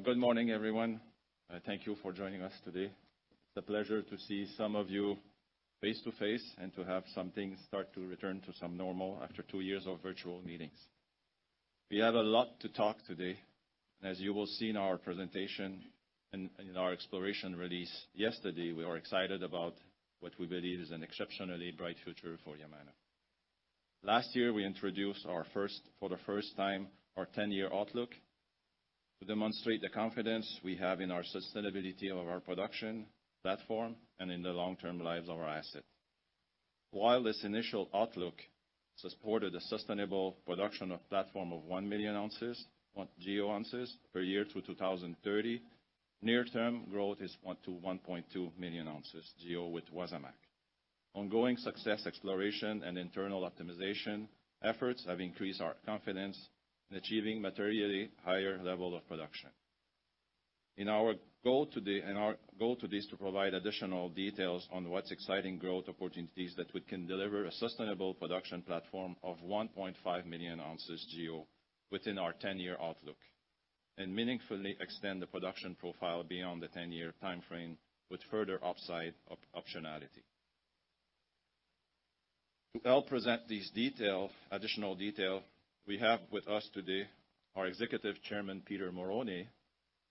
Well, good morning, everyone. Thank you for joining us today. It's a pleasure to see some of you face-to-face, and to have some things start to return to some normal after two years of virtual meetings. We have a lot to talk today. As you will see in our presentation and our exploration release yesterday, we are excited about what we believe is an exceptionally bright future for Yamana. Last year, we introduced for the first time our 10-year outlook to demonstrate the confidence we have in our sustainability of our production platform and in the long-term lives of our assets. While this initial outlook supported a sustainable production platform of 1 million ounces of GEO per year through 2030, near-term growth is up to 1.2 million ounces GEO with Wasamac. Ongoing successful exploration and internal optimization efforts have increased our confidence in achieving materially higher level of production. Our goal today is to provide additional details on the exciting growth opportunities that we can deliver a sustainable production platform of 1.5 million ounces GEO within our ten-year outlook, and meaningfully extend the production profile beyond the ten-year timeframe with further upside optionality. To help present these additional details, we have with us today our Executive Chairman, Peter Marrone,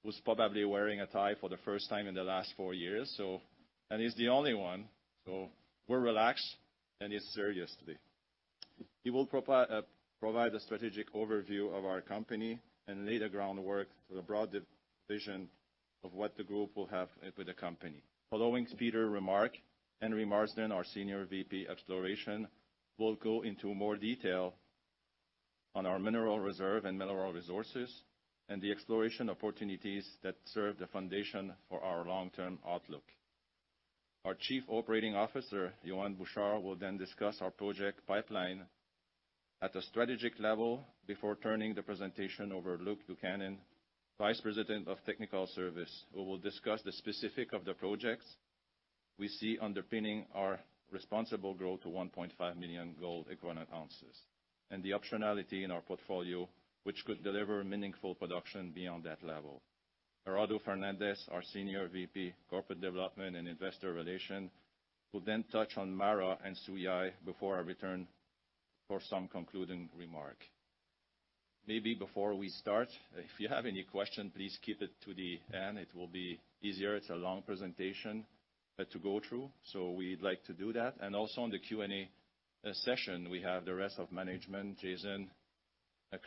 who's probably wearing a tie for the first time in the last four years. He's the only one, so we're relaxed, and he's serious today. He will provide a strategic overview of our company and lay the groundwork for the broad vision of what the group will have with the company. Following Peter's remark, Henry Marsden, our Senior VP, Exploration, will go into more detail on our mineral reserve and mineral resources and the exploration opportunities that serve the foundation for our long-term outlook. Our Chief Operating Officer, Yohann Bouchard, will then discuss our project pipeline at a strategic level before turning the presentation over to Luke Buchanan, Vice President, Technical Services, who will discuss the specifics of the projects we see underpinning our responsible growth to 1.5 million gold equivalent ounces, and the optionality in our portfolio, which could deliver meaningful production beyond that level. Gerardo Fernandez-Tobar, our Senior VP, Corporate Development and Investor Relations, will then touch on MARA and Suyai before I return for some concluding remarks. Maybe before we start, if you have any questions, please keep them to the end. It will be easier. It's a long presentation to go through, so we'd like to do that. Also on the Q&A session, we have the rest of management, Jason,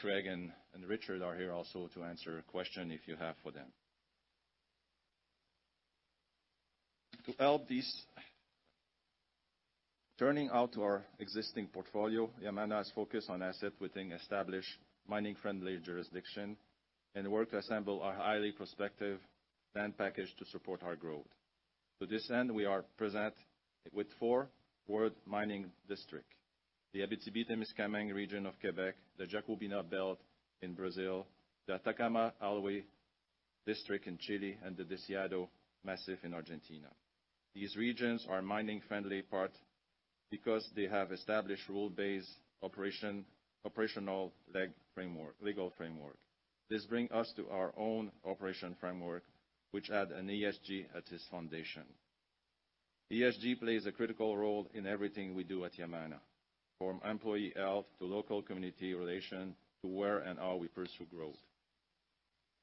Craig, and Richard are here also to answer a question if you have for them. To highlight this, turning to our existing portfolio, Yamana is focused on assets within established mining-friendly jurisdictions and works to assemble a highly prospective land package to support our growth. To this end, we are present in four world-class mining districts. The Abitibi-James Bay region of Quebec, the Jacobina Belt in Brazil, the Atacama Alloy District in Chile, and the Deseado Massif in Argentina. These regions are mining-friendly in part because they have established rule of law, operational legal framework, legal framework. This brings us to our own operational framework, which adds ESG at its foundation. ESG plays a critical role in everything we do at Yamana, from employee health to local community relations, to where and how we pursue growth.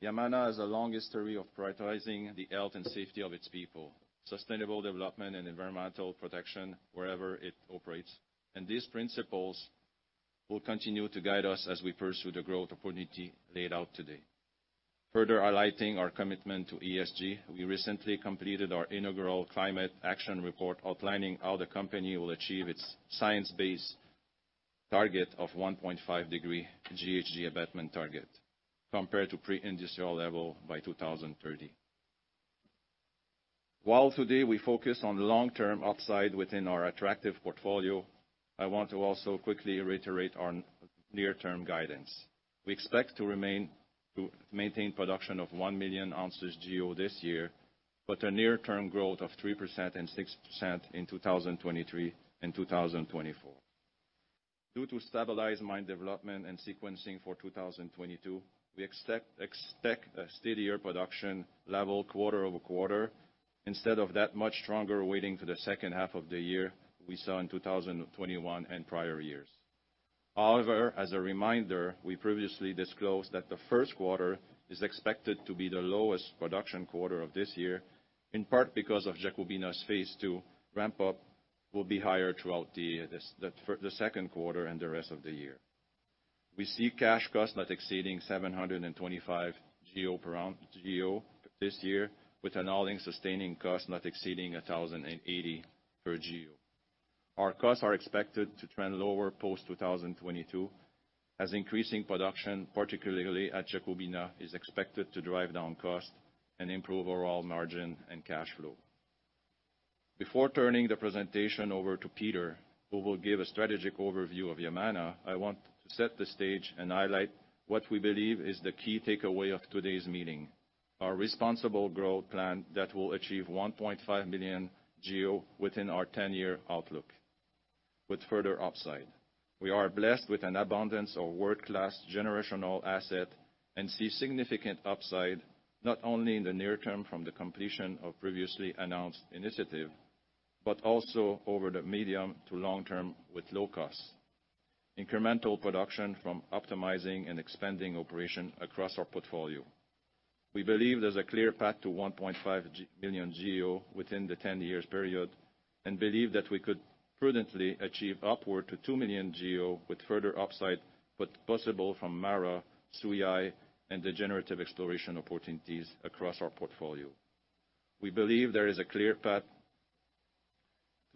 Yamana has a long history of prioritizing the health and safety of its people, sustainable development and environmental protection wherever it operates, and these principles will continue to guide us as we pursue the growth opportunity laid out today. Further highlighting our commitment to ESG, we recently completed our inaugural Climate Action Report outlining how the company will achieve its science-based target of 1.5-degree GHG abatement target compared to pre-industrial levels by 2030. While today we focus on long-term upside within our attractive portfolio, I want to also quickly reiterate our near-term guidance. We expect to remain to maintain production of 1 million ounces GEO this year, but a near-term growth of 3% and 6% in 2023 and 2024. Due to stabilized mine development and sequencing for 2022, we expect a steadier production level quarter-over-quarter, instead of that much stronger weighting to the H2 of the year we saw in 2021 and prior years. However, as a reminder, we previously disclosed that the first quarter is expected to be the lowest production quarter of this year, in part because of Jacobina's phase two ramp up will be higher throughout the Q2 and the rest of the year. We see cash costs not exceeding $725 per GEO this year, with an all-in sustaining cost not exceeding $1,080 per GEO. Our costs are expected to trend lower post-2022, as increasing production, particularly at Jacobina, is expected to drive down cost and improve overall margin and cash flow. Before turning the presentation over to Peter, who will give a strategic overview of Yamana, I want to set the stage and highlight what we believe is the key takeaway of today's meeting, our responsible growth plan that will achieve 1.5 million GEO within our ten-year outlook with further upside. We are blessed with an abundance of world-class generational asset and see significant upside, not only in the near term from the completion of previously announced initiative, but also over the medium to long term with low cost. Incremental production from optimizing and expanding operation across our portfolio. We believe there's a clear path to 1.5 million GEO within the 10-year period, and believe that we could prudently achieve up to 2 million GEO with further upside possible from MARA, Suyai, and the generative exploration opportunities across our portfolio. We believe there is a clear path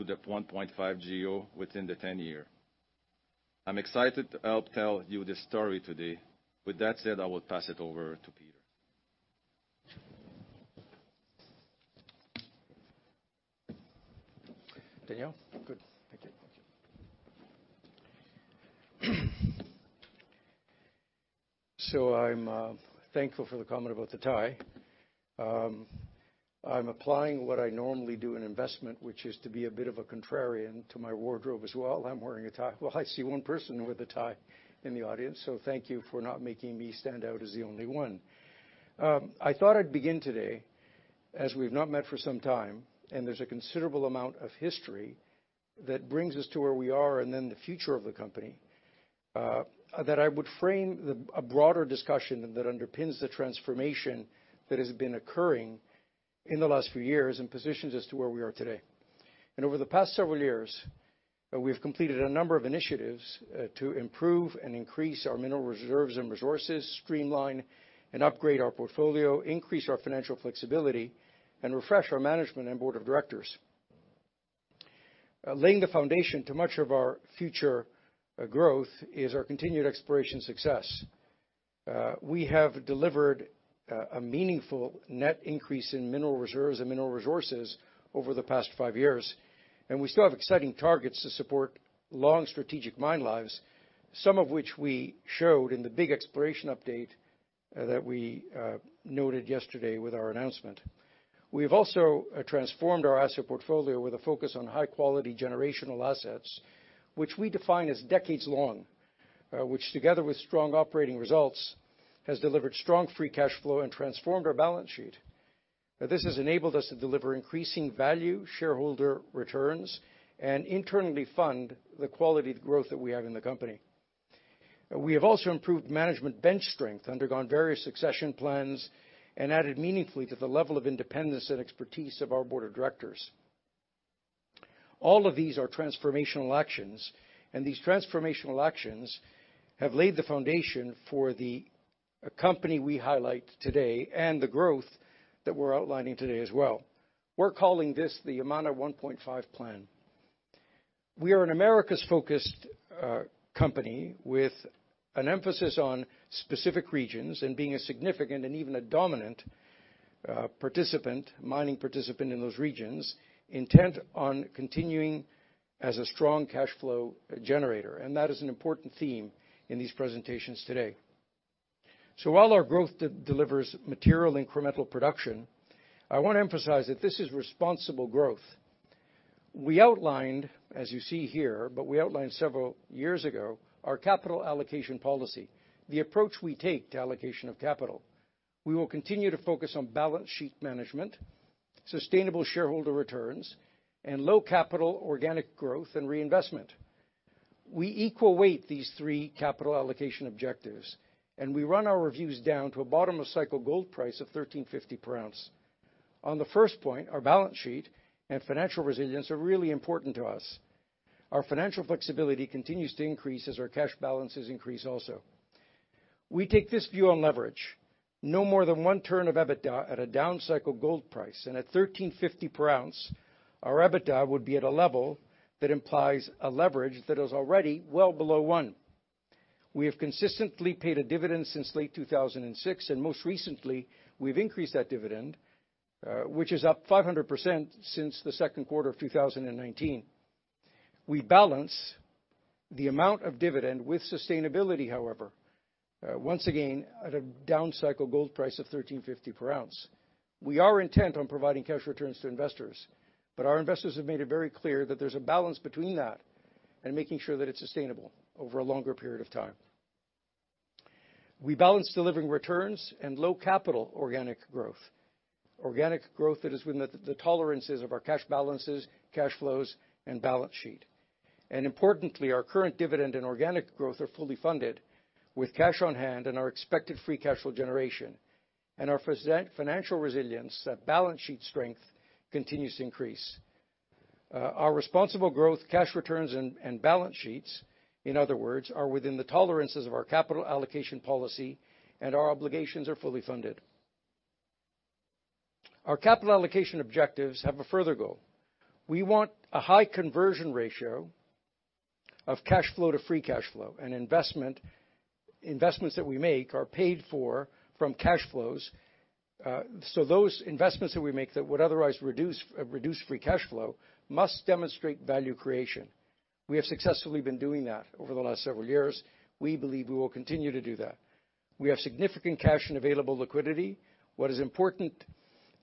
to 1.5 GEO within the 10-year. I'm excited to help tell you this story today. With that said, I will pass it over to Peter. Daniel? Good. Thank you. I'm thankful for the comment about the tie. I'm applying what I normally do in investment, which is to be a bit of a contrarian to my wardrobe as well. I'm wearing a tie. Well, I see one person with a tie in the audience, so thank you for not making me stand out as the only one. I thought I'd begin today, as we've not met for some time, and there's a considerable amount of history that brings us to where we are and then the future of the company, that I would frame a broader discussion that underpins the transformation that has been occurring in the last few years and positions us to where we are today. Over the past several years, we've completed a number of initiatives to improve and increase our mineral reserves and resources, streamline and upgrade our portfolio, increase our financial flexibility, and refresh our management and board of directors. Laying the foundation to much of our future growth is our continued exploration success. We have delivered a meaningful net increase in mineral reserves and mineral resources over the past five years, and we still have exciting targets to support long strategic mine lives, some of which we showed in the big exploration update that we noted yesterday with our announcement. We've also transformed our asset portfolio with a focus on high-quality generational assets, which we define as decades long, which together with strong operating results, has delivered strong free cash flow and transformed our balance sheet. Now, this has enabled us to deliver increasing value shareholder returns and internally fund the quality of the growth that we have in the company. We have also improved management bench strength, undergone various succession plans, and added meaningfully to the level of independence and expertise of our board of directors. All of these are transformational actions, and these transformational actions have laid the foundation for the company we highlight today and the growth that we're outlining today as well. We're calling this the Yamana 1.5 plan. We are an Americas-focused company with an emphasis on specific regions and being a significant and even a dominant participant, mining participant in those regions, intent on continuing as a strong cash flow generator. That is an important theme in these presentations today. While our growth delivers material incremental production, I wanna emphasize that this is responsible growth. We outlined, as you see here, several years ago, our capital allocation policy, the approach we take to allocation of capital. We will continue to focus on balance sheet management, sustainable shareholder returns, and low capital organic growth and reinvestment. We equal weight these three capital allocation objectives, and we run our reviews down to a bottom of cycle gold price of $1,350 per ounce. On the first point, our balance sheet and financial resilience are really important to us. Our financial flexibility continues to increase as our cash balances increase also. We take this view on leverage. No more than one turn of EBITDA at a down cycle gold price and at $1,350 per ounce, our EBITDA would be at a level that implies a leverage that is already well below one. We have consistently paid a dividend since late 2006, and most recently, we've increased that dividend, which is up 500% since the Q2 2019. We balance the amount of dividend with sustainability, however, once again, at a down cycle gold price of $1,350 per ounce. We are intent on providing cash returns to investors, but our investors have made it very clear that there's a balance between that and making sure that it's sustainable over a longer period of time. We balance delivering returns and low capital organic growth. Organic growth that is within the tolerances of our cash balances, cash flows, and balance sheet. Importantly, our current dividend and organic growth are fully funded with cash on hand and our expected free cash flow generation. Our financial resilience, that balance sheet strength continues to increase. Our responsible growth, cash returns, and balance sheets, in other words, are within the tolerances of our capital allocation policy, and our obligations are fully funded. Our capital allocation objectives have a further goal. We want a high conversion ratio of cash flow to free cash flow and investments that we make are paid for from cash flows. Those investments that we make that would otherwise reduce free cash flow must demonstrate value creation. We have successfully been doing that over the last several years. We believe we will continue to do that. We have significant cash and available liquidity. What is important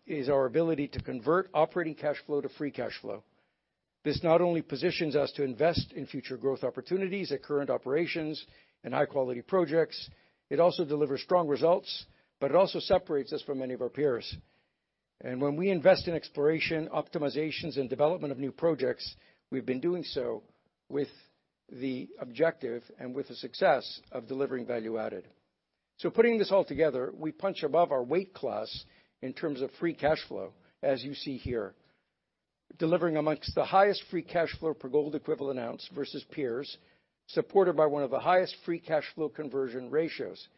is our ability to convert operating cash flow to free cash flow. This not only positions us to invest in future growth opportunities at current operations and high quality projects, it also delivers strong results, but it also separates us from many of our peers. When we invest in exploration, optimizations, and development of new projects, we've been doing so with the objective and with the success of delivering value added. Putting this all together, we punch above our weight class in terms of free cash flow, as you see here, delivering among the highest free cash flow per gold equivalent ounce versus peers, supported by one of the highest free cash flow conversion ratios.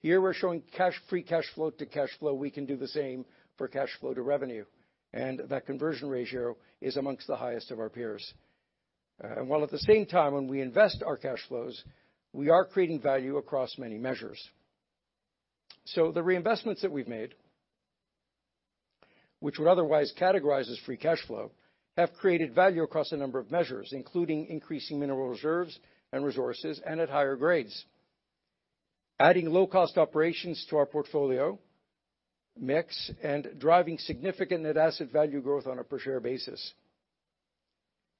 Here we're showing free cash flow to cash flow. We can do the same for cash flow to revenue, and that conversion ratio is among the highest of our peers. While at the same time, when we invest our cash flows, we are creating value across many measures. The reinvestments that we've made, which would otherwise categorize as free cash flow, have created value across a number of measures, including increasing mineral reserves and resources and at higher grades, adding low cost operations to our portfolio mix, and driving significant net asset value growth on a per share basis.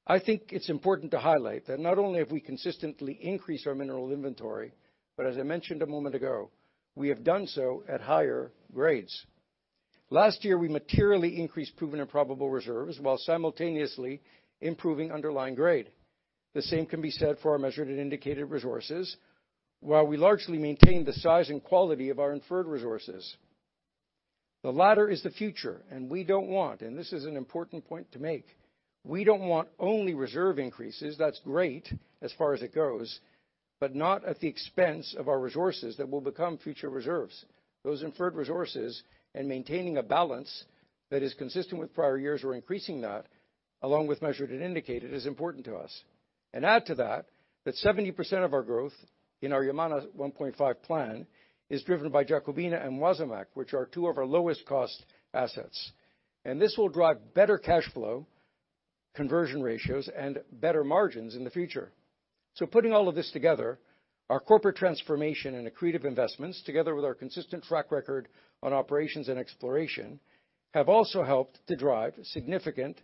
I think it's important to highlight that not only have we consistently increased our mineral inventory, but as I mentioned a moment ago, we have done so at higher grades. Last year, we materially increased proven and probable reserves while simultaneously improving underlying grade. The same can be said for our measured and indicated resources, while we largely maintain the size and quality of our inferred resources. The latter is the future, and we don't want, and this is an important point to make, we don't want only reserve increases. That's great as far as it goes, but not at the expense of our resources that will become future reserves. Those inferred resources and maintaining a balance that is consistent with prior years or increasing that, along with measured and indicated, is important to us. Add to that 70% of our growth in our Yamana 1.5 plan is driven by Jacobina and Wasamac, which are two of our lowest cost assets. This will drive better cash flow conversion ratios and better margins in the future. Putting all of this together, our corporate transformation and accretive investments, together with our consistent track record on operations and exploration, have also helped to drive significant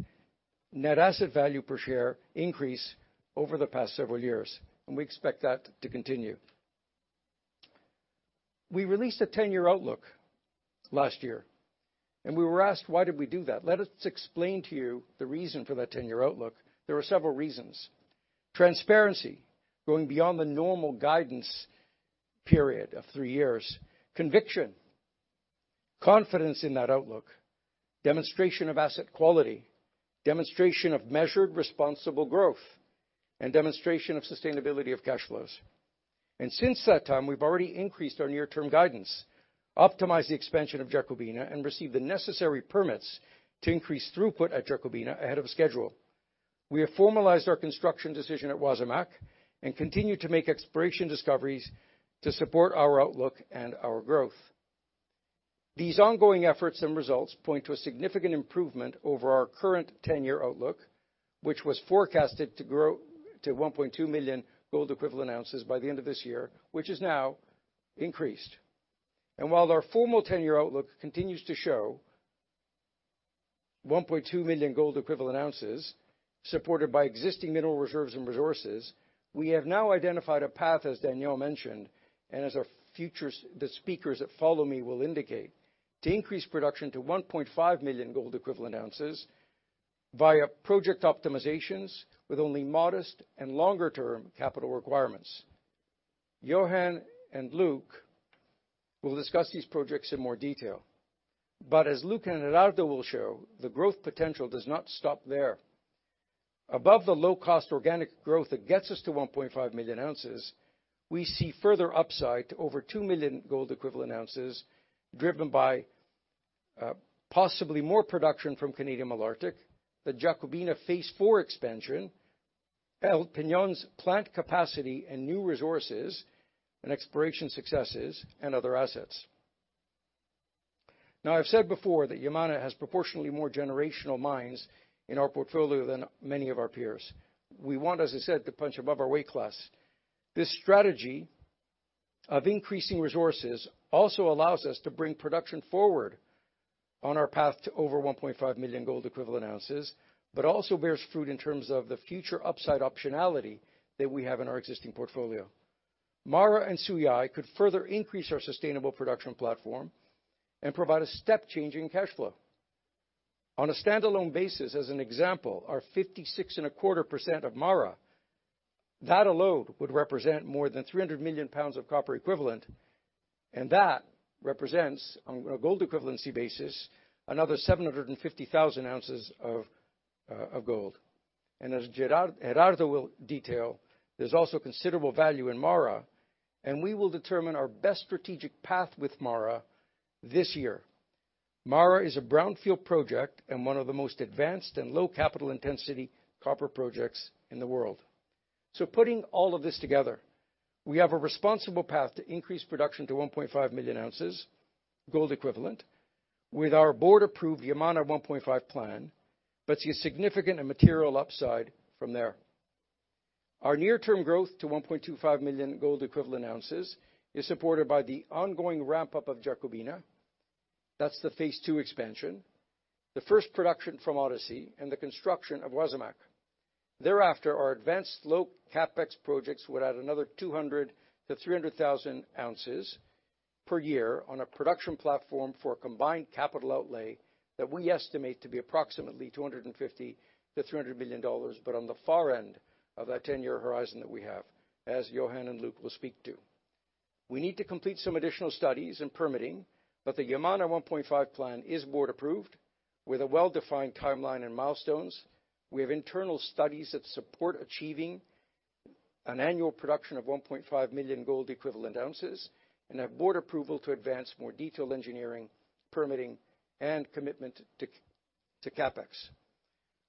net asset value per share increase over the past several years, and we expect that to continue. We released a ten-year outlook last year, and we were asked why did we do that? Let us explain to you the reason for that ten-year outlook. There were several reasons. Transparency, going beyond the normal guidance period of three years. Conviction, confidence in that outlook, demonstration of asset quality, demonstration of measured responsible growth, and demonstration of sustainability of cash flows. since that time, we've already increased our near term guidance, optimized the expansion of Jacobina, and received the necessary permits to increase throughput at Jacobina ahead of schedule. We have formalized our construction decision at Wasamac and continue to make exploration discoveries to support our outlook and our growth. These ongoing efforts and results point to a significant improvement over our current ten-year outlook, which was forecasted to grow to 1.2 million gold equivalent ounces by the end of this year, which has now increased. While our formal ten-year outlook continues to show 1.2 million gold equivalent ounces supported by existing mineral reserves and resources, we have now identified a path, as Daniel mentioned, and as our future, the speakers that follow me will indicate, to increase production to 1.5 million gold equivalent ounces via project optimizations with only modest and longer term capital requirements. Yohann and Luke will discuss these projects in more detail. As Luke and Gerardo will show, the growth potential does not stop there. Above the low cost organic growth that gets us to 1.5 million ounces, we see further upside to over 2 million gold equivalent ounces driven by possibly more production from Canadian Malartic, the Jacobina Phase IV expansion, El Peñón's plant capacity and new resources and exploration successes, and other assets. Now, I've said before that Yamana has proportionally more generational mines in our portfolio than many of our peers. We want, as I said, to punch above our weight class. This strategy of increasing resources also allows us to bring production forward on our path to over 1.5 million gold equivalent ounces, but also bears fruit in terms of the future upside optionality that we have in our existing portfolio. MARA and Sui-ai could further increase our sustainable production platform and provide a step change in cash flow. On a standalone basis, as an example, our 56.25% of MARA, that alone would represent more than 300 million pounds of copper equivalent, and that represents, on a gold equivalency basis, another 750,000 ounces of gold. As Gerardo will detail, there's also considerable value in MARA, and we will determine our best strategic path with MARA this year. MARA is a brownfield project and one of the most advanced and low capital intensity copper projects in the world. Putting all of this together, we have a responsible path to increase production to 1.5 million ounces gold equivalent with our board-approved Yamana 1.5 plan, but see a significant and material upside from there. Our near-term growth to 1.25 million gold equivalent ounces is supported by the ongoing ramp-up of Jacobina. That's the phase two expansion, the first production from Odyssey and the construction of Wasamac. Thereafter, our advanced slope CapEx projects would add another 200,000-300,000 ounces per year on a production platform for a combined capital outlay that we estimate to be approximately $250 million to $300 million, but on the far end of that 10-year horizon that we have, as Yohann Bouchard and Luke Buchanan will speak to. We need to complete some additional studies and permitting, but the Yamana 1.5 plan is board approved with a well-defined timeline and milestones. We have internal studies that support achieving an annual production of 1.5 million gold equivalent ounces, and have board approval to advance more detailed engineering, permitting, and commitment to CapEx.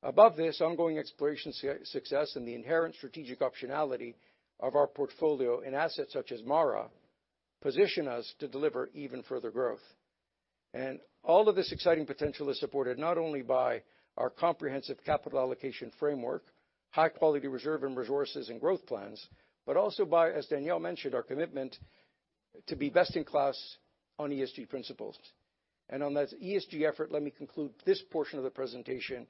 Above this, ongoing exploration success and the inherent strategic optionality of our portfolio in assets such as MARA position us to deliver even further growth. All of this exciting potential is supported not only by our comprehensive capital allocation framework, high-quality reserves and resources and growth plans, but also by, as Daniel mentioned, our commitment to be best-in-class on ESG principles. On that ESG effort, let me conclude this portion of the presentation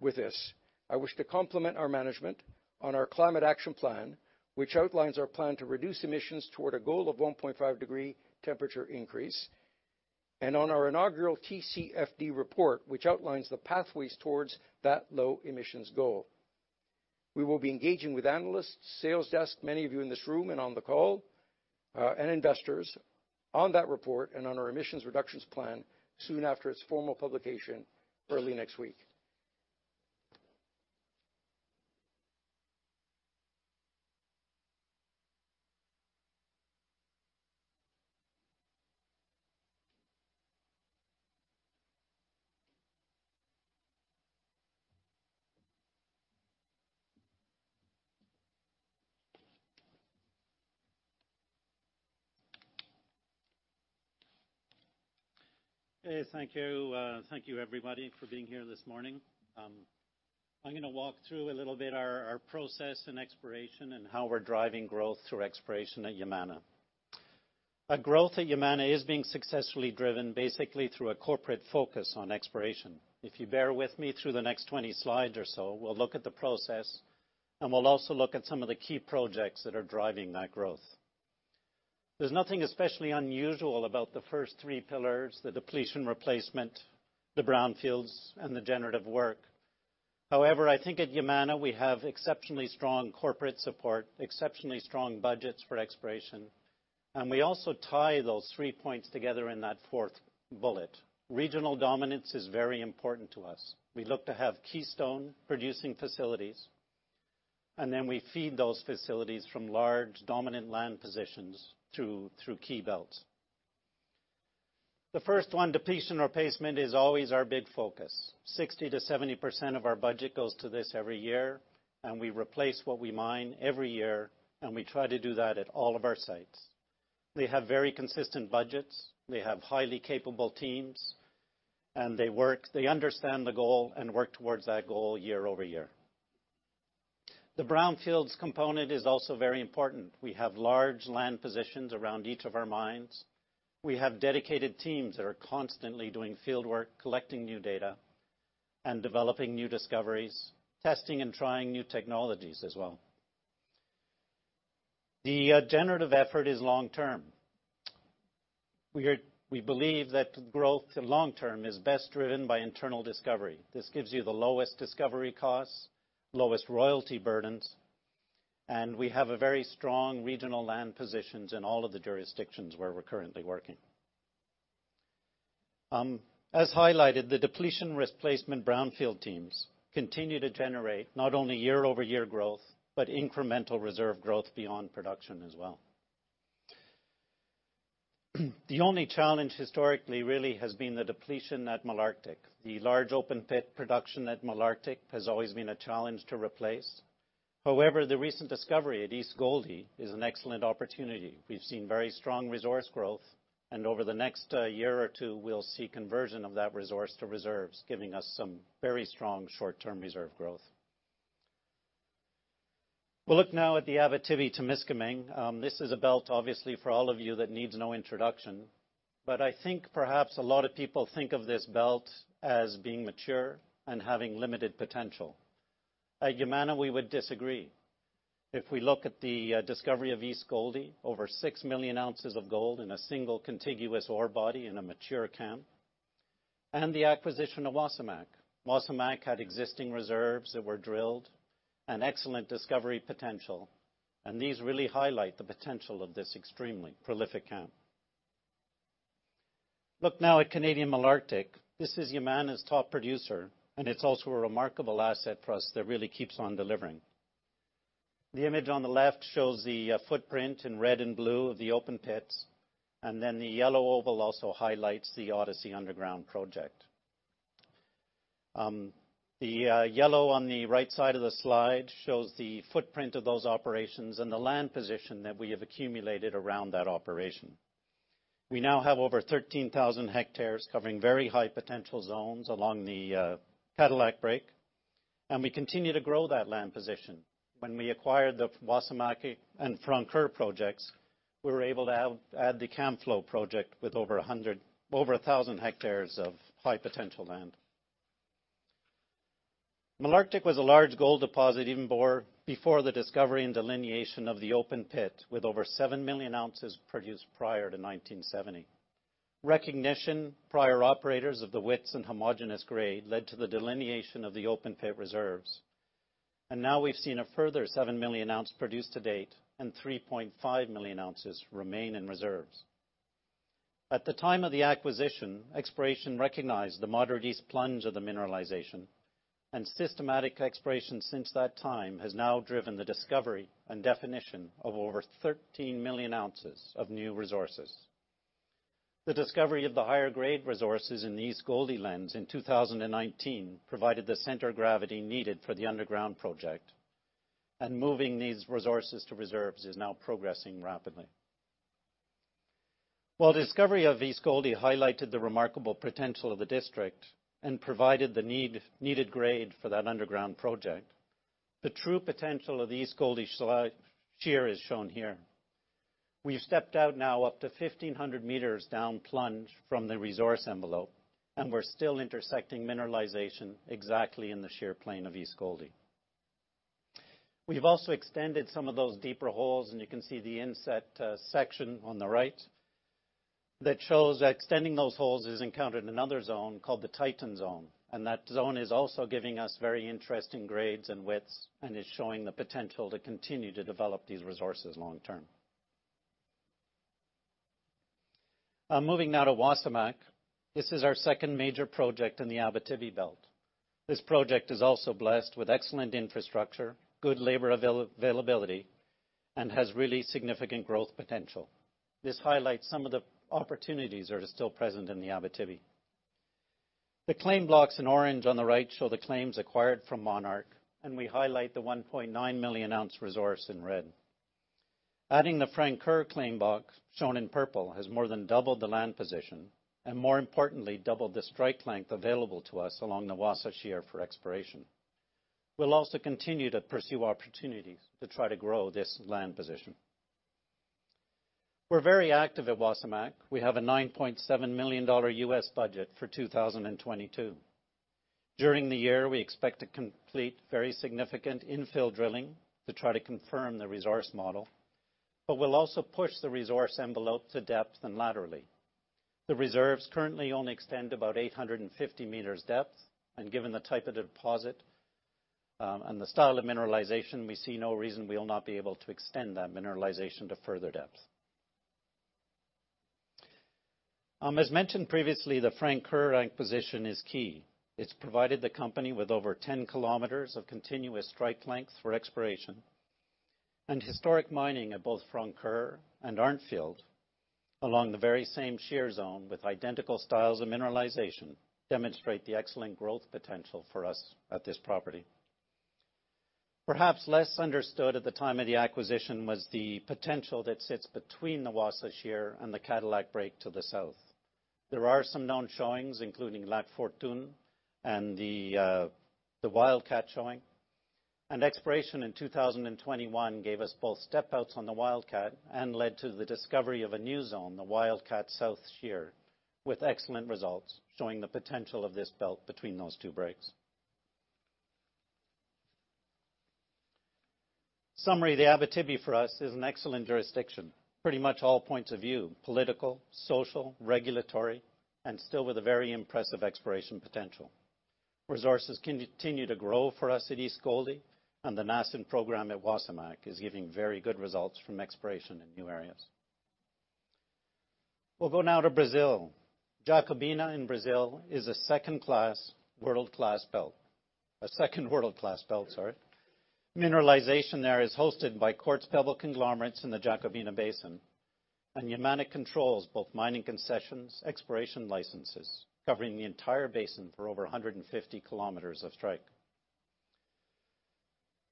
with this. I wish to compliment our management on our Climate Action Plan, which outlines our plan to reduce emissions toward a goal of 1.5-degree temperature increase, and on our inaugural TCFD report, which outlines the pathways towards that low emissions goal. We will be engaging with analysts, sales desk, many of you in this room and on the call, and investors on that report and on our emissions reductions plan soon after its formal publication early next week. Hey, thank you. Thank you, everybody, for being here this morning. I'm gonna walk through a little bit our process and exploration and how we're driving growth through exploration at Yamana. Our growth at Yamana is being successfully driven basically through a corporate focus on exploration. If you bear with me through the next 20 slides or so, we'll look at the process, and we'll also look at some of the key projects that are driving that growth. There's nothing especially unusual about the first three pillars, the depletion replacement, the brownfields, and the generative work. However, I think at Yamana, we have exceptionally strong corporate support, exceptionally strong budgets for exploration, and we also tie those three points together in that fourth pillar. Regional dominance is very important to us. We look to have keystone producing facilities, and then we feed those facilities from large dominant land positions through key belts. The first one, depletion replacement, is always our big focus. 60%-70% of our budget goes to this every year, and we replace what we mine every year, and we try to do that at all of our sites. They have very consistent budgets, they have highly capable teams, and they work. They understand the goal and work towards that goal year-over-year. The brownfields component is also very important. We have large land positions around each of our mines. We have dedicated teams that are constantly doing field work, collecting new data, and developing new discoveries, testing and trying new technologies as well. The generative effort is long term. We believe that growth long term is best driven by internal discovery. This gives you the lowest discovery costs, lowest royalty burdens, and we have a very strong regional land positions in all of the jurisdictions where we're currently working. As highlighted, the depletion replacement brownfield teams continue to generate not only year-over-year growth, but incremental reserve growth beyond production as well. The only challenge historically really has been the depletion at Malartic. The large open pit production at Malartic has always been a challenge to replace. However, the recent discovery at East Gouldie is an excellent opportunity. We've seen very strong resource growth, and over the next year or two, we'll see conversion of that resource to reserves, giving us some very strong short-term reserve growth. We'll look now at the Abitibi-Temiscaming. This is a belt, obviously, for all of you that needs no introduction. I think perhaps a lot of people think of this belt as being mature and having limited potential. At Yamana, we would disagree. If we look at the discovery of East Gouldie, over six million ounces of gold in a single contiguous ore body in a mature camp, and the acquisition of Wasamac. Wasamac had existing reserves that were drilled and excellent discovery potential, and these really highlight the potential of this extremely prolific camp. Look now at Canadian Malartic. This is Yamana's top producer, and it's also a remarkable asset for us that really keeps on delivering. The image on the left shows the footprint in red and blue of the open pits, and then the yellow oval also highlights the Odyssey underground project. The yellow on the right side of the slide shows the footprint of those operations and the land position that we have accumulated around that operation. We now have over 13,000 hectares covering very high- potential zones along the Cadillac break, and we continue to grow that land position. When we acquired the Wasamac and Francoeur projects, we were able to add the Camflo project with over 1,000 hectares of high potential land. Malartic was a large gold deposit even before the discovery and delineation of the open pit, with over seven million ounces produced prior to 1970. The recognition by prior operators of the widths and homogeneous grade led to the delineation of the open pit reserves. Now we've seen a further seven million ounces produced to date, and 3.5 million ounces remain in reserves. At the time of the acquisition, exploration recognized the moderate east plunge of the mineralization, and systematic exploration since that time has now driven the discovery and definition of over 13 million ounces of new resources. The discovery of the higher grade resources in the East Gouldie lens in 2019 provided the center of gravity needed for the underground project, and moving these resources to reserves is now progressing rapidly. While discovery of East Gouldie highlighted the remarkable potential of the district and provided the needed grade for that underground project, the true potential of the East Gouldie shear is shown here. We've stepped out now up to 1,500 meters down plunge from the resource envelope, and we're still intersecting mineralization exactly in the shear plane of East Gouldie. We've also extended some of those deeper holes, and you can see the inset, section on the right that shows that extending those holes has encountered another zone called the Titan zone. That zone is also giving us very interesting grades and widths, and is showing the potential to continue to develop these resources long term. Moving now to Wasamac. This is our second major project in the Abitibi Belt. This project is also blessed with excellent infrastructure, good labor availability, and has really significant growth potential. This highlights some of the opportunities that are still present in the Abitibi. The claim blocks in orange on the right show the claims acquired from Monarch, and we highlight the 1.9 million ounce resource in red. Adding the Francoeur claim block, shown in purple, has more than doubled the land position, and more importantly, doubled the strike length available to us along the Wasa Shear for exploration. We'll also continue to pursue opportunities to try to grow this land position. We're very active at Wasamac. We have a $9.7 million budget for 2022. During the year, we expect to complete very significant infill drilling to try to confirm the resource model, but we'll also push the resource envelope to depth and laterally. The reserves currently only extend about 850 meters depth, and given the type of deposit, and the style of mineralization, we see no reason we will not be able to extend that mineralization to further depths. As mentioned previously, the Francoeur acquisition is key. It's provided the company with over 10 kilometers of continuous strike length for exploration. Historic mining at both Francoeur and Arntfield, along the very same shear zone with identical styles of mineralization, demonstrate the excellent growth potential for us at this property. Perhaps less understood at the time of the acquisition was the potential that sits between the Wasa Shear and the Cadillac break to the south. There are some known showings, including Lac Fortune and the Wildcat showing. Exploration in 2021 gave us both step outs on the Wildcat and led to the discovery of a new zone, the Wildcat South Shear, with excellent results showing the potential of this belt between those two breaks. Summary, the Abitibi for us is an excellent jurisdiction, pretty much all points of view, political, social, regulatory, and still with a very impressive exploration potential. Resources continue to grow for us at East Gouldie, and the nascent program at Wasamac is giving very good results from exploration in new areas. We'll go now to Brazil. Jacobina in Brazil is a second-class world-class belt. A second world-class belt, sorry. Mineralization there is hosted by quartz pebble conglomerates in the Jacobina Basin. Yamana controls both mining concessions, exploration licenses, covering the entire basin for over 150 kilometers of strike.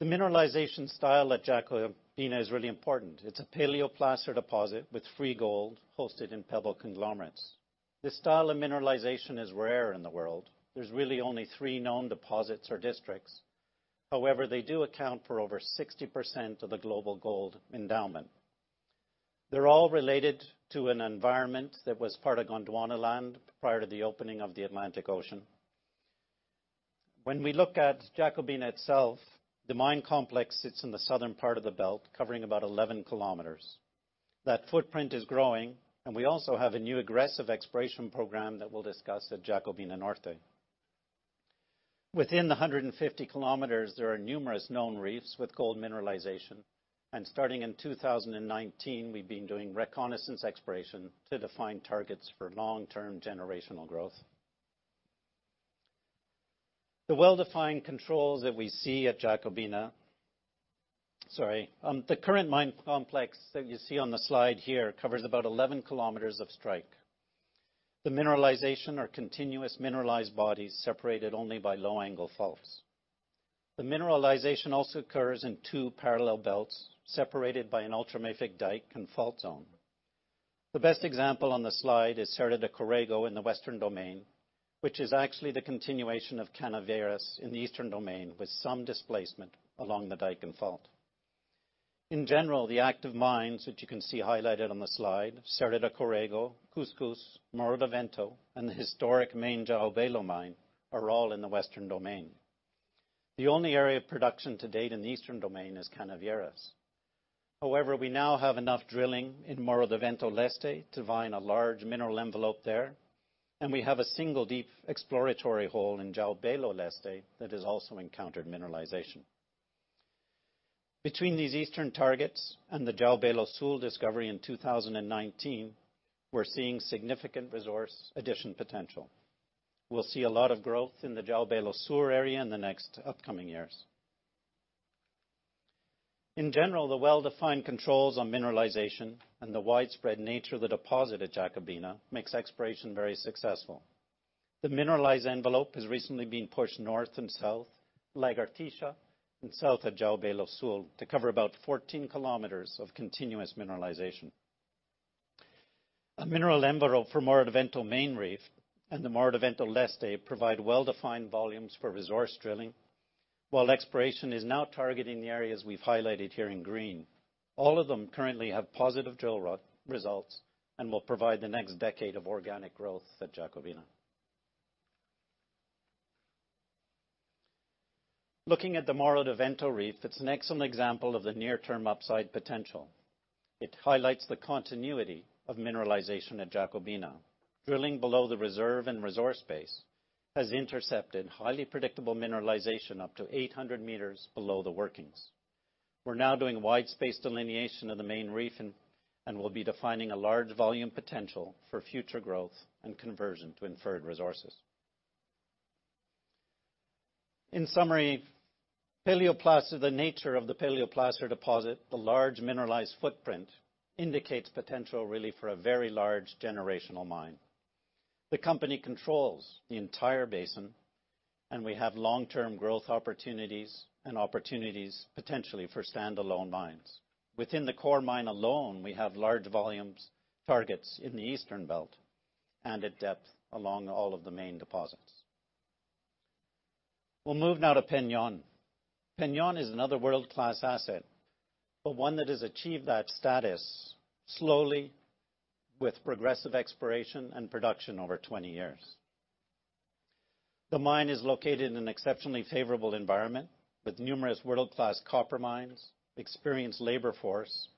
The mineralization style at Jacobina is really important. It's a paleoplacer deposit with free gold hosted in pebble conglomerates. This style of mineralization is rare in the world. There's really only three known deposits or districts. However, they do account for over 60% of the global gold endowment. They're all related to an environment that was part of Gondwanaland prior to the opening of the Atlantic Ocean. When we look at Jacobina itself, the mine complex sits in the southern part of the belt, covering about 11 kilometers. That footprint is growing, and we also have a new aggressive exploration program that we'll discuss at Jacobina Norte. Within the 150 kilometers, there are numerous known reefs with gold mineralization, and starting in 2019, we've been doing reconnaissance exploration to define targets for long-term generational growth. The current mine complex that you see on the slide here covers about 11 kilometers of strike. The mineralization are continuous mineralized bodies separated only by low angle faults. The mineralization also occurs in two parallel belts separated by an ultramafic dike and fault zone. The best example on the slide is Serra do Corrego in the Western Domain, which is actually the continuation of Canavieiras in the Eastern Domain, with some displacement along the dike and fault. In general, the active mines which you can see highlighted on the slide, Serra do Corrego, Cuscuz, Morro do Vento, and the historic main João Belo mine, are all in the Western Domain. The only area of production to date in the Eastern Domain is Canavieiras. However, we now have enough drilling in Morro do Vento Leste to define a large mineral envelope there, and we have a single deep exploratory hole in João Belo Leste that has also encountered mineralization. Between these eastern targets and the João Belo Sul discovery in 2019, we're seeing significant resource addition potential. We'll see a lot of growth in the João Belo Sul area in the next upcoming years. In general, the well-defined controls on mineralization and the widespread nature of the deposit at Jacobina makes exploration very successful. The mineralized envelope has recently been pushed north and south, Lagartixa, and south at João Belo Sul, to cover about 14 kilometers of continuous mineralization. A mineral envelope for Morro do Vento main reef and the Morro do Vento Leste provide well-defined volumes for resource drilling. While exploration is now targeting the areas we've highlighted here in green. All of them currently have positive drill results and will provide the next decade of organic growth at Jacobina. Looking at the Morro do Vento reef, it's an excellent example of the near term upside potential. It highlights the continuity of mineralization at Jacobina. Drilling below the reserve and resource base has intercepted highly predictable mineralization up to 800 meters below the workings. We're now doing wide space delineation of the main reef and we'll be defining a large volume potential for future growth and conversion to inferred resources. In summary, paleoplacer, the nature of the paleoplacer deposit, the large mineralized footprint, indicates potential really for a very large generational mine. The company controls the entire basin, and we have long-term growth opportunities and opportunities potentially for standalone mines. Within the core mine alone, we have large volume targets in the Eastern belt and at depth along all of the main deposits. We'll move now to El Peñón. El Peñón is another world-class asset, but one that has achieved that status slowly with progressive exploration and production over 20 years. The mine is located in an exceptionally favorable environment with numerous world-class copper mines, experienced labor force,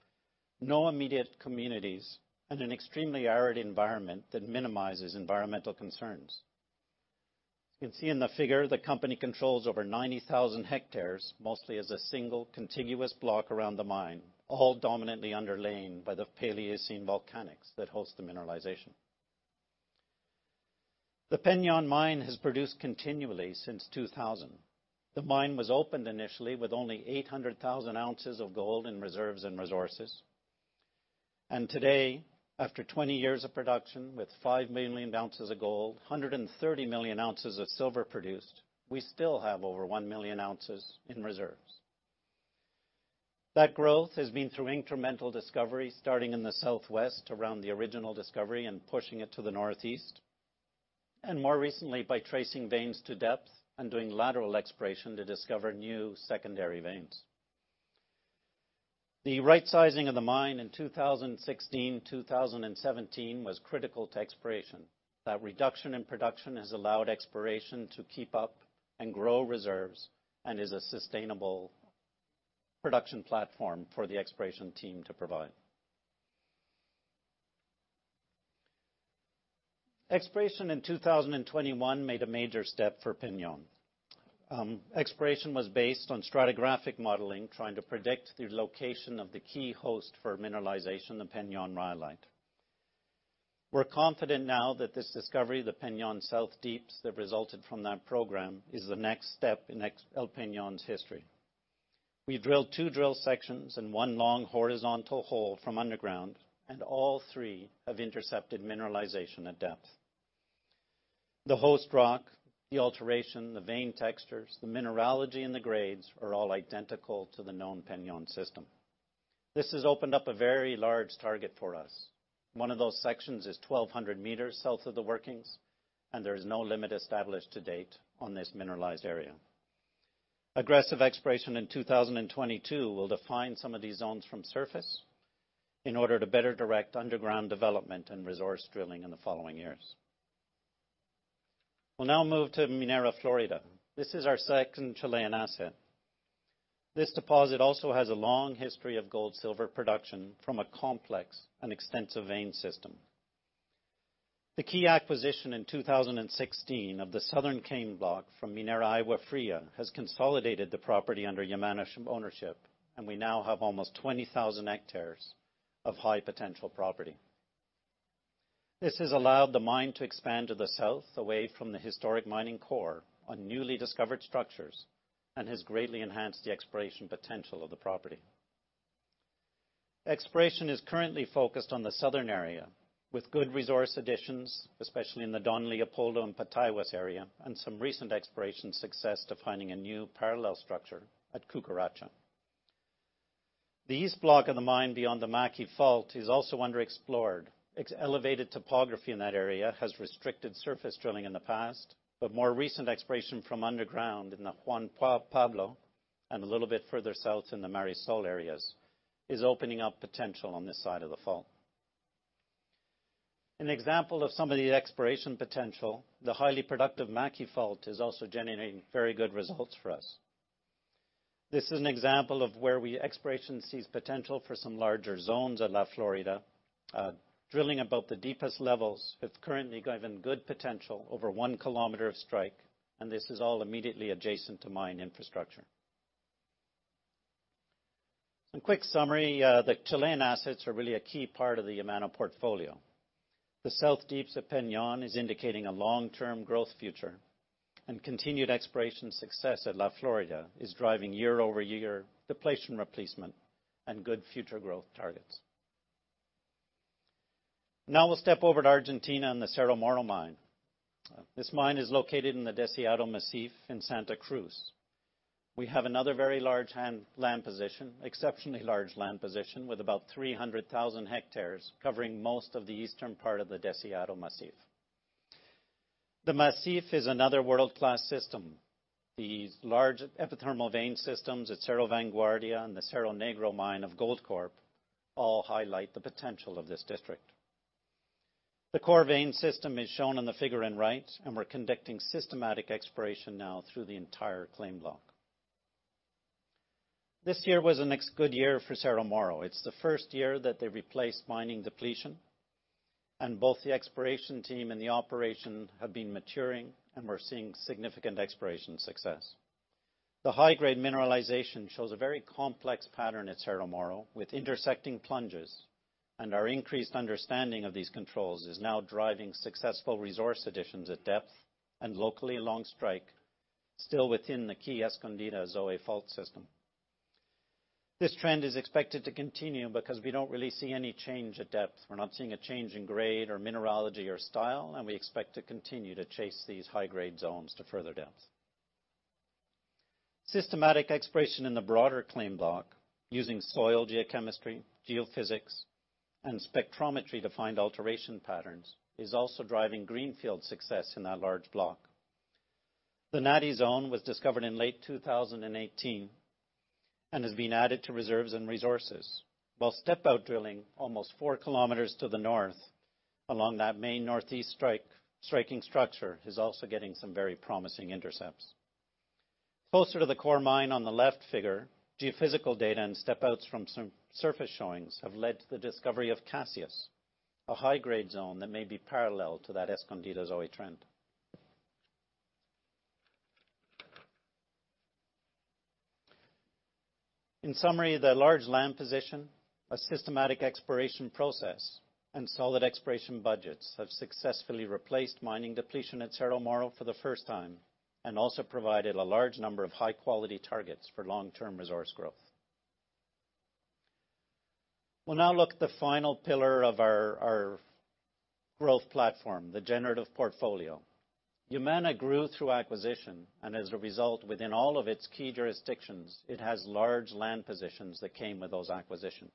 no immediate communities, and an extremely arid environment that minimizes environmental concerns. You can see in the figure that the company controls over 90,000 hectares, mostly as a single contiguous block around the mine, all dominantly underlain by the Paleocene volcanics that host the mineralization. The El Peñón mine has produced continually since 2000. The mine was opened initially with only 800,000 ounces of gold in reserves and resources. Today, after 20 years of production, with five million ounces of gold, 130 million ounces of silver produced, we still have over 1 million ounces in reserves. That growth has been through incremental discovery, starting in the southwest around the original discovery and pushing it to the northeast, and more recently by tracing veins to depth and doing lateral exploration to discover new secondary veins. The right sizing of the mine in 2016, 2017 was critical to exploration. That reduction in production has allowed exploration to keep up and grow reserves, and is a sustainable production platform for the exploration team to provide. Exploration in 2021 made a major step for El Peñón. Exploration was based on stratigraphic modeling, trying to predict the location of the key host for mineralization, the El Peñón rhyolite. We're confident now that this discovery, the El Peñón South Deeps, that resulted from that program, is the next step in El Peñón's history. We drilled two drill sections and one long horizontal hole from underground, and all three have intercepted mineralization at depth. The host rock, the alteration, the vein textures, the mineralogy, and the grades are all identical to the known El Peñón system. This has opened up a very large target for us. One of those sections is 1,200 meters south of the workings, and there is no limit established to date on this mineralized area. Aggressive exploration in 2022 will define some of these zones from surface in order to better direct underground development and resource drilling in the following years. We'll now move to Minera Florida. This is our second Chilean asset. This deposit also has a long history of gold, silver production from a complex and extensive vein system. The key acquisition in 2016 of the Southern claim block from Minera Agua Fría has consolidated the property under Yamana's ownership, and we now have almost 20,000 hectares of high potential property. This has allowed the mine to expand to the south, away from the historic mining core on newly discovered structures, and has greatly enhanced the exploration potential of the property. Exploration is currently focused on the southern area, with good resource additions, especially in the Don Leopoldo and Pataguas area, and some recent exploration success to finding a new parallel structure at Cucaracha. The east block of the mine beyond the Maqui Fault is also underexplored. Its elevated topography in that area has restricted surface drilling in the past, but more recent exploration from underground in the Juan Pablo and a little bit further south in the Marisol areas is opening up potential on this side of the fault. An example of some of the exploration potential, the highly productive Maqui fault is also generating very good results for us. This is an example of where exploration sees potential for some larger zones at La Florida. Drilling about the deepest levels, it's currently given good potential over 1 kilometer of strike, and this is all immediately adjacent to mine infrastructure. A quick summary, the Chilean assets are really a key part of the Yamana portfolio. The El Peñón South Deeps is indicating a long-term growth future, and continued exploration success at La Florida is driving year-over-year depletion replacement and good future growth targets. Now we'll step over to Argentina and the Cerro Moro mine. This mine is located in the Deseado Massif in Santa Cruz. We have another very large land position, exceptionally large land position, with about 300,000 hectares covering most of the eastern part of the Deseado Massif. The Massif is another world-class system. These large epithermal vein systems at Cerro Vanguardia and the Cerro Negro mine of Goldcorp all highlight the potential of this district. The core vein system is shown in the figure on the right, and we're conducting systematic exploration now through the entire claim block. This year was another good year for Cerro Moro. It's the first year that they replaced mining depletion, and both the exploration team and the operation have been maturing and we're seeing significant exploration success. The high-grade mineralization shows a very complex pattern at Cerro Moro with intersecting plunges, and our increased understanding of these controls is now driving successful resource additions at depth and locally along strike, still within the key Escondida-Zoe fault system. This trend is expected to continue because we don't really see any change at depth. We're not seeing a change in grade or mineralogy or style, and we expect to continue to chase these high-grade zones to further depths. Systematic exploration in the broader claim block using soil geochemistry, geophysics, and spectrometry to find alteration patterns is also driving greenfield success in that large block. The Naty zone was discovered in late 2018 and has been added to reserves and resources, while step-out drilling almost four kilometers to the north along that main northeast-striking structure is also getting some very promising intercepts. Closer to the core mine on the left figure, geophysical data and step outs from some surface showings have led to the discovery of Cassius, a high-grade zone that may be parallel to that Escondida-Zoe trend. In summary, the large land position, a systematic exploration process, and solid exploration budgets have successfully replaced mining depletion at Cerro Moro for the first time, and also provided a large number of high-quality targets for long-term resource growth. We'll now look at the final pillar of our growth platform, the generative portfolio. Yamana grew through acquisition, and as a result, within all of its key jurisdictions, it has large land positions that came with those acquisitions.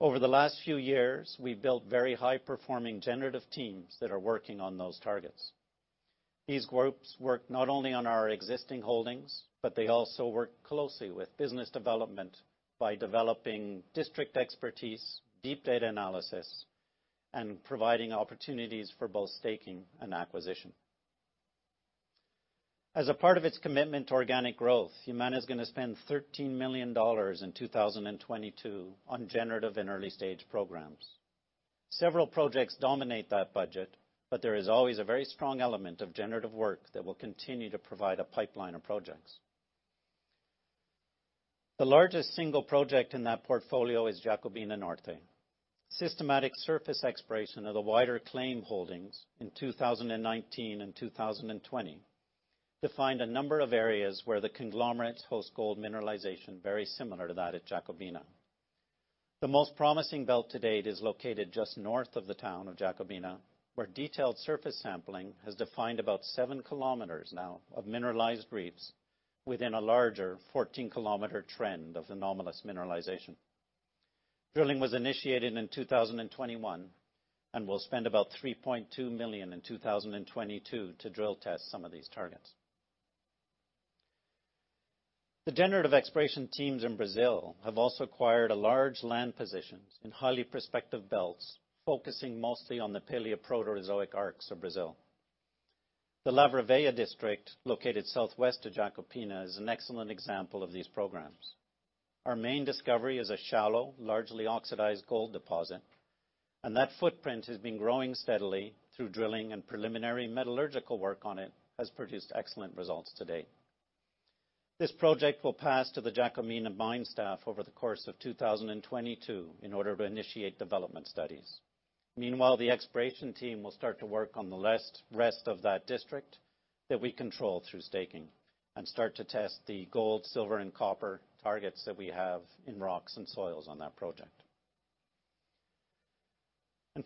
Over the last few years, we've built very high-performing generative teams that are working on those targets. These groups work not only on our existing holdings, but they also work closely with business development by developing district expertise, deep data analysis, and providing opportunities for both staking and acquisition. As a part of its commitment to organic growth, Yamana is gonna spend $13 million in 2022 on generative and early-stage programs. Several projects dominate that budget, but there is always a very strong element of generative work that will continue to provide a pipeline of projects. The largest single project in that portfolio is Jacobina Norte. Systematic surface exploration of the wider claim holdings in 2019 and 2020 defined a number of areas where the conglomerates host gold mineralization very similar to that at Jacobina. The most promising belt to date is located just north of the town of Jacobina, where detailed surface sampling has defined about seven kilometers now of mineralized reefs within a larger 14-kilometer trend of anomalous mineralization. Drilling was initiated in 2021 and will spend about $3.2 million in 2022 to drill test some of these targets. The generative exploration teams in Brazil have also acquired a large land positions in highly prospective belts, focusing mostly on the Paleoproterozoic arcs of Brazil. The Lavra Velha district, located southwest of Jacobina, is an excellent example of these programs. Our main discovery is a shallow, largely oxidized gold deposit, and that footprint has been growing steadily through drilling, and preliminary metallurgical work on it has produced excellent results to date. This project will pass to the Jacobina mine staff over the course of 2022 in order to initiate development studies. Meanwhile, the exploration team will start to work on the rest of that district that we control through staking and start to test the gold, silver, and copper targets that we have in rocks and soils on that project.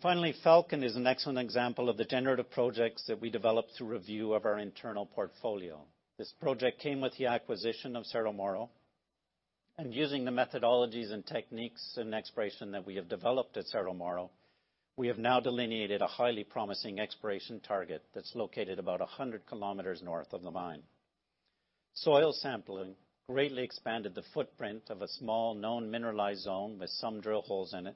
Finally, Falcon is an excellent example of the generative projects that we developed through review of our internal portfolio. This project came with the acquisition of Cerro Moro. Using the methodologies and techniques in exploration that we have developed at Cerro Moro, we have now delineated a highly promising exploration target that's located about 100 km north of the mine. Soil sampling greatly expanded the footprint of a small known mineralized zone with some drill holes in it,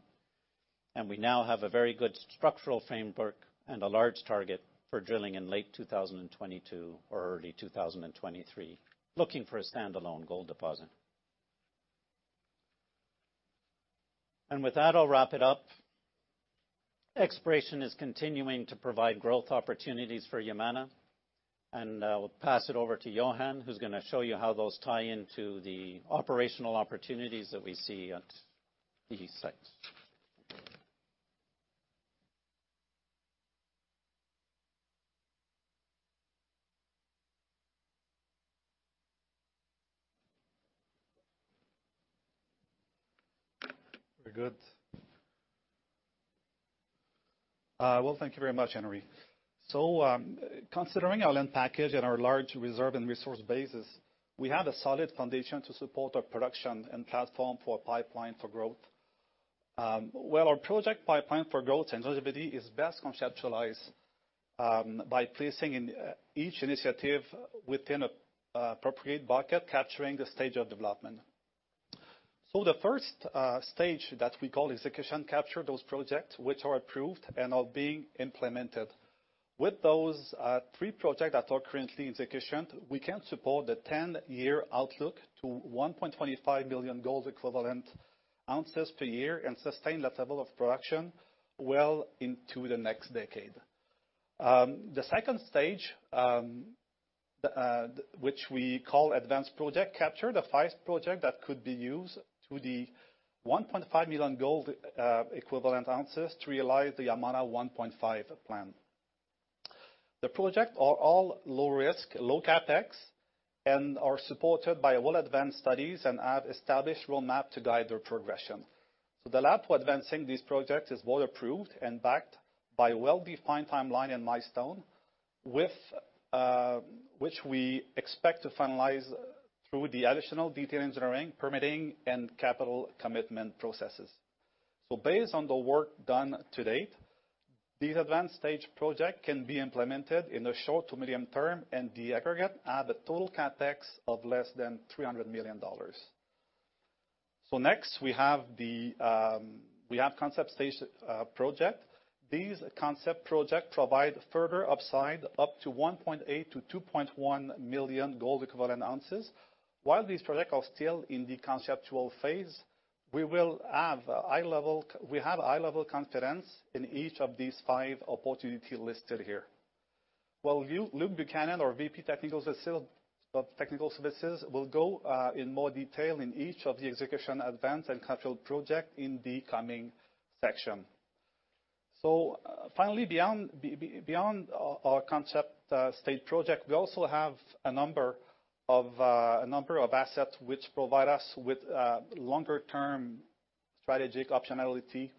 and we now have a very good structural framework and a large target for drilling in late 2022 or early 2023, looking for a standalone gold deposit. With that, I'll wrap it up. Exploration is continuing to provide growth opportunities for Yamana, and I'll pass it over to Yohann, who's gonna show you how those tie into the operational opportunities that we see at these sites. Very good. Well, thank you very much, Henry. Considering our land package and our large reserve and resource bases, we have a solid foundation to support our production and platform for pipeline for growth. Well, our project pipeline for growth and visibility is best conceptualized by placing in each initiative within a appropriate bucket capturing the stage of development. The first stage that we call execution capture those projects which are approved and are being implemented. With those three project that are currently in execution, we can support the ten-year outlook to 1.25 million gold equivalent ounces per year and sustain that level of production well into the next decade. The second stage, which we call advanced projects, captures the five projects that could be used to the 1.5 million gold equivalent ounces to realize the Yamana 1.5 plan. The projects are all low risk, low CapEx, and are supported by well-advanced studies and have established roadmap to guide their progression. The plan advancing these projects is well approved and backed by well-defined timeline and milestones with which we expect to finalize through the additional detailed engineering, permitting, and capital commitment processes. Based on the work done to date, these advanced-stage projects can be implemented in the short to medium term, and in the aggregate have a total CapEx of less than $300 million. Next, we have concept-stage projects. These concept projects provide further upside up to 1.8 million to 2.1 million gold equivalent ounces. While these projects are still in the conceptual phase, we have high-level confidence in each of these five opportunities listed here. While Luke Buchanan, our VP, Technical Services, will go in more detail in each of the execution, advance, and capital projects in the coming section. Finally, beyond our concept stage projects, we also have a number of assets which provide us with longer term strategic optionality,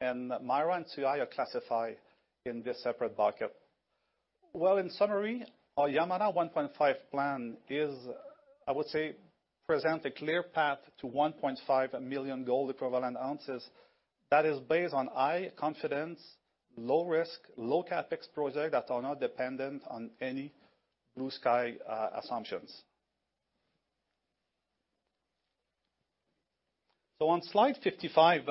and Mauri and Souaya classify in this separate bucket. In summary, our Yamana 1.5 plan is, I would say, present a clear path to 1.5 million gold equivalent ounces that is based on high confidence, low risk, low CapEx projects that are not dependent on any blue-sky assumptions. On Slide 55,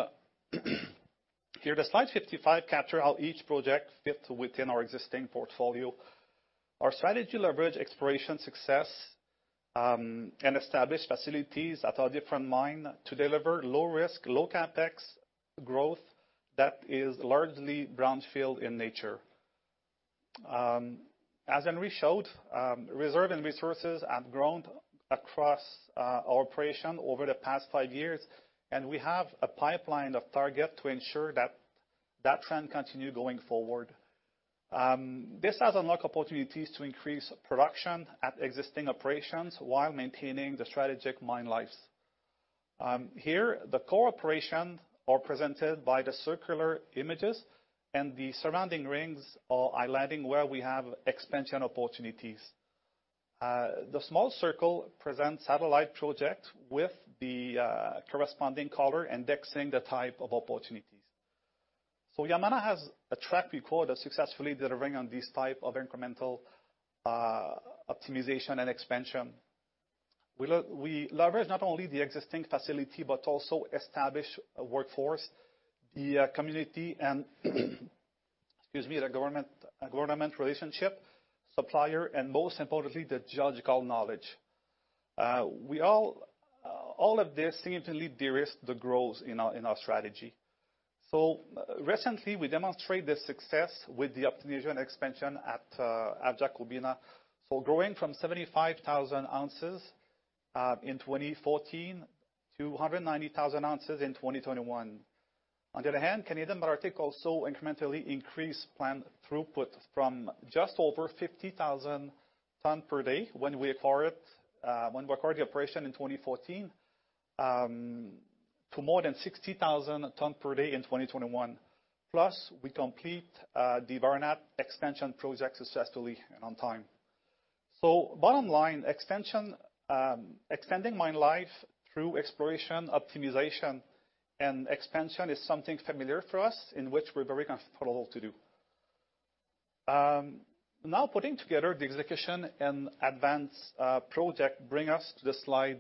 here, it captures how each project fits within our existing portfolio. Our strategy leverages exploration success and establishes facilities at our different mines to deliver low risk, low CapEx growth that is largely brownfield in nature. As Henry showed, reserves and resources have grown across our operations over the past five years, and we have a pipeline of targets to ensure that trend continues going forward. This has unlocked opportunities to increase production at existing operations while maintaining the strategic mine lives. Here, the core operation are presented by the circular images, and the surrounding rings are highlighting where we have expansion opportunities. The small circle presents satellite project with the corresponding color indexing the type of opportunities. Yamana has a track record of successfully delivering on this type of incremental optimization and expansion. We leverage not only the existing facility but also establish a workforce, the community and the government relationship, supplier, and most importantly, the geological knowledge. All of this significantly de-risk the growth in our strategy. Recently, we demonstrate the success with the optimization expansion at Jacobina. Growing from 75,000 ounces in 2014, 290,000 ounces in 2021. On the other hand, Canadian Malartic also incrementally increased plant throughput from just over 50,000 tonnes per day when we acquired the operation in 2014 to more than 60,000 tonnes per day in 2021. We completed the Barnat expansion project successfully and on time. Bottom line, extending mine life through exploration, optimization, and expansion is something familiar for us, in which we're very comfortable to do. Now putting together the execution and advancing projects brings us to the slide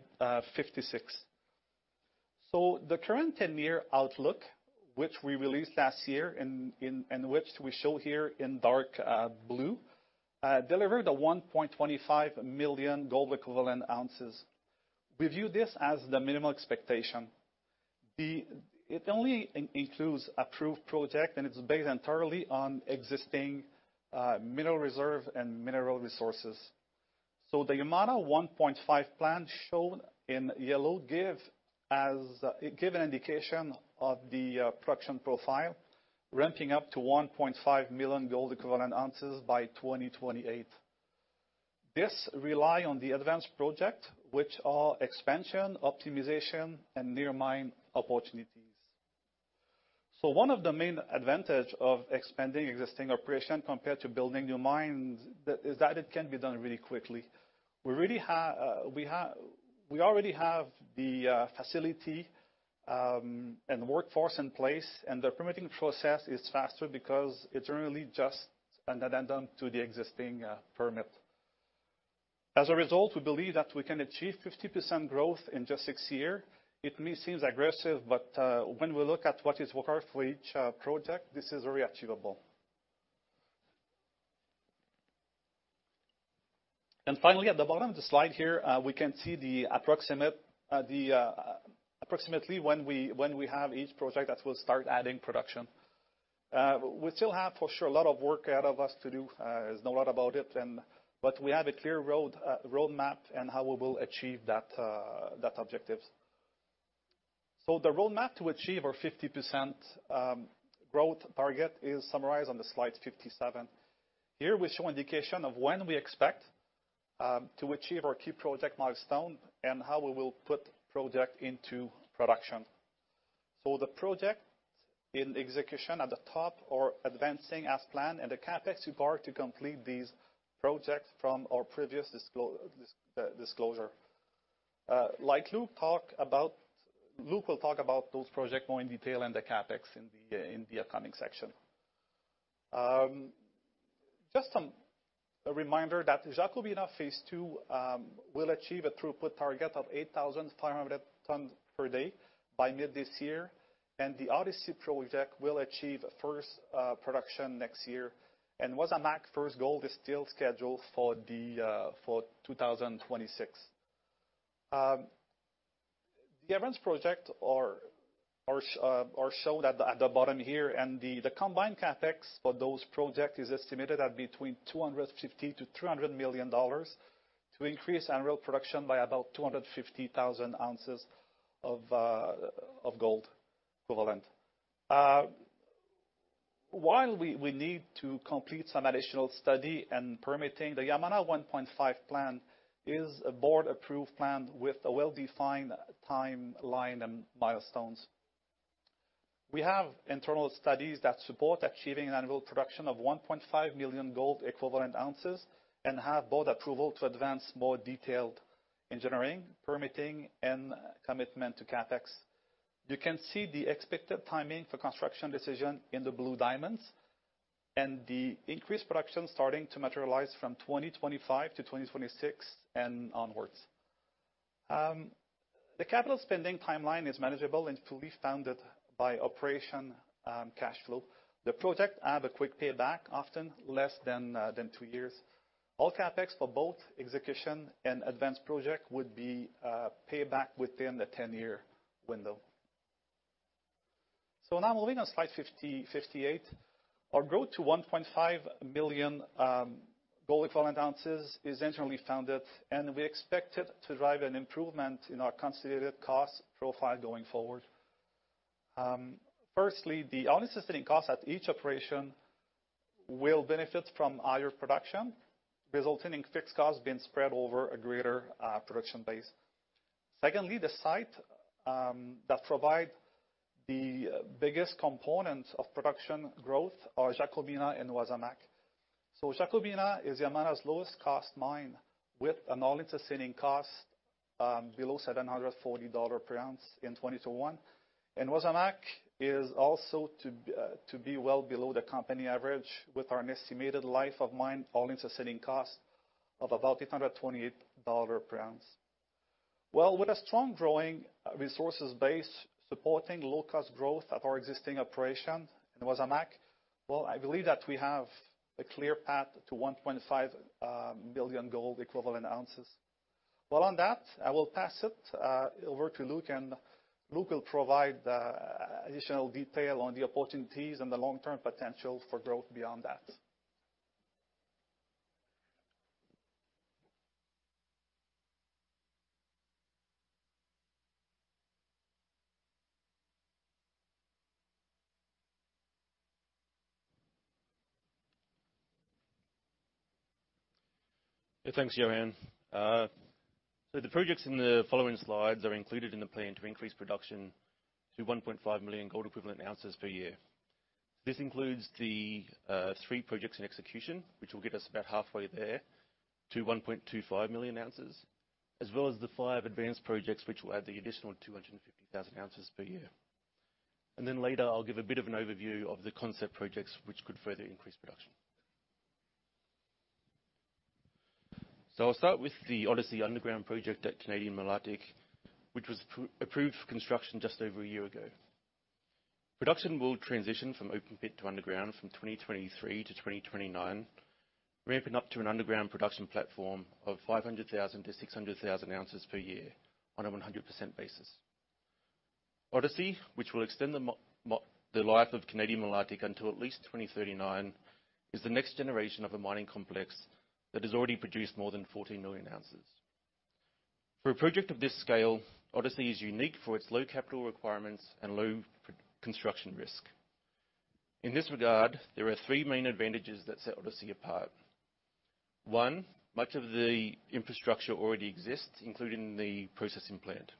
56. The current ten-year outlook, which we released last year and which we show here in dark blue, delivered 1.25 million gold equivalent ounces. We view this as the minimum expectation. The It only includes approved project, and it's based entirely on existing mineral reserve and mineral resources. The Yamana 1.5 plan shown in yellow gives an indication of the production profile, ramping up to 1.5 million gold equivalent ounces by 2028. This relies on the advanced projects, which are expansion, optimization, and near-mine opportunities. One of the main advantages of expanding existing operations compared to building new mines is that it can be done really quickly. We already have the facility and the workforce in place, and the permitting process is faster because it's really just an addendum to the existing permit. As a result, we believe that we can achieve 50% growth in just six years. It may seem aggressive, but when we look at what is required for each project, this is really achievable. Finally, at the bottom of the slide here, we can see the approximately when we have each project that will start adding production. We still have, for sure, a lot of work ahead of us to do. There's no doubt about it. We have a clear roadmap in how we will achieve those objectives. The roadmap to achieve our 50% growth target is summarized on the Slide 57. Here we show indication of when we expect to achieve our key project milestone and how we will put project into production. The projects in execution at the top are advancing as planned, and the CapEx required to complete these projects from our previous disclosure. Like Luke talked about, Luke will talk about those projects more in detail and the CapEx in the upcoming section. Just a reminder that Jacobina Phase II will achieve a throughput target of 8,500 tonnes per day by mid this year, and the Odyssey project will achieve first production next year. Wasamac first gold is still scheduled for 2026. The advanced projects are shown at the bottom here, and the combined CapEx for those projects is estimated at between $250 million to $300 million to increase annual production by about 250,000 ounces of gold equivalent. While we need to complete some additional studies and permitting, the Yamana 1.5 plan is a board-approved plan with a well-defined timeline and milestones. We have internal studies that support achieving an annual production of 1.5 million gold equivalent ounces and have board approval to advance more detailed engineering, permitting, and commitment to CapEx. You can see the expected timing for construction decision in the blue diamonds, and the increased production starting to materialize from 2025 to 2026 and onwards. The capital spending timeline is manageable and fully funded by operating cash flow. The project has a quick payback, often less than two years. All CapEx for both execution and advanced projects would be paid back within the 10-year window. Now moving on slide 58. Our growth to 1.5 million gold equivalent ounces is internally funded, and we expect it to drive an improvement in our consolidated cost profile going forward. First, the all-in sustaining costs at each operation will benefit from higher production, resulting in fixed costs being spread over a greater production base. Second, the sites that provide the biggest component of production growth are Jacobina and Wasamac. Jacobina is Yamana's lowest cost mine, with an all-in sustaining cost below $740 per ounce in 2021. Wasamac is also to be well below the company average, with an estimated life of mine all-in sustaining cost of about $828 per ounce. Well, with a strong growing resources base supporting low cost growth at our existing operation in Wasamac, well, I believe that we have a clear path to 1.5 billion gold equivalent ounces. Well, on that, I will pass it over to Luke, and Luke will provide additional detail on the opportunities and the long-term potential for growth beyond that. Thanks, Yohann. The projects in the following slides are included in the plan to increase production to 1.5 million gold equivalent ounces per year. This includes the three projects in execution, which will get us about halfway there to 1.25 million ounces, as well as the five advanced projects, which will add the additional 250,000 ounces per year. Then later, I'll give a bit of an overview of the concept projects which could further increase production. I'll start with the Odyssey underground project at Canadian Malartic, which was approved for construction just over a year ago. Production will transition from open pit to underground, from 2023 to 2029, ramping up to an underground production platform of 500,000-600,000 ounces per year on a 100% basis. Odyssey, which will extend the life of Canadian Malartic until at least 2039, is the next generation of a mining complex that has already produced more than 14 million ounces. For a project of this scale, Odyssey is unique for its low capital requirements and low construction risk. In this regard, there are three main advantages that set Odyssey apart. One, much of the infrastructure already exists, including the processing plant.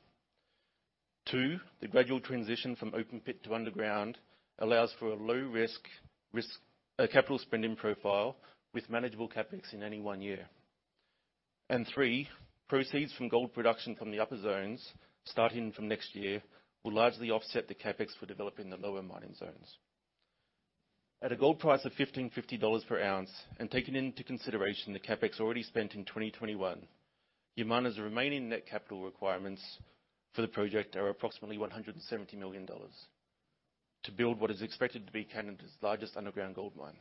Two, the gradual transition from open pit to underground allows for a low risk capital spending profile with manageable CapEx in any one year. Three, proceeds from gold production from the upper zones, starting from next year, will largely offset the CapEx for developing the lower mining zones. At a gold price of $1,550 per ounce, and taking into consideration the CapEx already spent in 2021, Yamana's remaining net capital requirements for the project are approximately $170 million to build what is expected to be Canada's largest underground gold mine.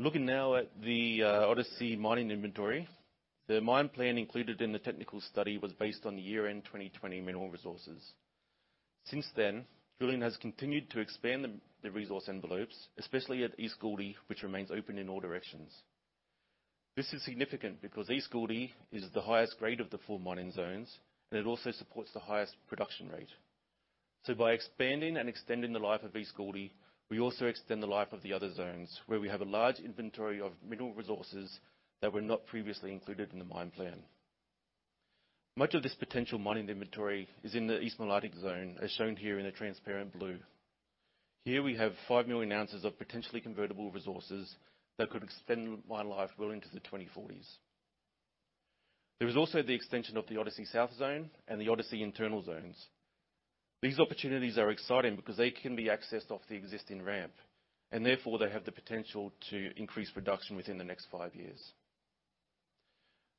Looking now at the Odyssey mining inventory, the mine plan included in the technical study was based on the year-end 2020 mineral resources. Since then, drilling has continued to expand the resource envelopes, especially at East Gouldie, which remains open in all directions. This is significant because East Gouldie is the highest grade of the four mining zones, and it also supports the highest production rate. By expanding and extending the life of East Gouldie, we also extend the life of the other zones, where we have a large inventory of mineral resources that were not previously included in the mine plan. Much of this potential mining inventory is in the East Malartic zone, as shown here in a transparent blue. Here we have 5 million ounces of potentially convertible resources that could extend mine life well into the 2040s. There is also the extension of the Odyssey South zone and the Odyssey internal zones. These opportunities are exciting because they can be accessed off the existing ramp, and therefore they have the potential to increase production within the next five years.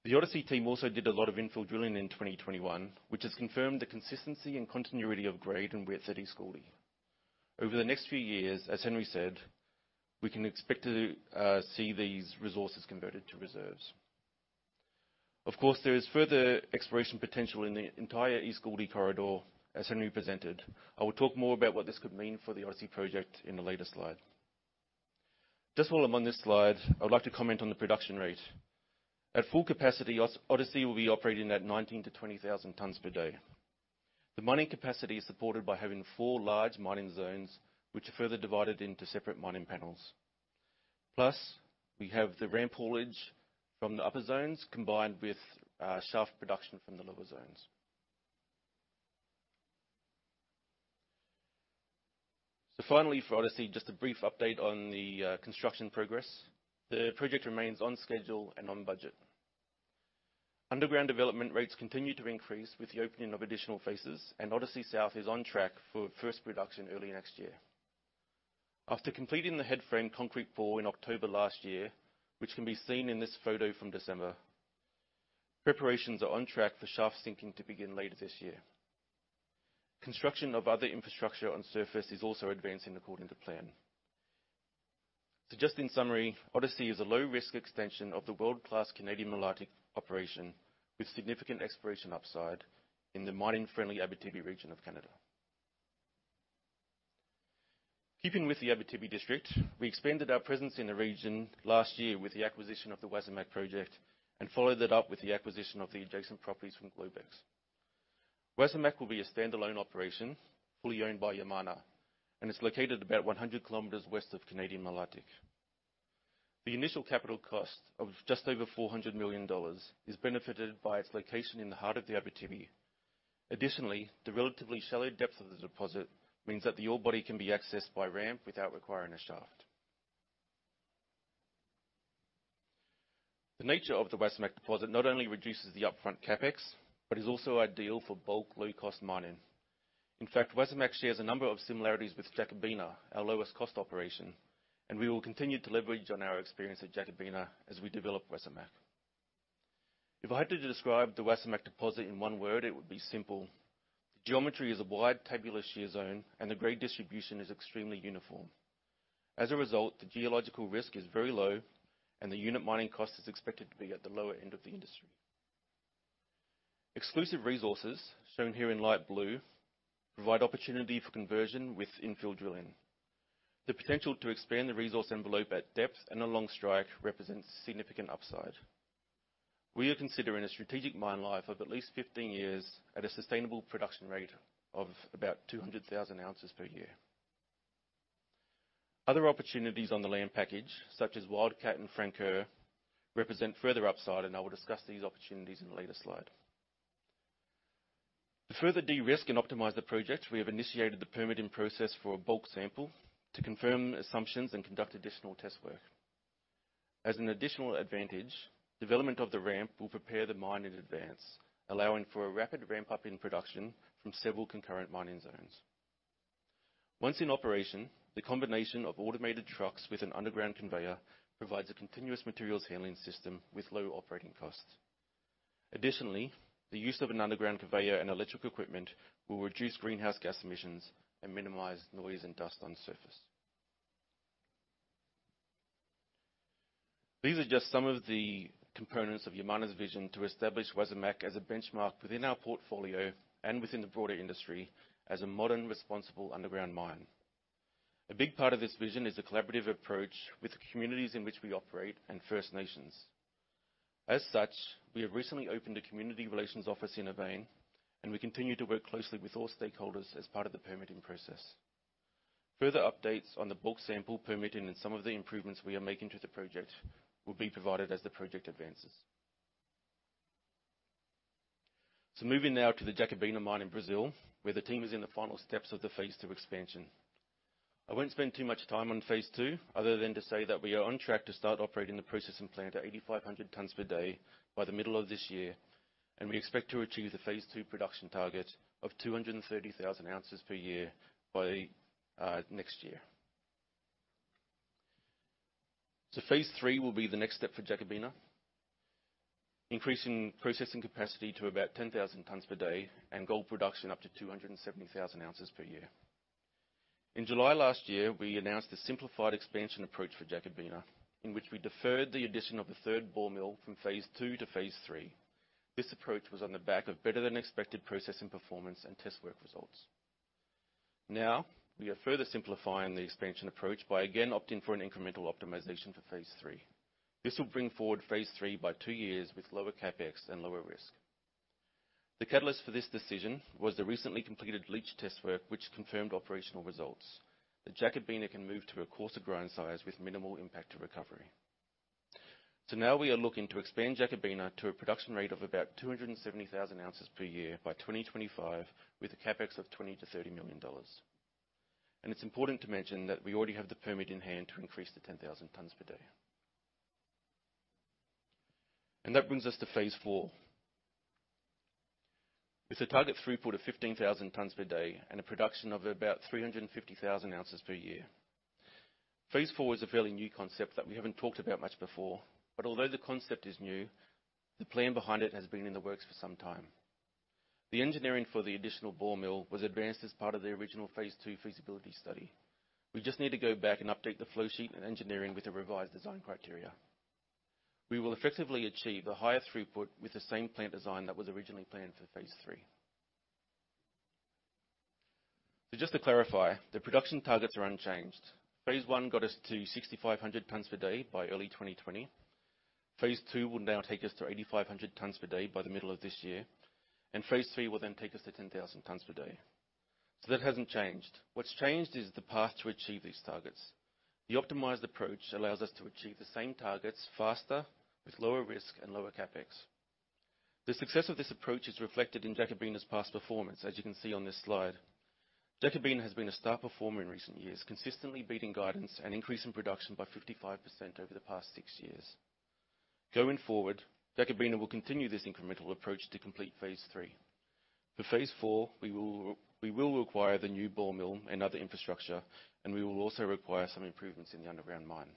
The Odyssey team also did a lot of infill drilling in 2021, which has confirmed the consistency and continuity of grade and width at East Gouldie. Over the next few years, as Henry said, we can expect to see these resources converted to reserves. Of course, there is further exploration potential in the entire East Gouldie corridor, as Henry presented. I will talk more about what this could mean for the Odyssey project in a later slide. Just while I'm on this slide, I would like to comment on the production rate. At full capacity, Odyssey will be operating at 19,000-20,000 tonnes per day. The mining capacity is supported by having four large mining zones, which are further divided into separate mining panels. Plus, we have the ramp haulage from the upper zones combined with shaft production from the lower zones. Finally for Odyssey, just a brief update on the construction progress. The project remains on schedule and on budget. Underground development rates continue to increase with the opening of additional phases, and Odyssey South is on track for first production early next year. After completing the headframe concrete pour in October last year, which can be seen in this photo from December, preparations are on track for shaft sinking to begin later this year. Construction of other infrastructure on surface is also advancing according to plan. Just in summary, Odyssey is a low-risk extension of the world-class Canadian Malartic operation with significant exploration upside in the mining-friendly Abitibi region of Canada. Keeping with the Abitibi district, we expanded our presence in the region last year with the acquisition of the Wasamac project and followed it up with the acquisition of the adjacent properties from Globex. Wasamac will be a standalone operation fully owned by Yamana, and it's located about 100 kilometers west of Canadian Malartic. The initial capital cost of just over $400 million is benefited by its location in the heart of the Abitibi. Additionally, the relatively shallow depth of the deposit means that the ore body can be accessed by ramp without requiring a shaft. The nature of the Wasamac deposit not only reduces the upfront CapEx but is also ideal for bulk low-cost mining. In fact, Wasamac shares a number of similarities with Jacobina, our lowest cost operation, and we will continue to leverage on our experience at Jacobina as we develop Wasamac. If I had to describe the Wasamac deposit in one word, it would be simple. The geometry is a wide tabular shear zone, and the grade distribution is extremely uniform. As a result, the geological risk is very low, and the unit mining cost is expected to be at the lower end of the industry. Exclusive resources, shown here in light blue, provide opportunity for conversion with infill drilling. The potential to expand the resource envelope at depth and along strike represents significant upside. We are considering a strategic mine life of at least 15 years at a sustainable production rate of about 200,000 ounces per year. Other opportunities on the land package, such as Wildcat and Francoeur, represent further upside, and I will discuss these opportunities in a later slide. To further de-risk and optimize the project, we have initiated the permitting process for a bulk sample to confirm assumptions and conduct additional test work. As an additional advantage, development of the ramp will prepare the mine in advance, allowing for a rapid ramp-up in production from several concurrent mining zones. Once in operation, the combination of automated trucks with an underground conveyor provides a continuous materials handling system with low operating costs. Additionally, the use of an underground conveyor and electrical equipment will reduce greenhouse gas emissions and minimize noise and dust on surface. These are just some of the components of Yamana's vision to establish Wasamac as a benchmark within our portfolio and within the broader industry as a modern, responsible underground mine. A big part of this vision is a collaborative approach with the communities in which we operate and First Nations. As such, we have recently opened a community relations office in Auviang, and we continue to work closely with all stakeholders as part of the permitting process. Further updates on the bulk sample permitting and some of the improvements we are making to the project will be provided as the project advances. Moving now to the Jacobina mine in Brazil, where the team is in the final steps of the phase two expansion. I won't spend too much time on phase two, other than to say that we are on track to start operating the processing plant at 8,500 tonnes per day by the middle of this year, and we expect to achieve the phase two production target of 230,000 ounces per year by next year. Phase three will be the next step for Jacobina, increasing processing capacity to about 10,000 tonnes per day and gold production up to 270,000 ounces per year. In July last year, we announced a simplified expansion approach for Jacobina, in which we deferred the addition of the third ball mill from phase two to phase three. This approach was on the back of better-than-expected processing performance and test work results. Now we are further simplifying the expansion approach by again opting for an incremental optimization for phase three. This will bring forward phase three by two years with lower CapEx and lower risk. The catalyst for this decision was the recently completed leach test work, which confirmed operational results that Jacobina can move to a coarser grain size with minimal impact to recovery. Now we are looking to expand Jacobina to a production rate of about 270,000 ounces per year by 2025, with a CapEx of $20 million-$30 million. It's important to mention that we already have the permit in hand to increase to 10,000 tonnes per day. That brings us to phase four with a target throughput of 15,000 tonnes per day and a production of about 350,000 ounces per year. Phase IV is a fairly new concept that we haven't talked about much before. Although the concept is new, the plan behind it has been in the works for some time. The engineering for the additional ball mill was advanced as part of the original phase two feasibility study. We just need to go back and update the flow sheet and engineering with the revised design criteria. We will effectively achieve a higher throughput with the same plant design that was originally planned for phase three. Just to clarify, the production targets are unchanged. Phase one got us to 6,500 tonnes per day by early 2020. Phase II will now take us to 8,500 tonnes per day by the middle of this year. Phase three will then take us to 10,000 tonnes per day. That hasn't changed. What's changed is the path to achieve these targets. The optimized approach allows us to achieve the same targets faster with lower risk and lower CapEx. The success of this approach is reflected in Jacobina's past performance, as you can see on this slide. Jacobina has been a star performer in recent years, consistently beating guidance and increasing production by 55% over the past six years. Going forward, Jacobina will continue this incremental approach to complete phase three. For Phase IV, we will require the new ball mill and other infrastructure, and we will also require some improvements in the underground mine.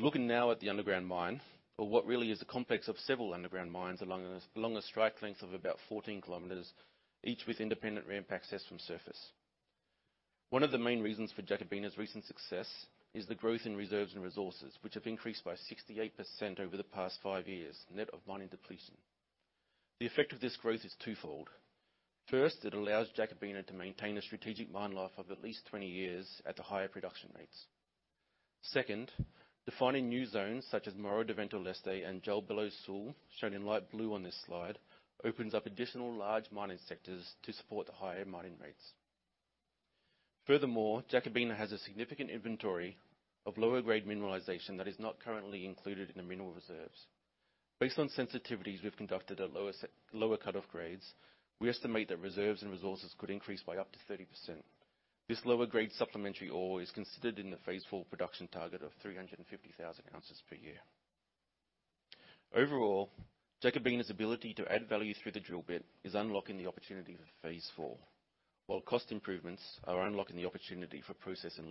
Looking now at the underground mine, or what really is a complex of several underground mines along a strike length of about 14 kilometers, each with independent ramp access from surface. One of the main reasons for Jacobina's recent success is the growth in reserves and resources, which have increased by 68% over the past five years, net of mining depletion. The effect of this growth is twofold. First, it allows Jacobina to maintain a strategic mine life of at least 20 years at the higher production rates. Second, defining new zones such as Morro do Vento Leste and João Belo Sul, shown in light blue on this slide, opens up additional large mining sectors to support the higher mining rates. Furthermore, Jacobina has a significant inventory of lower-grade mineralization that is not currently included in the mineral reserves. Based on sensitivities we've conducted at lower set, lower cut-off grades, we estimate that reserves and resources could increase by up to 30%. This lower-grade supplementary ore is considered in the phase four production target of 350,000 ounces per year. Overall, Jacobina's ability to add value through the drill bit is unlocking the opportunity for phase four, while cost improvements are unlocking the opportunity for processing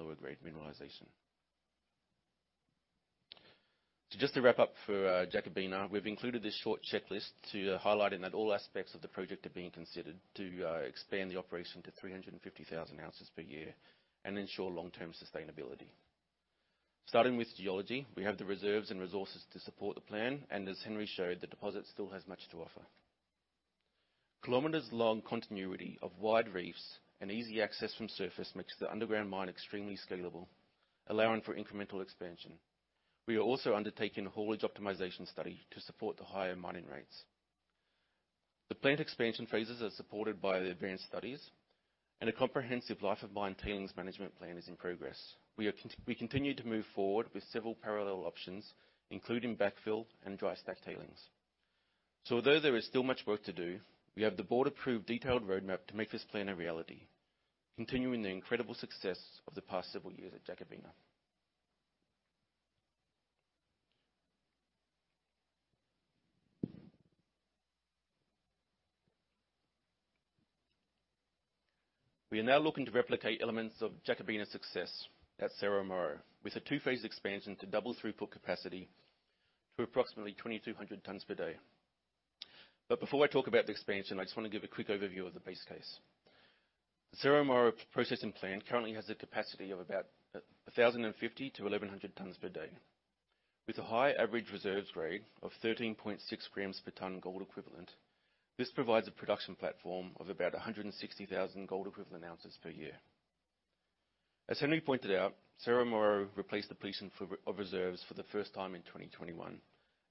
lower-grade mineralization. Just to wrap up for Jacobina, we've included this short checklist to highlighting that all aspects of the project are being considered to expand the operation to 350,000 ounces per year and ensure long-term sustainability. Starting with geology, we have the reserves and resources to support the plan, and as Henry showed, the deposit still has much to offer. Kilometers-long continuity of wide reefs and easy access from surface makes the underground mine extremely scalable, allowing for incremental expansion. We are also undertaking a haulage optimization study to support the higher mining rates. The plant expansion phases are supported by the advanced studies, and a comprehensive life of mine tailings management plan is in progress. We continue to move forward with several parallel options, including backfill and dry stack tailings. Although there is still much work to do, we have the board-approved detailed roadmap to make this plan a reality, continuing the incredible success of the past several years at Jacobina. We are now looking to replicate elements of Jacobina's success at Cerro Moro, with a two-phase expansion to double throughput capacity to approximately 2,200 tonnes per day. Before I talk about the expansion, I just wanna give a quick overview of the base case. The Cerro Moro processing plant currently has a capacity of about 1,050 tonnes to 1,100 tonnes per day. With a high average reserves grade of 13.6 grams per ton gold equivalent, this provides a production platform of about 160,000 gold equivalent ounces per year. As Henry pointed out, Cerro Moro replaced depletion of reserves for the first time in 2021,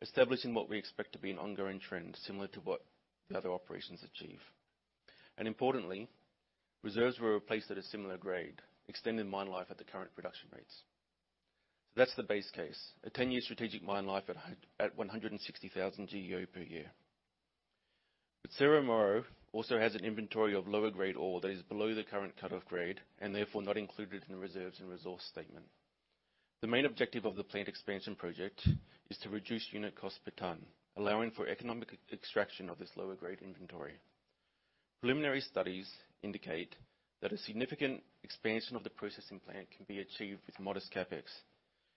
establishing what we expect to be an ongoing trend, similar to what the other operations achieve. Importantly, reserves were replaced at a similar grade, extending mine life at the current production rates. That's the base case, a ten-year strategic mine life at 160,000 GEO per year. Cerro Moro also has an inventory of lower grade ore that is below the current cutoff grade, and therefore not included in the reserves and resource statement. The main objective of the plant expansion project is to reduce unit cost per ton, allowing for economic extraction of this lower grade inventory. Preliminary studies indicate that a significant expansion of the processing plant can be achieved with modest CapEx.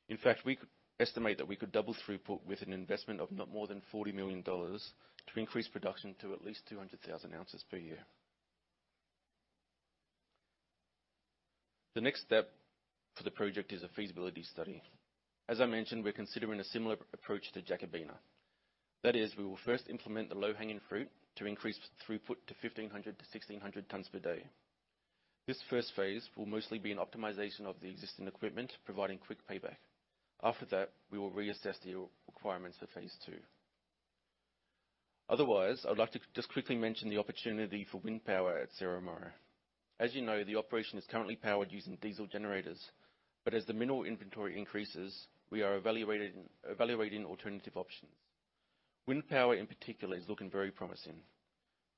In fact, we could. estimate that we could double throughput with an investment of not more than $40 million to increase production to at least 200,000 ounces per year. The next step for the project is a feasibility study. As I mentioned, we're considering a similar approach to Jacobina. That is, we will first implement the low-hanging fruit to increase throughput to 1,500 tonnes to 1,600 tonnes per day. This first phase will mostly be an optimization of the existing equipment, providing quick payback. After that, we will reassess the requirements for phase two. Otherwise, I'd like to just quickly mention the opportunity for wind power at Cerro Moro. As you know, the operation is currently powered using diesel generators. As the mineral inventory increases, we are evaluating alternative options. Wind power in particular is looking very promising.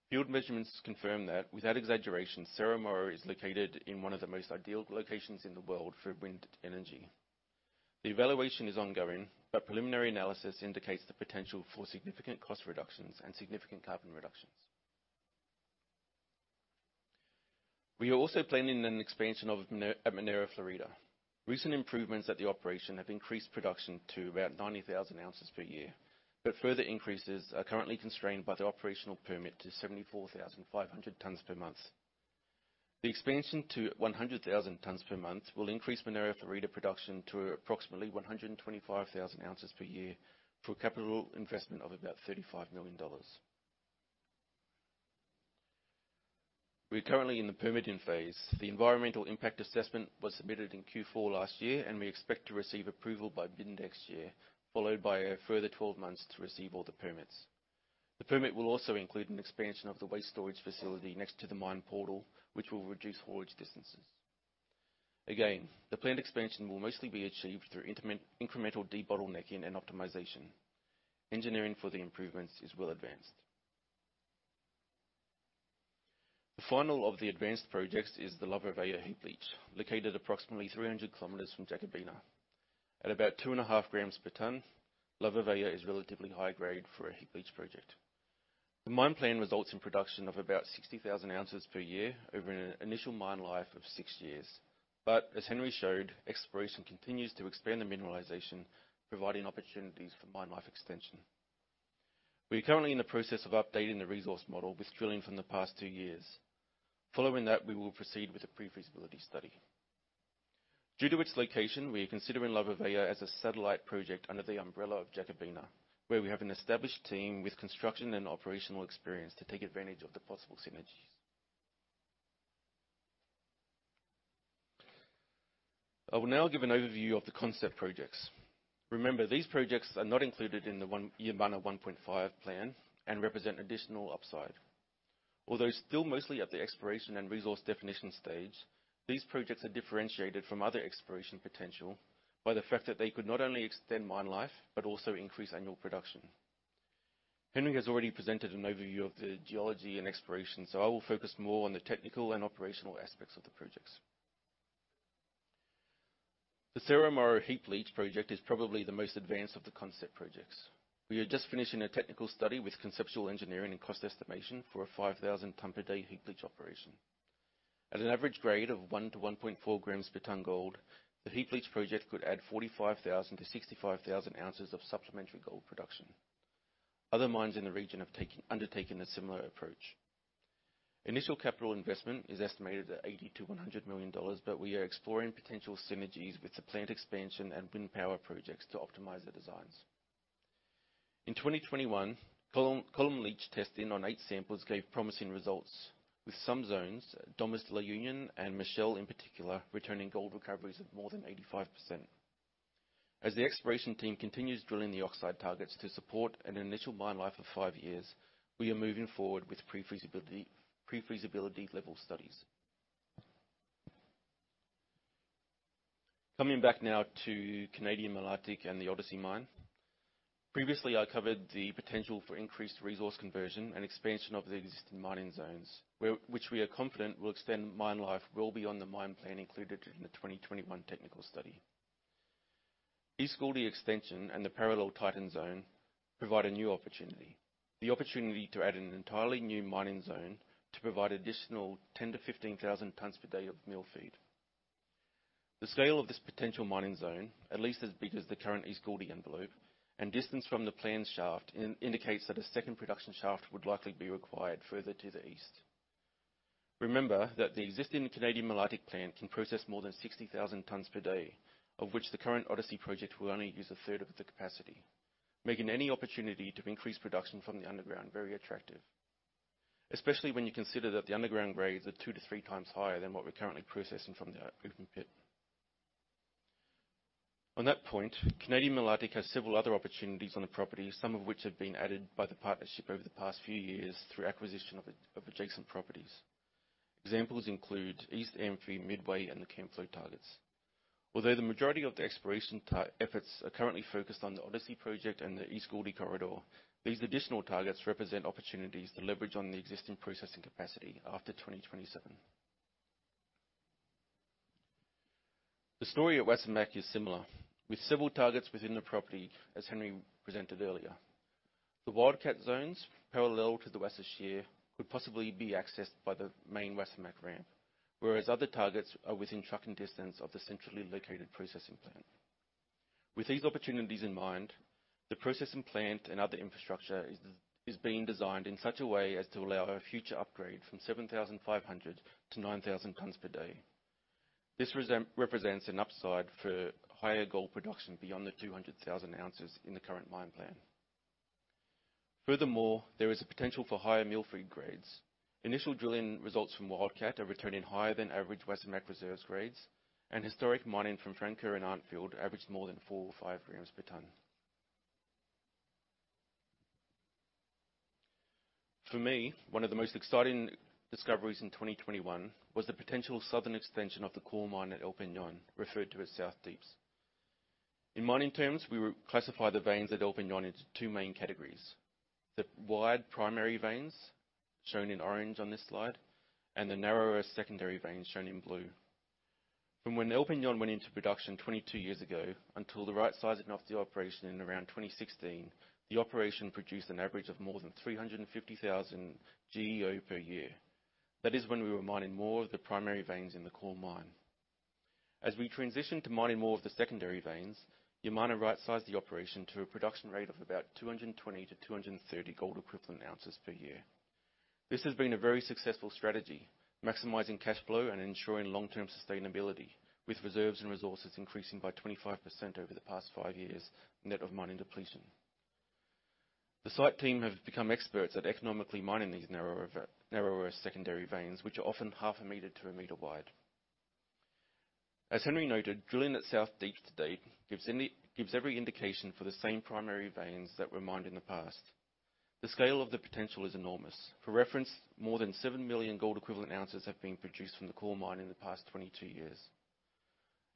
Field measurements confirm that, without exaggeration, Cerro Moro is located in one of the most ideal locations in the world for wind energy. The evaluation is ongoing, but preliminary analysis indicates the potential for significant cost reductions and significant carbon reductions. We are also planning an expansion of Minera Florida. Recent improvements at the operation have increased production to about 90,000 ounces per year. Further increases are currently constrained by the operational permit to 74,500 tonnes per month. The expansion to 100,000 tonnes per month will increase Minera Florida production to approximately 125,000 ounces per year for a capital investment of about $35 million. We're currently in the permitting phase. The environmental impact assessment was submitted in Q4 last year, and we expect to receive approval by mid next year, followed by a further 12 months to receive all the permits. The permit will also include an expansion of the waste storage facility next to the mine portal, which will reduce haulage distances. Again, the planned expansion will mostly be achieved through incremental debottlenecking and optimization. Engineering for the improvements is well advanced. The final of the advanced projects is the Lavra Velha heap leach, located approximately 300 km from Jacobina. At about 2.5 grams per ton, Lavra Velha is relatively high grade for a heap leach project. The mine plan results in production of about 60,000 ounces per year over an initial mine life of 6 years. As Henry showed, exploration continues to expand the mineralization, providing opportunities for mine life extension. We are currently in the process of updating the resource model with drilling from the past two years. Following that, we will proceed with a pre-feasibility study. Due to its location, we are considering Lavra Velha as a satellite project under the umbrella of Jacobina, where we have an established team with construction and operational experience to take advantage of the possible synergies. I will now give an overview of the concept projects. Remember, these projects are not included in the Yamana 1.5 plan and represent additional upside. Although still mostly at the exploration and resource definition stage, these projects are differentiated from other exploration potential by the fact that they could not only extend mine life, but also increase annual production. Henry has already presented an overview of the geology and exploration, so I will focus more on the technical and operational aspects of the projects. The Cerro Moro heap leach project is probably the most advanced of the concept projects. We are just finishing a technical study with conceptual engineering and cost estimation for a 5,000-tonne-per-day heap leach operation. At an average grade of one to 1.4 grams per ton gold, the heap leach project could add 45,000-65,000 ounces of supplementary gold production. Other mines in the region have undertaken a similar approach. Initial capital investment is estimated at $80 million to $100 million, but we are exploring potential synergies with the plant expansion and wind power projects to optimize the designs. In 2021, column leach testing on eight samples gave promising results, with some zones, Lomas de la Unión and Michelle in particular, returning gold recoveries of more than 85%. As the exploration team continues drilling the oxide targets to support an initial mine life of five years, we are moving forward with pre-feasibility level studies. Coming back now to Canadian Malartic and the Odyssey mine. Previously, I covered the potential for increased resource conversion and expansion of the existing mining zones, which we are confident will extend mine life well beyond the mine plan included in the 2021 technical study. East Gouldie extension and the parallel Titan Zone provide a new opportunity to add an entirely new mining zone to provide additional 10,000 to 15,000 tonnes per day of mill feed. The scale of this potential mining zone, at least as big as the current East Gouldie envelope, and distance from the planned shaft indicates that a second production shaft would likely be required further to the east. Remember that the existing Canadian Malartic plant can process more than 60,000 tonnes per day, of which the current Odyssey project will only use a third of the capacity, making any opportunity to increase production from the underground very attractive, especially when you consider that the underground grades are 2.0x to 3.0x higher than what we're currently processing from the open pit. On that point, Canadian Malartic has several other opportunities on the property, some of which have been added by the partnership over the past few years through acquisition of adjacent properties. Examples include East Amphi, Midway, and the Camflo targets. Although the majority of the exploration efforts are currently focused on the Odyssey project and the East Gouldie corridor, these additional targets represent opportunities to leverage on the existing processing capacity after 2027. The story at Wasamac is similar, with several targets within the property, as Henry presented earlier. The Wildcat zones parallel to the Wasa Shear could possibly be accessed by the main Wasamac ramp, whereas other targets are within trucking distance of the centrally located processing plant. With these opportunities in mind, the processing plant and other infrastructure is being designed in such a way as to allow a future upgrade from 7,500 to 9,000 tonnes per day. This represents an upside for higher gold production beyond the 200,000 ounces in the current mine plan. Furthermore, there is a potential for higher mill feed grades. Initial drilling results from Wildcat are returning higher than average Wasamac reserves grades, and historic mining from Francoeur and Arnfield averaged more than four or five grams per ton. For me, one of the most exciting discoveries in 2021 was the potential southern extension of the core mine at El Peñón, referred to as South Deeps. In mining terms, we will classify the veins at El Peñón into two main categories, the wide primary veins, shown in orange on this slide, and the narrower secondary veins, shown in blue. From when El Peñón went into production 22 years ago until the right sizing of the operation in around 2016, the operation produced an average of more than 350,000 GEO per year. That is when we were mining more of the primary veins in the core mine. As we transition to mining more of the secondary veins, Yamana rightsized the operation to a production rate of about 220-230 gold equivalent ounces per year. This has been a very successful strategy, maximizing cash flow and ensuring long-term sustainability, with reserves and resources increasing by 25% over the past five years, net of mining depletion. The site team have become experts at economically mining these narrower secondary veins, which are often half a meter to a meter wide. As Henry noted, drilling at South Deep to date gives every indication for the same primary veins that were mined in the past. The scale of the potential is enormous. For reference, more than seven million gold equivalent ounces have been produced from the core mine in the past 22 years.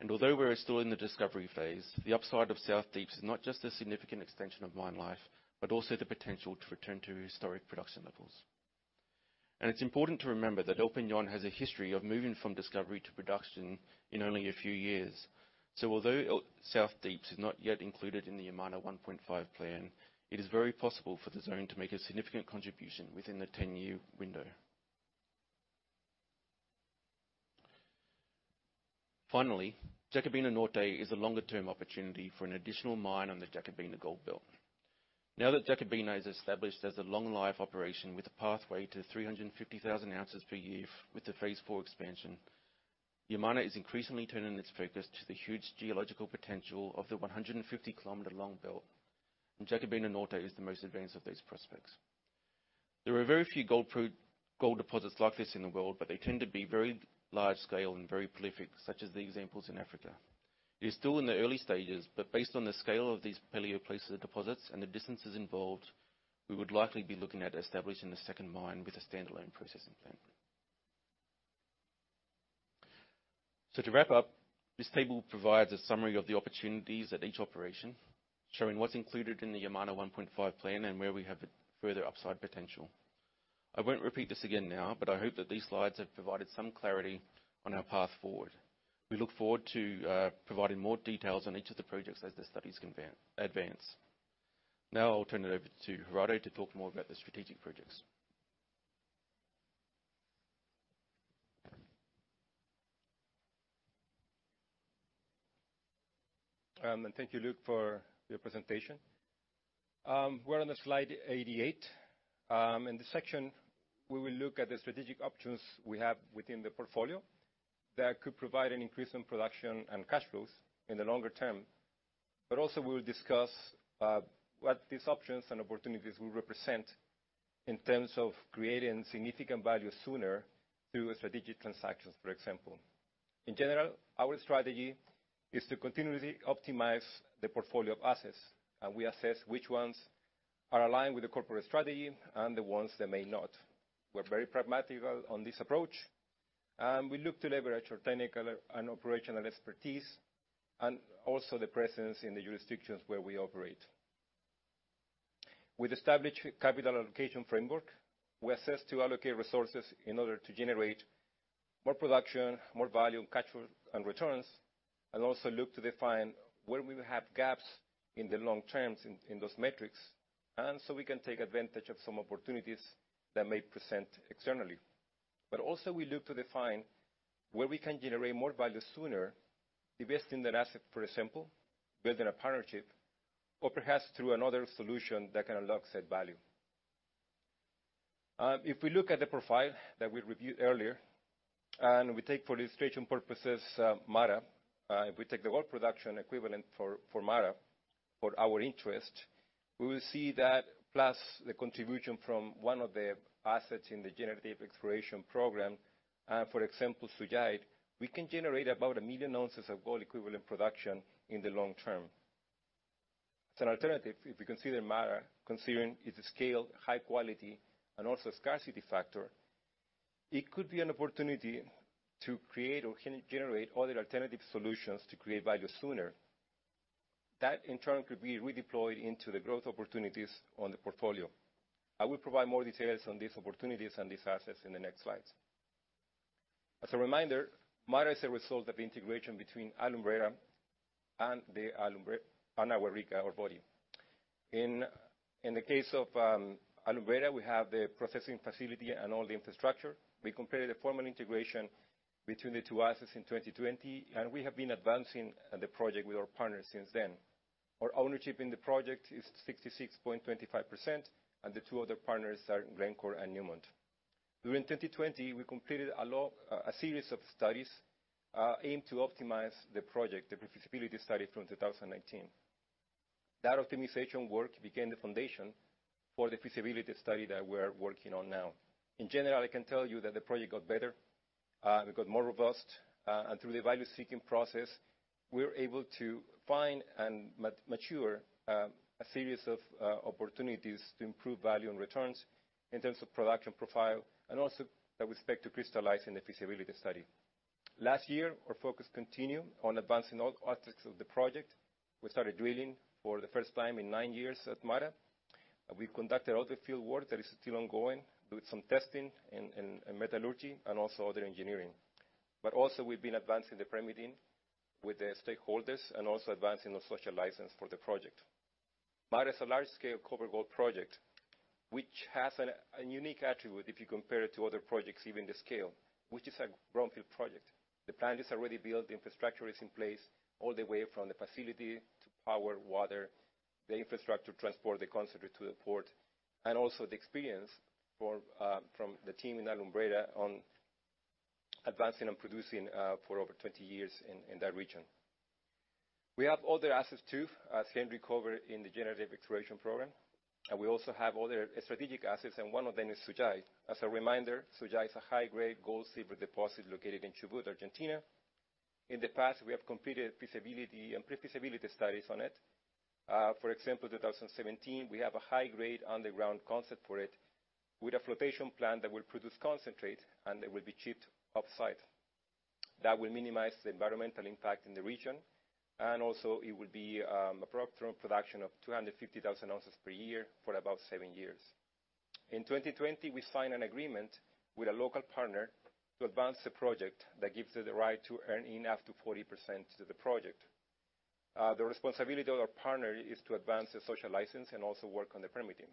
Although we're still in the discovery phase, the upside of South Deep is not just a significant extension of mine life, but also the potential to return to historic production levels. It's important to remember that El Peñón has a history of moving from discovery to production in only a few years. Although El Peñón South Deeps is not yet included in the Yamana 1.5 plan, it is very possible for the zone to make a significant contribution within the 10-year window. Finally, Jacobina Norte is a longer term opportunity for an additional mine on the Jacobina Gold Belt. Now that Jacobina is established as a long life operation with a pathway to 350,000 ounces per year with the phase four expansion, Yamana is increasingly turning its focus to the huge geological potential of the 150 km long belt, and Jacobina Norte is the most advanced of these prospects. There are very few gold deposits like this in the world, but they tend to be very large scale and very prolific, such as the examples in Africa. It is still in the early stages, but based on the scale of these paleoplacer deposits and the distances involved, we would likely be looking at establishing a second mine with a standalone processing plant. To wrap up, this table provides a summary of the opportunities at each operation, showing what's included in the Yamana 1.5 plan and where we have further upside potential. I won't repeat this again now, but I hope that these slides have provided some clarity on our path forward. We look forward to providing more details on each of the projects as the studies advance. Now I'll turn it over to Gerardo to talk more about the strategic projects. Thank you, Luke, for your presentation. We're on the Slide 88. In this section, we will look at the strategic options we have within the portfolio that could provide an increase in production and cash flows in the longer term. We will discuss what these options and opportunities will represent in terms of creating significant value sooner through strategic transactions, for example. In general, our strategy is to continuously optimize the portfolio of assets, and we assess which ones are aligned with the corporate strategy and the ones that may not. We're very pragmatic on this approach, and we look to leverage our technical and operational expertise, and also the presence in the jurisdictions where we operate. With established capital allocation framework, we assess to allocate resources in order to generate more production, more value, cash flow, and returns, and also look to define where we will have gaps in the long terms in those metrics, and so we can take advantage of some opportunities that may present externally. Also we look to define where we can generate more value sooner, divesting that asset, for example, building a partnership or perhaps through another solution that can unlock said value. If we look at the profile that we reviewed earlier, and we take for illustration purposes, MARA. If we take the whole production equivalent for MARA, for our interest, we will see that plus the contribution from one of the assets in the generative exploration program, for example, Sujay, we can generate about 1 million ounces of gold equivalent production in the long term. As an alternative, if we consider MARA, considering its scale, high quality, and also scarcity factor, it could be an opportunity to create or generate other alternative solutions to create value sooner. That in turn could be redeployed into the growth opportunities on the portfolio. I will provide more details on these opportunities and these assets in the next slides. As a reminder, MARA is a result of the integration between Alumbrera and Agua Rica ore body. In the case of Alumbrera, we have the processing facility and all the infrastructure. We completed a formal integration between the two assets in 2020, and we have been advancing the project with our partners since then. Our ownership in the project is 66.25%, and the two other partners are Glencore and Newmont. During 2020, we completed a series of studies aimed to optimize the project, the feasibility study from 2019. That optimization work became the foundation for the feasibility study that we're working on now. In general, I can tell you that the project got better, it got more robust, and through the value-seeking process, we were able to find and mature a series of opportunities to improve value and returns in terms of production profile and also that we expect to crystallize in the feasibility study. Last year, our focus continued on advancing all aspects of the project. We started drilling for the first time in nine years at MARA. We conducted all the field work that is still ongoing, doing some testing and metallurgy, and also other engineering. Also we've been advancing the permitting with the stakeholders and also advancing the social license for the project. MARA is a large-scale copper-gold project, which has a unique attribute if you compare it to other projects, even the scale, which is a brownfield project. The plant is already built, the infrastructure is in place all the way from the facility to power, water, the infrastructure to transport the concentrate to the port, and also the experience from the team in Alumbrera on advancing and producing for over 20 years in that region. We have other assets too, as Henry covered in the generative exploration program, and we also have other strategic assets, and one of them is Sujay. As a reminder, Sujay is a high-grade gold-silver deposit located in Chubut, Argentina. In the past, we have completed feasibility and pre-feasibility studies on it. For example, 2017, we have a high-grade underground concept for it with a flotation plant that will produce concentrate, and it will be shipped off-site. That will minimize the environmental impact in the region, and also it will be a production of 250,000 ounces per year for about seven years. In 2020, we signed an agreement with a local partner to advance the project that gives us the right to earn up to 40% of the project. The responsibility of our partner is to advance the social license and also work on the permitting.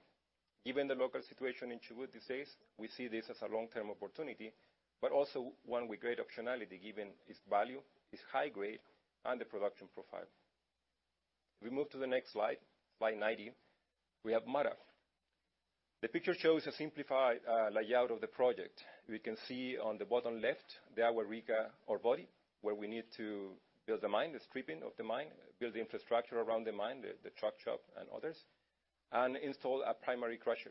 Given the local situation in Chubut these days, we see this as a long-term opportunity, but also one with great optionality, given its value, its high grade, and the production profile. We move to the next Slide 90. We have MARA. The picture shows a simplified layout of the project. We can see on the bottom left, the Agua Rica ore body, where we need to build the mine, the stripping of the mine, build the infrastructure around the mine, the truck shop and others, and install a primary crusher.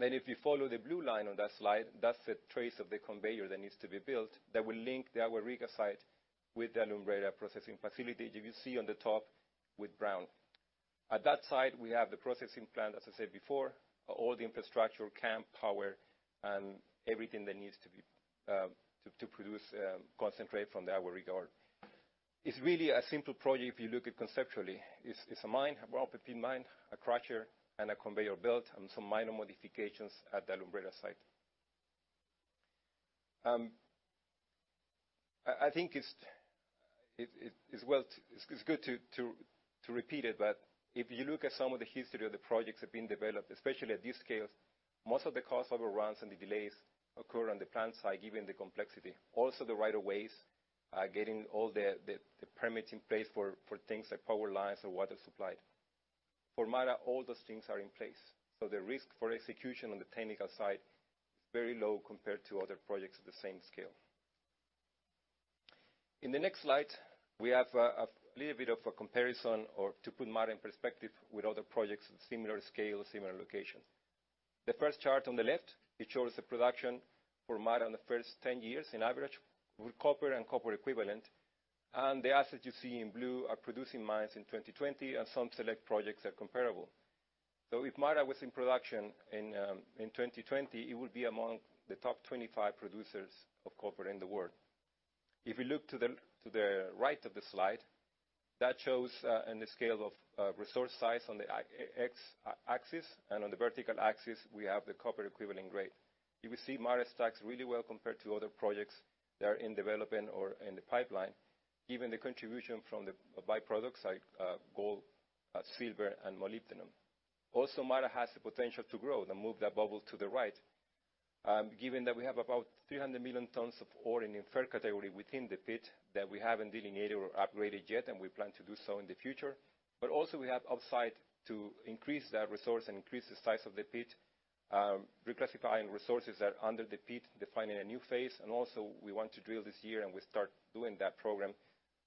If you follow the blue line on that Slide, that's the trace of the conveyor that needs to be built that will link the Agua Rica site with the Alumbrera processing facility you will see on the top with brown. At that site, we have the processing plant, as I said before, all the infrastructure, camp, power, and everything that needs to be to produce concentrate from the Agua Rica ore. It's really a simple project if you look at conceptually. It's a mine, a well-prepped mine, a crusher, and a conveyor belt, and some minor modifications at the Alumbrera site. I think it's good to repeat it, but if you look at some of the history of the projects that have been developed, especially at this scale. Most of the cost overruns and the delays occur on the plant side, given the complexity. Also, the right of ways are getting all the permits in place for things like power lines and water supply. For MARA, all those things are in place, so the risk for execution on the technical side is very low compared to other projects of the same scale. In the next Slide, we have a little bit of a comparison, or to put MARA in perspective with other projects of similar scale, similar location. The first chart on the left, it shows the production for MARA in the first 10 years on average with copper and copper equivalent. The assets you see in blue are producing mines in 2020, and some select projects are comparable. If MARA was in production in 2020, it would be among the top 25 producers of copper in the world. If we look to the right of the slide, that shows in the scale of resource size on the x-axis, and on the vertical axis, we have the copper equivalent grade. You will see MARA stacks up really well compared to other projects that are in development or in the pipeline, given the contribution from the byproducts like gold, silver, and molybdenum. MARA has the potential to grow, to move that bubble to the right, given that we have about 300 million tonnes of ore in inferred category within the pit that we haven't delineated or upgraded yet, and we plan to do so in the future. We have upside to increase that resource and increase the size of the pit, reclassifying resources that are under the pit, defining a new phase, and also we want to drill this year, and we start doing that program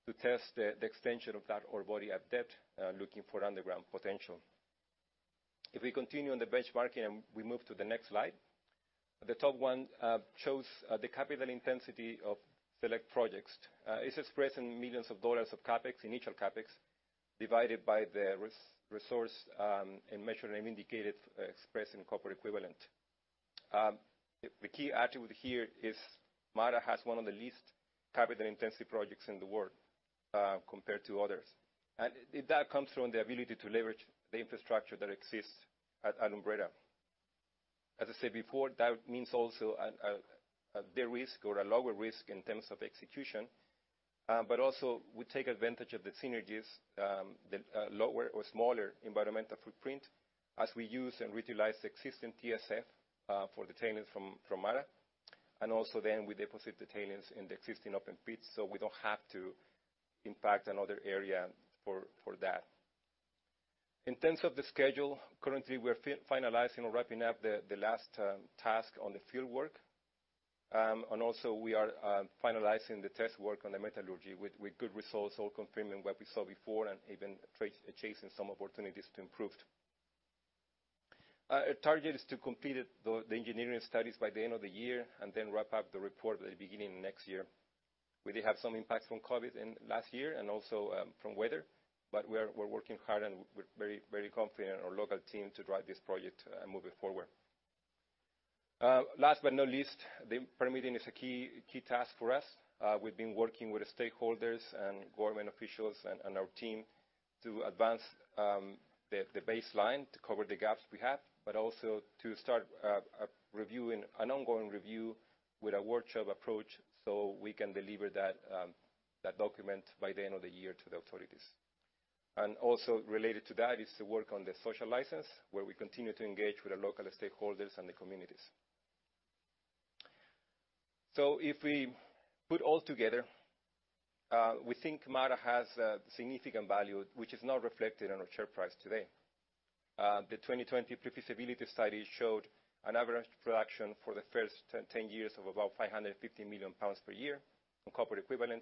to test the extension of that ore body at depth, looking for underground potential. If we continue on the benchmarking and we move to the next Slide, the top one shows the capital intensity of select projects. It's expressed in $ millions of CapEx, initial CapEx, divided by the resource, in measured and indicated, expressed in copper equivalent. The key attribute here is MARA has one of the least capital-intensive projects in the world, compared to others. That comes from the ability to leverage the infrastructure that exists at Alumbrera. As I said before, that means also a low risk or a lower risk in terms of execution, but also we take advantage of the synergies, the lower or smaller environmental footprint as we use and reutilize existing TSF, for the tailings from MARA. Also then we deposit the tailings in the existing open pits, so we don't have to impact another area for that. In terms of the schedule, currently we're finalizing or wrapping up the last task on the field work. We are finalizing the test work on the metallurgy with good results, all confirming what we saw before and even chasing some opportunities to improve. Our target is to complete the engineering studies by the end of the year and then wrap up the report at the beginning of next year. We did have some impacts from COVID-19 in last year and also from weather, but we're working hard, and we're very confident in our local team to drive this project and move it forward. Last but not least, the permitting is a key task for us. We've been working with the stakeholders and government officials and our team to advance the baseline to cover the gaps we have, but also to start a review, an ongoing review with a workshop approach, so we can deliver that document by the end of the year to the authorities. Also related to that is the work on the social license, where we continue to engage with the local stakeholders and the communities. If we put all together, we think MARA has a significant value which is not reflected in our share price today. The 2020 pre-feasibility study showed an average production for the first 10 years of about 550 million pounds per year in copper equivalent,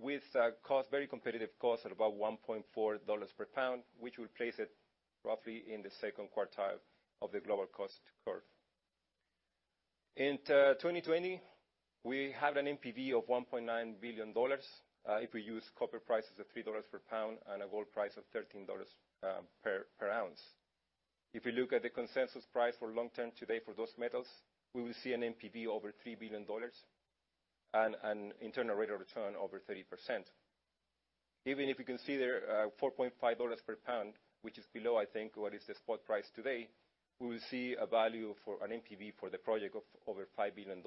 with a cost, very competitive cost at about $1.4 per pound, which would place it roughly in the second quartile of the global cost curve. In 2020, we have an NPV of $1.9 billion, if we use copper prices of $3 per pound and a gold price of $13 per ounce. If you look at the consensus price for long-term today for those metals, we will see an NPV over $3 billion and an internal rate of return over 30%. Even if you consider $4.50 per pound, which is below, I think, what is the spot price today, we will see a value for an NPV for the project of over $5 billion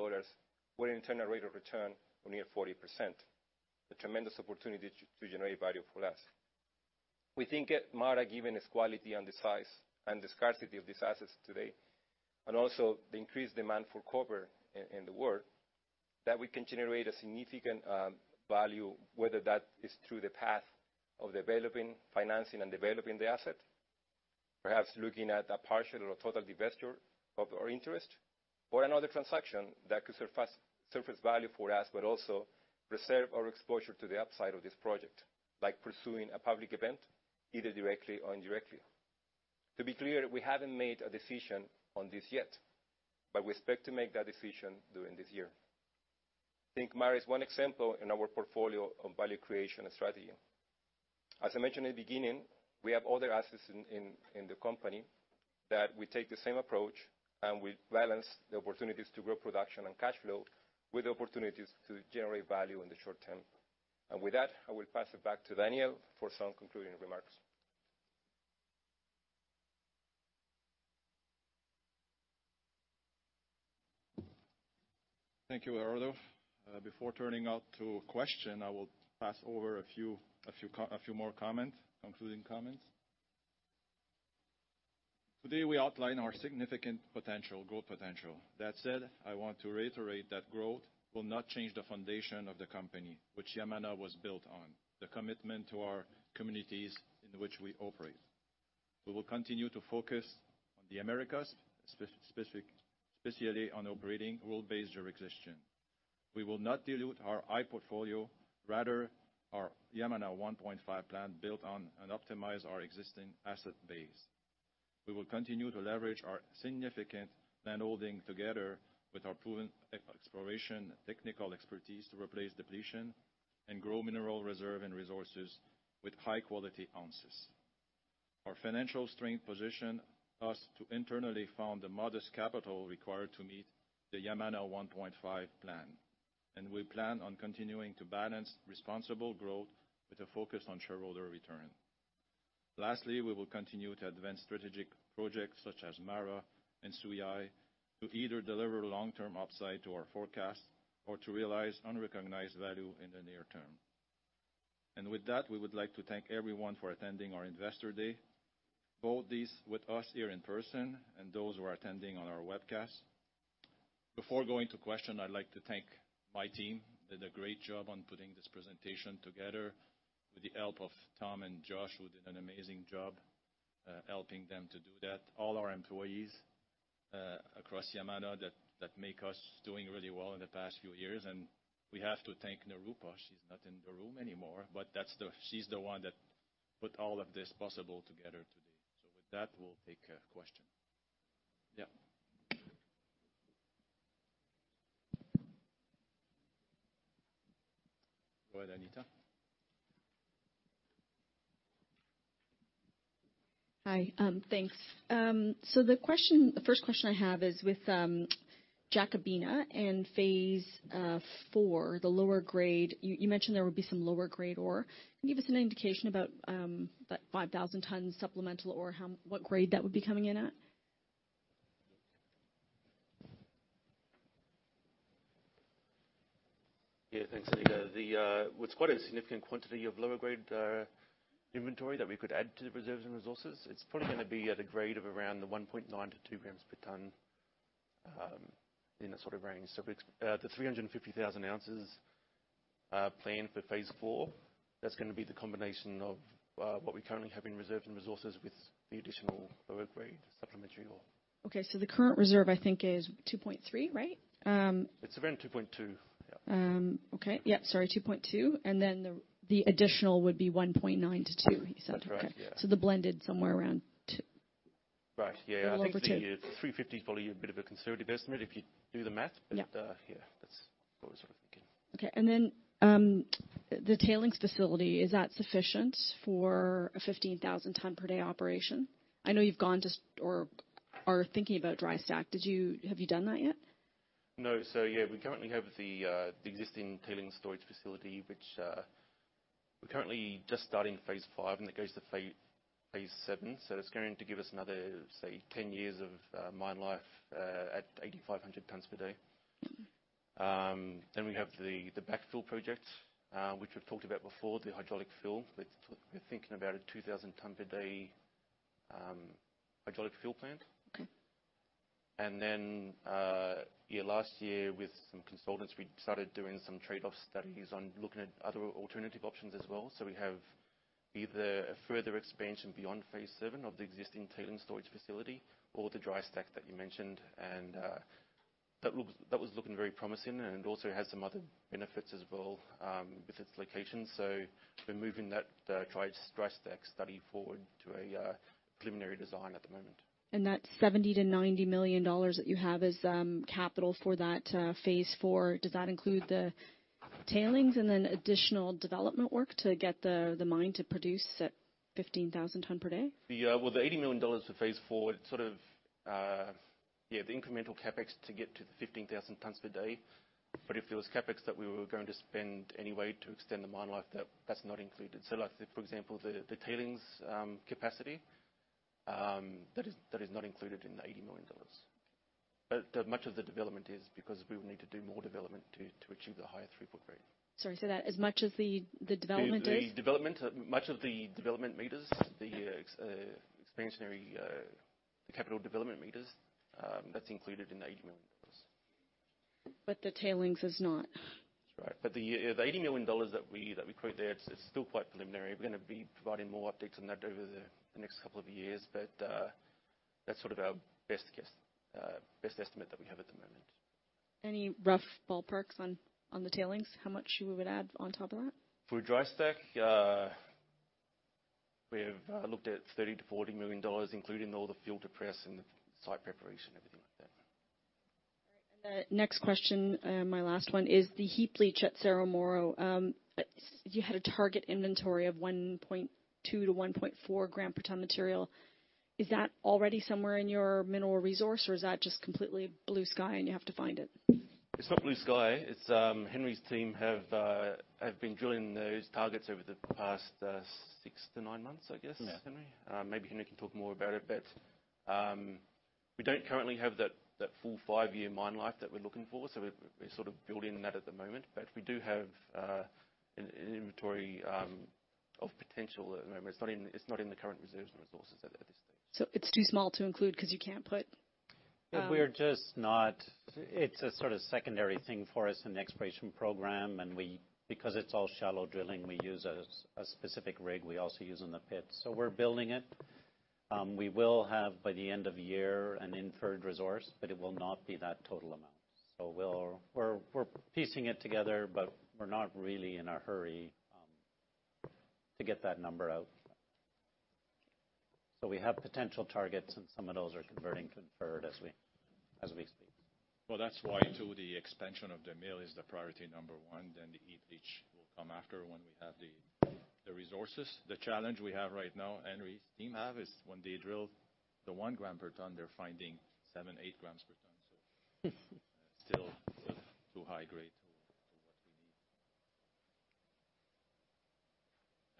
with an internal rate of return of near 40%. A tremendous opportunity to generate value for us. We think that MARA, given its quality and the size and the scarcity of these assets today, and also the increased demand for copper in the world, that we can generate a significant value, whether that is through the path of developing, financing and developing the asset, perhaps looking at a partial or total divestiture of our interest or another transaction that could surface value for us, but also reserve our exposure to the upside of this project, like pursuing a public event, either directly or indirectly. To be clear, we haven't made a decision on this yet, but we expect to make that decision during this year. I think MARA is one example in our portfolio of value creation strategy. As I mentioned in the beginning, we have other assets in the company that we take the same approach, and we balance the opportunities to grow production and cash flow with opportunities to generate value in the short term. With that, I will pass it back to Daniel for some concluding remarks. Thank you, Gerardo. Before turning to questions, I will pass over a few more concluding comments. Today, we outline our significant potential, growth potential. That said, I want to reiterate that growth will not change the foundation of the company, which Yamana was built on, the commitment to our communities in which we operate. We will continue to focus on the Americas, especially on operating gold-based jurisdictions. We will not dilute our high portfolio, rather our Yamana 1.5 plan built on and optimize our existing asset base. We will continue to leverage our significant landholding together with our proven exploration technical expertise to replace depletion and grow mineral reserves and resources with high-quality ounces. Our financial strength positions us to internally fund the modest capital required to meet the Yamana 1.5 plan. We plan on continuing to balance responsible growth with a focus on shareholder return. Lastly, we will continue to advance strategic projects such as MARA and Suiai to either deliver long-term upside to our forecast or to realize unrecognized value in the near term. With that, we would like to thank everyone for attending our Investor Day, both those with us here in person and those who are attending on our webcast. Before going to questions, I'd like to thank my team who did a great job on putting this presentation together with the help of Tom and Josh, who did an amazing job helping them to do that. All our employees across Yamana that make us do really well in the past few years, and we have to thank Narupa. She's not in the room anymore, but she's the one that put all of this together today. With that, we'll take a question. Yeah. Go ahead, Anita. Hi, thanks. The question, the first question I have is with Jacobina and Phase IV, the lower grade. You mentioned there would be some lower grade ore. Can you give us an indication about that 5,000 tonnes supplemental ore, what grade that would be coming in at? Yeah, thanks, Anita. The what's quite a significant quantity of lower grade inventory that we could add to the reserves and resources. It's probably gonna be at a grade of around the 1.9 grams to 2 grams per ton in that sort of range. The 350,000 ounces planned for Phase IV, that's gonna be the combination of what we currently have in reserves and resources with the additional lower grade supplementary ore. The current reserve I think is $2.3, right? It's around $2.2, yeah. Okay. Yeah, sorry, $2.2. Then the additional would be $1.9 to $2, is that okay? That's right, yeah. The blended somewhere around $2. Right, yeah. A little over $2. I think the $350 is probably a bit of a conservative estimate if you do the math. Yeah. Yeah, that's what we're sort of thinking. Okay, the tailings facility, is that sufficient for a 15,000 tonnes per day operation? I know you've gone to or are thinking about dry stack. Have you done that yet? No. Yeah, we currently have the existing tailings storage facility, which we're currently just starting phase five, and it goes to phase seven. It's going to give us another, say, 10 years of mine life at 8500 tonnes per day. Then we have the backfill project, which we've talked about before, the hydraulic fill. We're thinking about a 2000 tonnes per day hydraulic fill plant. Last year with some consultants, we started doing some trade-off studies on looking at other alternative options as well. We have either a further expansion beyond phase seven of the existing tailings storage facility or the dry stack that you mentioned. That was looking very promising and also has some other benefits as well with its location. We're moving that dry stack study forward to a preliminary design at the moment. That $70 million to $90 million that you have as capital for that Phase IV, does that include the tailings and then additional development work to get the mine to produce at 15,000 tonnes per day? The well, the $80 million for Phase IV, it sort of, yeah, the incremental CapEx to get to the 15,000 tonnes per day. If it was CapEx that we were going to spend anyway to extend the mine life, that's not included. Like, for example, the tailings capacity, that is not included in the $80 million. Much of the development is because we will need to do more development to achieve the higher throughput grade. Sorry, that as much as the development is? The development meters, much of the expansionary capital development meters, that's included in the $80 million. The tailings is not? That's right. The, yeah, the $80 million that we quote there, it's still quite preliminary. We're gonna be providing more updates on that over the next couple of years. That's sort of our best guess, best estimate that we have at the moment. Any rough ballparks on the tailings? How much we would add on top of that? For dry stack, we have looked at $30 million-$40 million, including all the filter press and the site preparation, everything like that. All right. The next question, my last one is the heap leach at Cerro Moro. You had a target inventory of 1.2 gram to 1.4 gram per ton material. Is that already somewhere in your mineral resource, or is that just completely blue sky and you have to find it? It's not blue sky. Henry's team have been drilling those targets over the past six to nine months, I guess. Yeah. Henry? Maybe Henry can talk more about it, but we don't currently have that full five-year mine life that we're looking for, so we're sort of building that at the moment. We do have an inventory of potential at the moment. It's not in the current reserves and resources at this stage. It's too small to include 'cause you can't put. It's a sort of secondary thing for us in the exploration program, and we because it's all shallow drilling, we use a specific rig we also use in the pit. We're building it. We will have by the end of year an inferred resource, but it will not be that total amount. We're piecing it together, but we're not really in a hurry to get that number out. We have potential targets, and some of those are converting to inferred as we speak. Well, that's why too, the expansion of the mill is the priority number one, then the heap leach will come after when we have the resources. The challenge we have right now, Henry's team have, is when they drill the one gram per ton, they're finding 7 grams to 8 grams per ton, still too high grade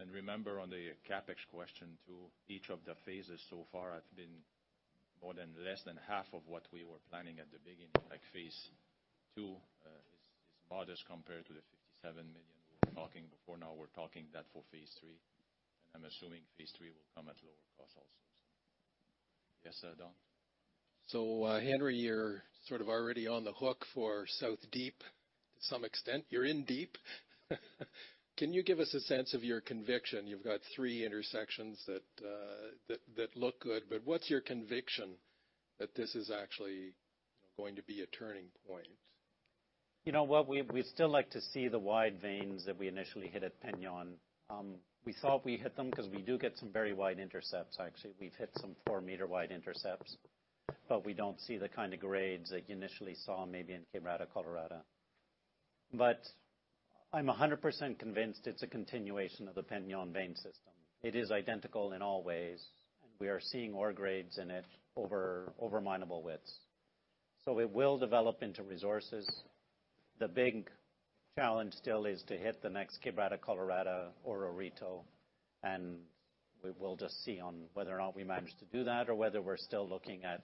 for what we need. Remember on the CapEx question too, each of the phases so far have been more than less than half of what we were planning at the beginning. Like Phase II is modest compared to the $57 million we were talking before. Now we're talking that for Phase III. I'm assuming Phase III will come at lower cost also. Yes, Don? Henry, you're sort of already on the hook for South Deep to some extent. You're in deep. Can you give us a sense of your conviction? You've got three intersections that look good, but what's your conviction that this is actually going to be a turning point? You know what? We'd still like to see the wide veins that we initially hit at El Peñón. We thought we hit them 'cause we do get some very wide intercepts, actually. We've hit some 4-meter wide intercepts, but we don't see the kinda grades that you initially saw maybe in Quebrada Colorada. I'm 100% convinced it's a continuation of the El Peñón vein system. It is identical in all ways. We are seeing ore grades in it over minable widths. It will develop into resources. The big challenge still is to hit the next Quebrada Colorada or Orito, and we will just see on whether or not we manage to do that or whether we're still looking at,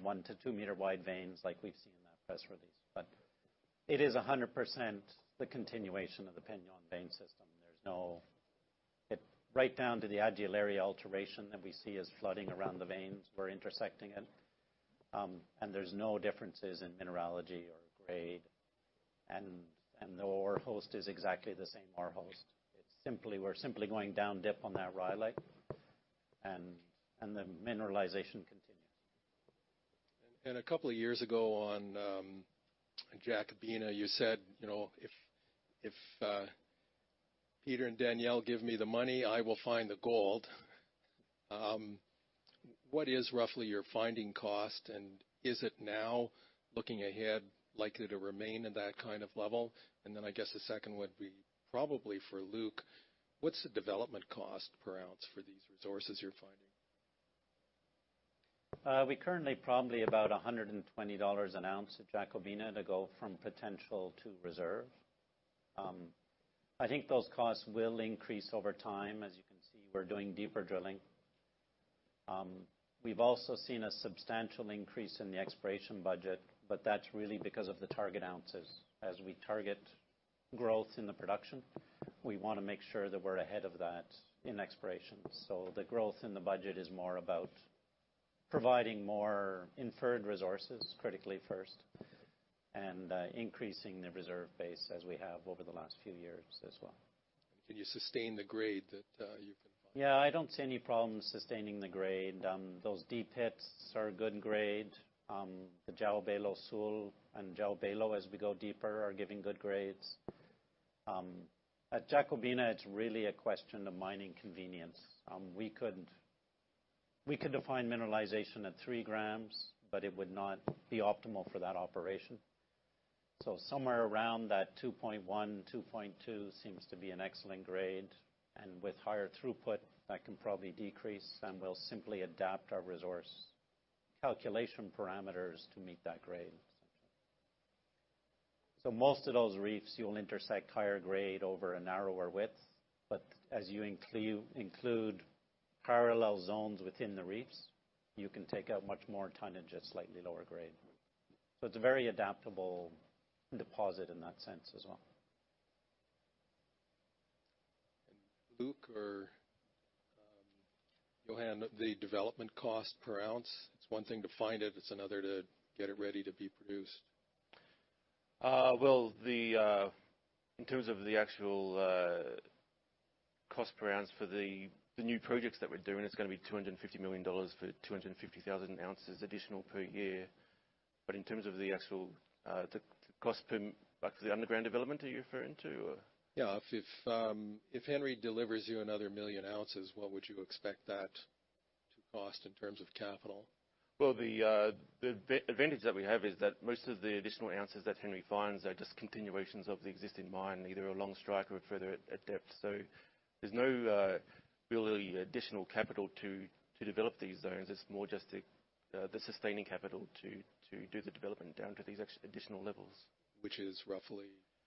one to two-meter wide veins like we've seen in that press release. It is 100% the continuation of the El Peñón vein system. It's right down to the adularia alteration that we see is flooding around the veins, we're intersecting it. There's no differences in mineralogy or grade. The ore host is exactly the same ore host. It's simply, we're simply going down dip on that rhyolite and the mineralization continues. A couple of years ago on Jacobina, you said, if Peter and Daniel give me the money, I will find the gold. What is roughly your finding cost, and is it now, looking ahead, likely to remain at that kind of level? Then I guess the second would be probably for Luke, what's the development cost per ounce for these resources you're finding? We currently probably about $120 an ounce at Jacobina to go from potential to reserve. I think those costs will increase over time. As you can see, we're doing deeper drilling. We've also seen a substantial increase in the exploration budget, but that's really because of the target ounces. As we target growth in the production, we wanna make sure that we're ahead of that in exploration. The growth in the budget is more about providing more inferred resources critically first, and increasing the reserve base as we have over the last few years as well. Can you sustain the grade that you've been finding? Yeah, I don't see any problem sustaining the grade. Those deep pits are a good grade. The João Belo Sul and João Belo, as we go deeper, are giving good grades. At Jacobina, it's really a question of mining convenience. We could define mineralization at 3 grams, but it would not be optimal for that operation. Somewhere around that 2.1 grams to 2.2 grams seems to be an excellent grade. With higher throughput, that can probably decrease, and we'll simply adapt our resource calculation parameters to meet that grade. Most of those reefs, you'll intersect higher grade over a narrower width. But as you include parallel zones within the reefs, you can take out much more tonnage at slightly lower grade. It's a very adaptable deposit in that sense as well. Luke or Yohann, the development cost per ounce, it's one thing to find it's another to get it ready to be produced. Well, in terms of the actual cost per ounce for the new projects that we're doing, it's gonna be $250 million for 250,000 ounces additional per year. In terms of the actual cost per, like, the underground development, are you referring to or? Yeah. If Henry delivers you another 1 million ounces, what would you expect that to cost in terms of capital? Well, the advantage that we have is that most of the additional ounces that Henry finds are just continuations of the existing mine, either along strike or further at depth. There's no really additional capital to develop these zones. It's more just the sustaining capital to do the development down to these additional levels. Which is roughly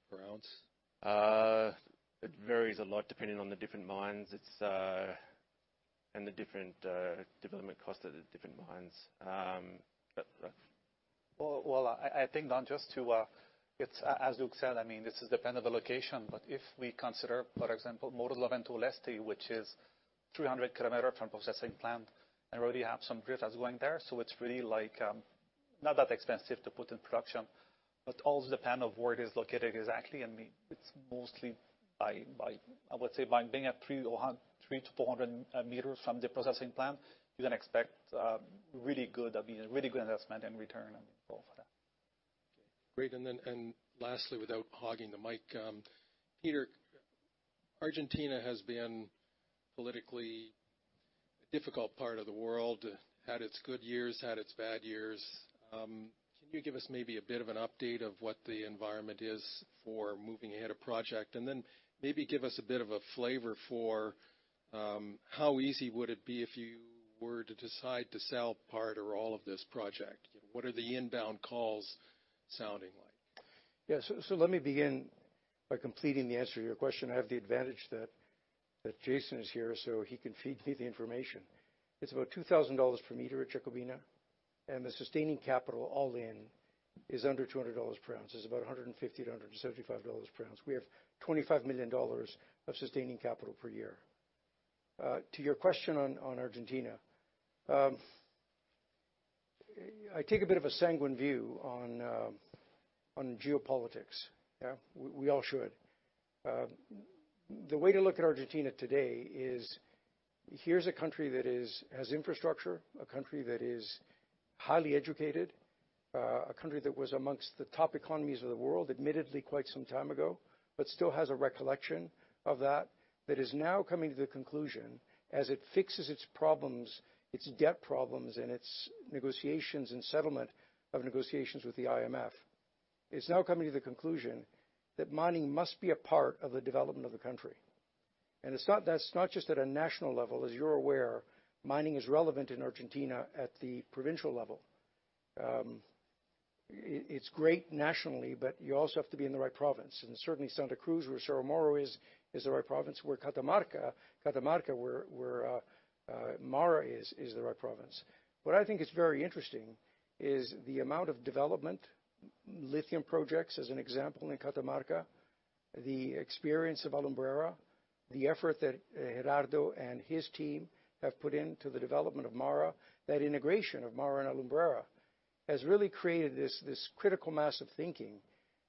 per ounce? It varies a lot depending on the different mines and the different development cost of the different mines. Well, I think, Don, as Luke said, I mean, this is dependent on location, but if we consider, for example, Morro do Vento Leste, which is 300 kilometers from the processing plant, and we already have some cutters going there, so it's really like not that expensive to put in production. But it all depends on where it is located exactly, and it's mostly, I would say, by being at 300 meters to 400 meters from the processing plant, you can expect really good, I mean, really good investment and return on both of them. Great. Lastly, without hogging the mic, Peter, Argentina has been politically difficult part of the world, had its good years, had its bad years. Can you give us maybe a bit of an update of what the environment is for moving ahead a project? Maybe give us a bit of a flavor for how easy would it be if you were to decide to sell part or all of this project? What are the inbound calls sounding like? Yes. Let me begin by completing the answer to your question. I have the advantage that Jason is here, so he can feed me the information. It's about $2,000 per meter at Jacobina, and the sustaining capital all in is under $200 per ounce. It's about $150-$275 per ounce. We have $25 million of sustaining capital per year. To your question on Argentina, I take a bit of a sanguine view on geopolitics. Yeah. We all should. The way to look at Argentina today is here's a country that has infrastructure, a country that is highly educated, a country that was among the top economies of the world, admittedly quite some time ago, but still has a recollection of that is now coming to the conclusion as it fixes its problems, its debt problems, and its negotiations and settlement of negotiations with the IMF. It's now coming to the conclusion that mining must be a part of the development of the country. That's not just at a national level, as you're aware, mining is relevant in Argentina at the provincial level. It's great nationally, but you also have to be in the right province. Certainly, Santa Cruz, where Cerro Moro is the right province, where Catamarca, where MARA is the right province. What I think is very interesting is the amount of development, lithium projects, as an example, in Catamarca, the experience of Alumbrera, the effort that Gerardo and his team have put into the development of MARA, that integration of MARA and Alumbrera has really created this critical mass of thinking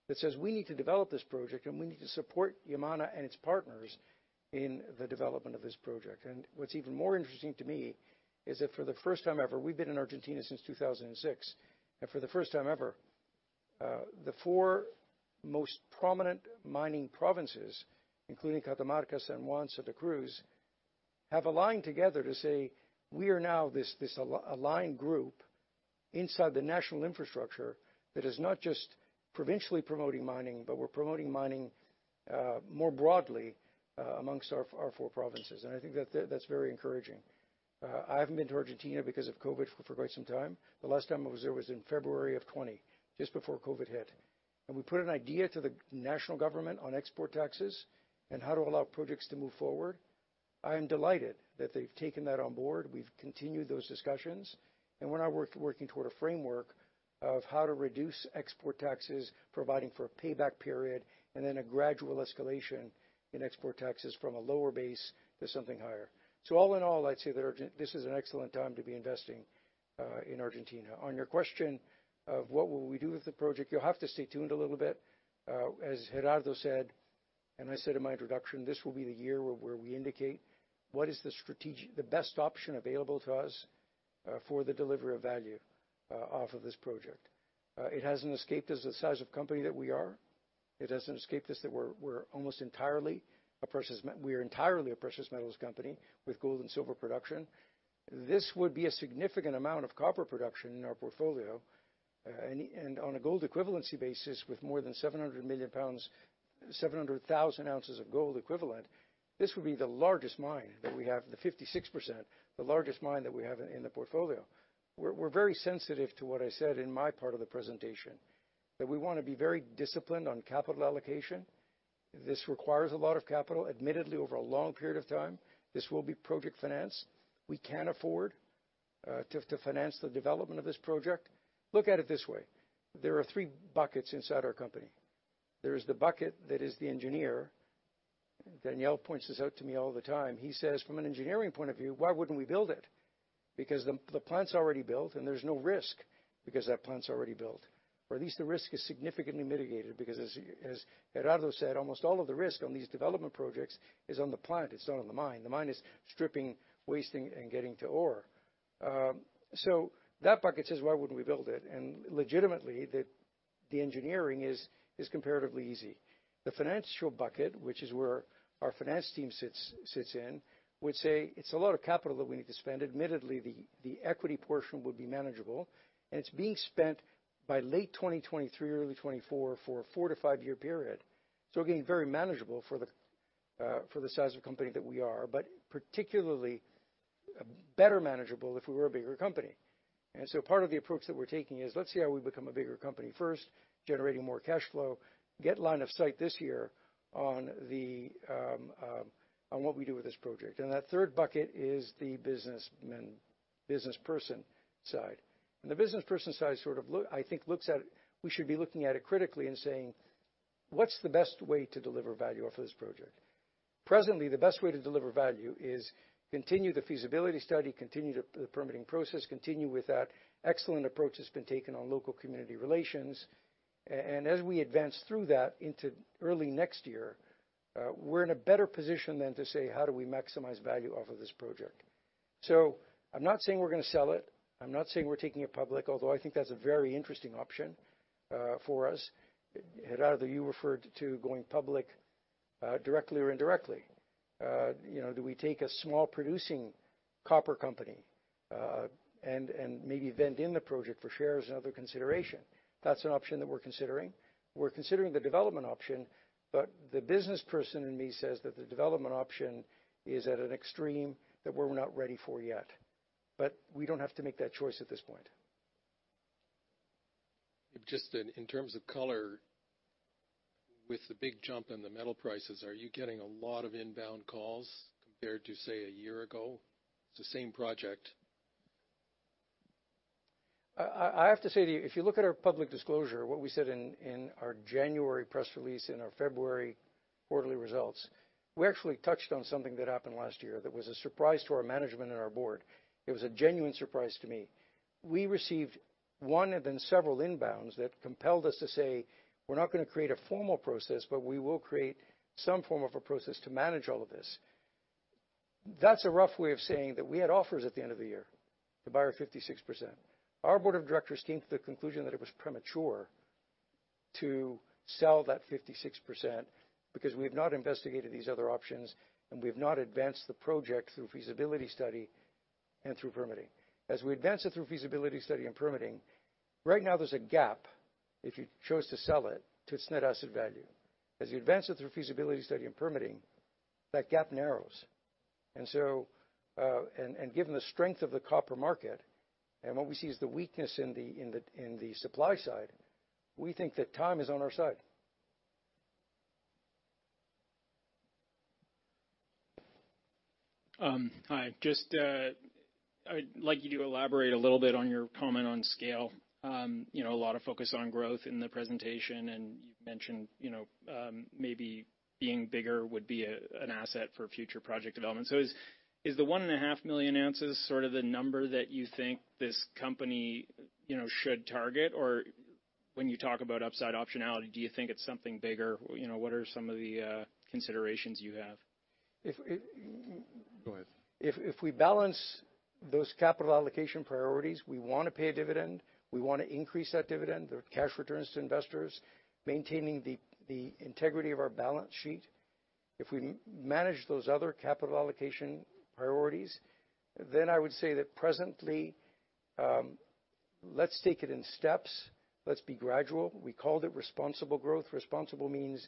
that says, we need to develop this project, and we need to support Yamana and its partners in the development of this project. What's even more interesting to me is that for the first time ever, we've been in Argentina since 2006, and for the first time ever, the four most prominent mining provinces, including Catamarca, San Juan, Santa Cruz, have aligned together to say, we are now this aligned group inside the national infrastructure that is not just provincially promoting mining, but we're promoting mining more broadly amongst our four provinces. I think that that's very encouraging. I haven't been to Argentina because of COVID for quite some time. The last time I was there was in February of 2020, just before COVID-19 hit. We put an idea to the national government on export taxes and how to allow projects to move forward. I am delighted that they've taken that on board. We've continued those discussions, and we're now working toward a framework of how to reduce export taxes, providing for a payback period and then a gradual escalation in export taxes from a lower base to something higher. All in all, I'd say that Argentina, this is an excellent time to be investing in Argentina. On your question of what will we do with the project, you'll have to stay tuned a little bit. As Gerardo said, and I said in my introduction, this will be the year where we indicate what is the best option available to us for the delivery of value off of this project. It hasn't escaped us the size of company that we are. It hasn't escaped us that we're entirely a precious metals company with gold and silver production. This would be a significant amount of copper production in our portfolio. On a gold equivalency basis, with more than 700 million pounds, 700,000 ounces of gold equivalent, this would be the largest mine that we have, the 56%, the largest mine that we have in the portfolio. We're very sensitive to what I said in my part of the presentation, that we wanna be very disciplined on capital allocation. This requires a lot of capital, admittedly, over a long period of time. This will be project finance. We can afford to finance the development of this project. Look at it this way. There are three buckets inside our company. There's the bucket that is the engineer. Daniel points this out to me all the time. He says, "From an engineering point of view, why wouldn't we build it? Because the plant's already built, and there's no risk because that plant's already built. At least the risk is significantly mitigated because as Gerardo said, almost all of the risk on these development projects is on the plant, it's not on the mine. The mine is stripping, wasting, and getting to ore. That bucket says, "Why wouldn't we build it?" Legitimately, the engineering is comparatively easy. The financial bucket, which is where our finance team sits in, would say, "It's a lot of capital that we need to spend." Admittedly, the equity portion would be manageable, and it's being spent by late 2023, early 2024 for a four to five years period. Again, very manageable for the size of company that we are, but particularly better manageable if we were a bigger company. Part of the approach that we're taking is let's see how we become a bigger company first, generating more cash flow, get line of sight this year on what we do with this project. That third bucket is the business person side. The business person side we should be looking at it critically and saying, "What's the best way to deliver value off of this project?" Presently, the best way to deliver value is continue the feasibility study, continue the permitting process, continue with that excellent approach that's been taken on local community relations. As we advance through that into early next year, we're in a better position then to say, how do we maximize value off of this project? I'm not saying we're gonna sell it. I'm not saying we're taking it public, although I think that's a very interesting option for us. Gerardo, you referred to going public directly or indirectly. You know, do we take a small producing copper company and maybe vent in the project for shares and other consideration? That's an option that we're considering. We're considering the development option, but the business person in me says that the development option is at an extreme that we're not ready for yet. We don't have to make that choice at this point. Just in terms of color, with the big jump in the metal prices, are you getting a lot of inbound calls compared to, say, a year ago? It's the same project. I have to say to you, if you look at our public disclosure, what we said in our January press release and our February quarterly results, we actually touched on something that happened last year that was a surprise to our management and our board. It was a genuine surprise to me. We received one and then several inbounds that compelled us to say, we're not gonna create a formal process, but we will create some form of a process to manage all of this. That's a rough way of saying that we had offers at the end of the year to buy our 56%. Our board of directors came to the conclusion that it was premature to sell that 56% because we have not investigated these other options, and we have not advanced the project through feasibility study and through permitting. As we advance it through feasibility study and permitting, right now there's a gap if you chose to sell it to its net asset value. As you advance it through feasibility study and permitting, that gap narrows. Given the strength of the copper market and what we see is the weakness in the supply side, we think that time is on our side. Hi. Just, I would like you to elaborate a little bit on your comment on scale. You know, a lot of focus on growth in the presentation, and you've mentioned, you know, maybe being bigger would be an asset for future project development. Is the 1.5 million ounces sort of the number that you think this company, you know, should target? Or when you talk about upside optionality, do you think it's something bigger? You know, what are some of the considerations you have? If, if- Go ahead. If we balance those capital allocation priorities, we wanna pay a dividend, we wanna increase that dividend, the cash returns to investors, maintaining the integrity of our balance sheet. If we manage those other capital allocation priorities, I would say that presently, let's take it in steps. Let's be gradual. We called it responsible growth. Responsible means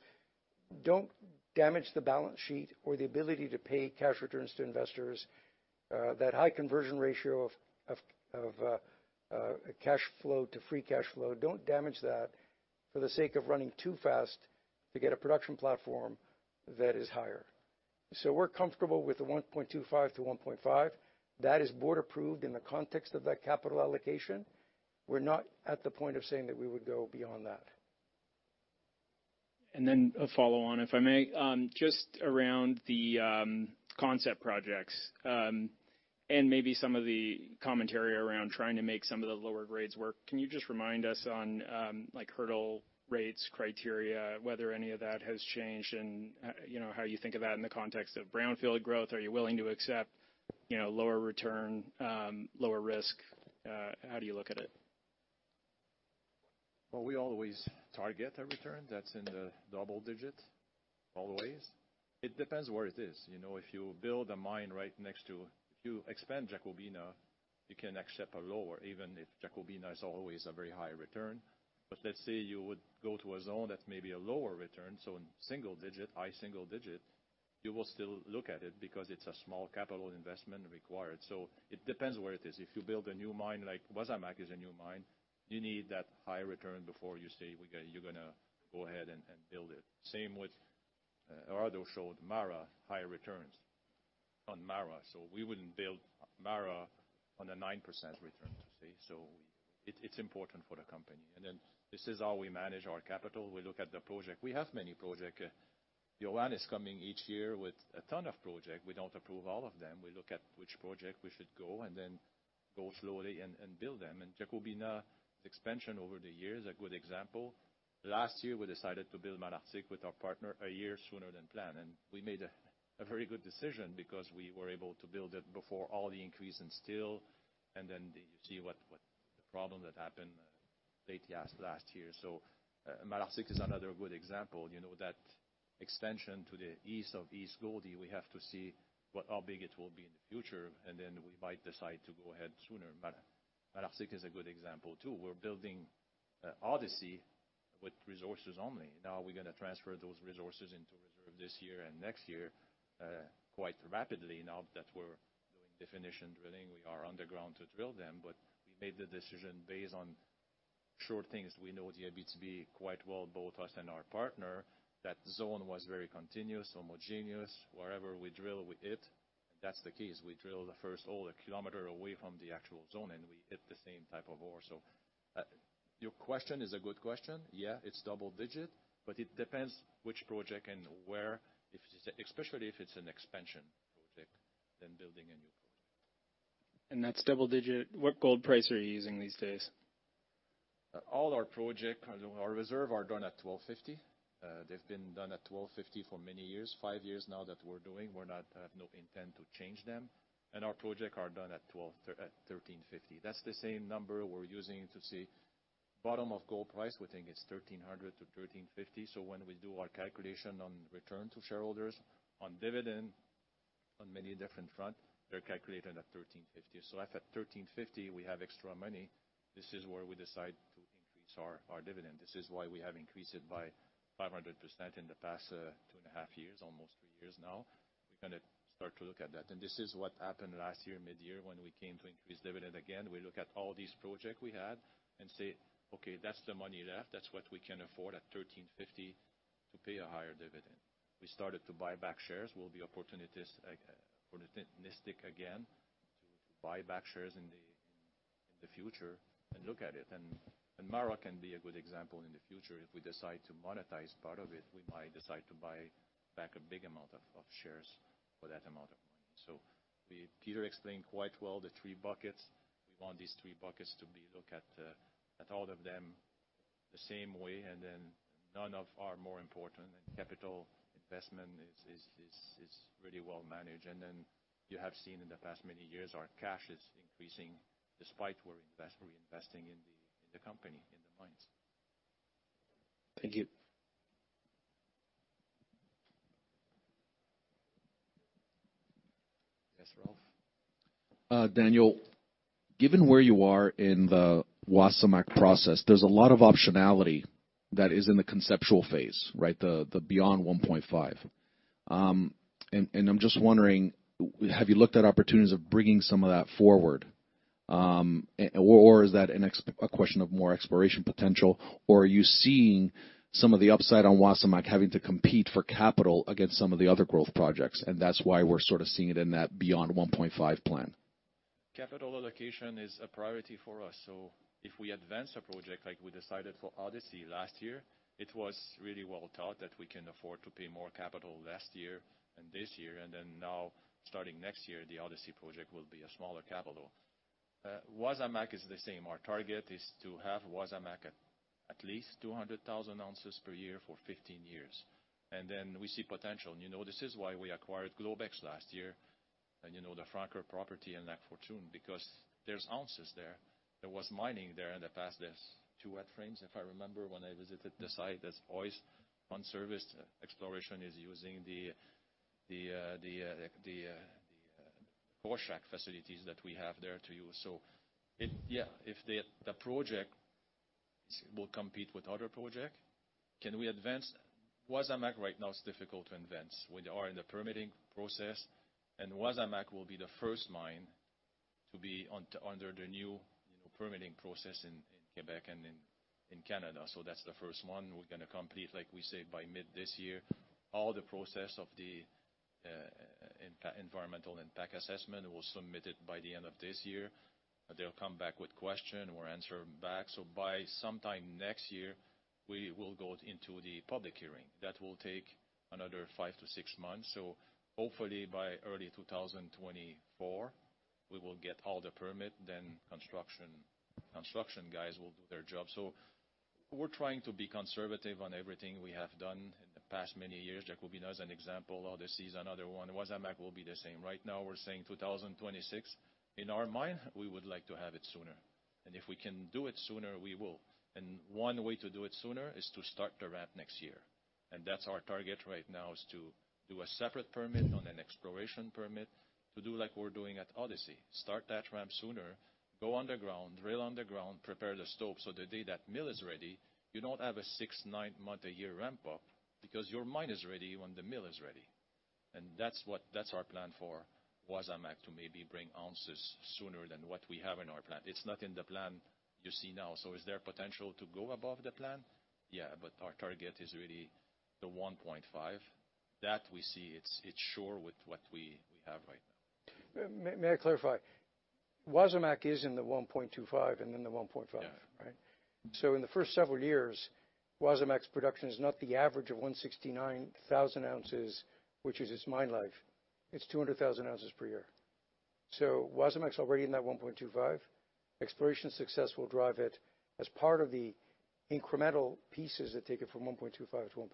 don't damage the balance sheet or the ability to pay cash returns to investors. That high conversion ratio of cash flow to free cash flow, don't damage that for the sake of running too fast to get a production platform that is higher. We're comfortable with the 1.25 grams to 1.5 grams. That is board approved in the context of that capital allocation. We're not at the point of saying that we would go beyond that. Then a follow-on, if I may, just around the concept projects, and maybe some of the commentary around trying to make some of the lower grades work. Can you just remind us on, like hurdle rates, criteria, whether any of that has changed and, you know, how you think of that in the context of brownfield growth? Are you willing to accept, you know, lower return, lower risk? How do you look at it? Well, we always target a return that's in the double digits, always. It depends where it is. You know, if you build a mine right next to, if you expand Jacobina, you can accept a lower, even if Jacobina is always a very high return. Let's say you would go to a zone that's maybe a lower return, so in single digit, high single digit, you will still look at it because it's a small capital investment required. It depends where it is. If you build a new mine, like Wasamac is a new mine, you need that high return before you say you're gonna go ahead and build it. Same with, Gerardo showed MARA, higher returns on MARA. We wouldn't build MARA on a 9% return, you see? It's important for the company. This is how we manage our capital. We look at the project. We have many project. Yohann is coming each year with a ton of project. We don't approve all of them. We look at which project we should go and then go slowly and build them. Jacobina expansion over the years, a good example. Last year, we decided to build MARA with our partner a year sooner than planned, and we made a very good decision because we were able to build it before all the increase in steel, and then you see what the problem that happened late last year. MARA is another good example. You know, that extension to the east of East Gouldie, we have to see what, how big it will be in the future, and then we might decide to go ahead sooner. MARA is a good example too. We're building Odyssey with resources only. Now we're gonna transfer those resources into reserve this year and next year, quite rapidly now that we're doing definition drilling. We are underground to drill them, but we made the decision based on sure things we know the P2B quite well, both us and our partner, that zone was very continuous, homogeneous. Wherever we drill, we hit. That's the case. We drill the first hole a kilometer away from the actual zone, and we hit the same type of ore. Your question is a good question. Yeah, it's double-digit, but it depends which project and where, if it's especially if it's an expansion project than building a new project. That's double-digit. What gold price are you using these days? All our project, our reserve are done at $1,250. They've been done at $1,250 for many years, five years now that we're doing. We have no intent to change them. Our project are done at $1,350. That's the same number we're using to see bottom of gold price, we think it's $1,300-$1,350. When we do our calculation on return to shareholders, on dividend, on many different front, they're calculated at $1,350. If at $1,350 we have extra money, this is where we decide to increase our dividend. This is why we have increased it by 500% in the past 2.5 years, almost three years now. We're gonna start to look at that. This is what happened last year, mid-year, when we came to increase dividend again. We look at all these projects we had and say, "Okay, that's the money left. That's what we can afford at $1,350 to pay a higher dividend." We started to buy back shares, will be opportunistic again to buy back shares in the future and look at it. MARA can be a good example in the future. If we decide to monetize part of it, we might decide to buy back a big amount of shares for that amount of money. Peter explained quite well the three buckets. We want these three buckets to be looked at all of them the same way, and then none are more important, and capital investment is really well managed. You have seen in the past many years our cash is increasing despite we're reinvesting in the company, in the mines. Thank you. Yes, Ralph. Daniel, given where you are in the Wasamac process, there's a lot of optionality that is in the conceptual phase, right? Beyond 1.5 plan. I'm just wondering, have you looked at opportunities of bringing some of that forward? Or is that a question of more exploration potential, or are you seeing some of the upside on Wasamac having to compete for capital against some of the other growth projects, and that's why we're sort of seeing it in that beyond 1.5 plan? Capital allocation is a priority for us. If we advance a project, like we decided for Odyssey last year, it was really well thought that we can afford to pay more capital last year and this year. Now, starting next year, the Odyssey project will be a smaller capital. Wasamac is the same. Our target is to have Wasamac at least 200,000 ounces per year for 15 years. We see potential. You know, this is why we acquired Globex last year, and you know, the Francoeur property and Lac Fortune, because there's ounces there. There was mining there in the past. There's two wet frames, if I remember, when I visited the site. There's always one service. Exploration is using the Kerr-Addison facilities that we have there to use. If the project will compete with other project, can we advance Wasamac right now? It's difficult to advance. We are in the permitting process, and Wasamac will be the first mine to be under the new permitting process in Quebec and in Canada. That's the first one we're gonna complete, like we said, by mid this year. All the process of the environmental impact assessment was submitted by the end of this year. They'll come back with question, we'll answer back. By sometime next year, we will go into the public hearing. That will take another five to six months. Hopefully by early 2024, we will get all the permit, then construction guys will do their job. We're trying to be conservative on everything we have done in the past many years. Jacobina is an example. Odyssey is another one. Wasamac will be the same. Right now, we're saying 2026. In our mind, we would like to have it sooner. If we can do it sooner, we will. One way to do it sooner is to start the ramp next year. That's our target right now, is to do a separate permit on an exploration permit to do like we're doing at Odyssey. Start that ramp sooner, go underground, drill underground, prepare the stop. The day that mill is ready, you don't have a six to nine month, a year ramp up because your mine is ready when the mill is ready. That's what, that's our plan for Wasamac, to maybe bring ounces sooner than what we have in our plan. It's not in the plan you see now. Is there potential to go above the plan? Yeah, but our target is really the 1.5. That we see it's sure with what we have right now. May I clarify? Wasamac is in the 1.25 and then the 1.5. Yeah. In the first several years, Wasamac's production is not the average of 169,000 ounces, which is its mine life. It's 200,000 ounces per year. Wasamac's already in that 1.25. Exploration success will drive it as part of the incremental pieces that take it from 1.25 to 1.5.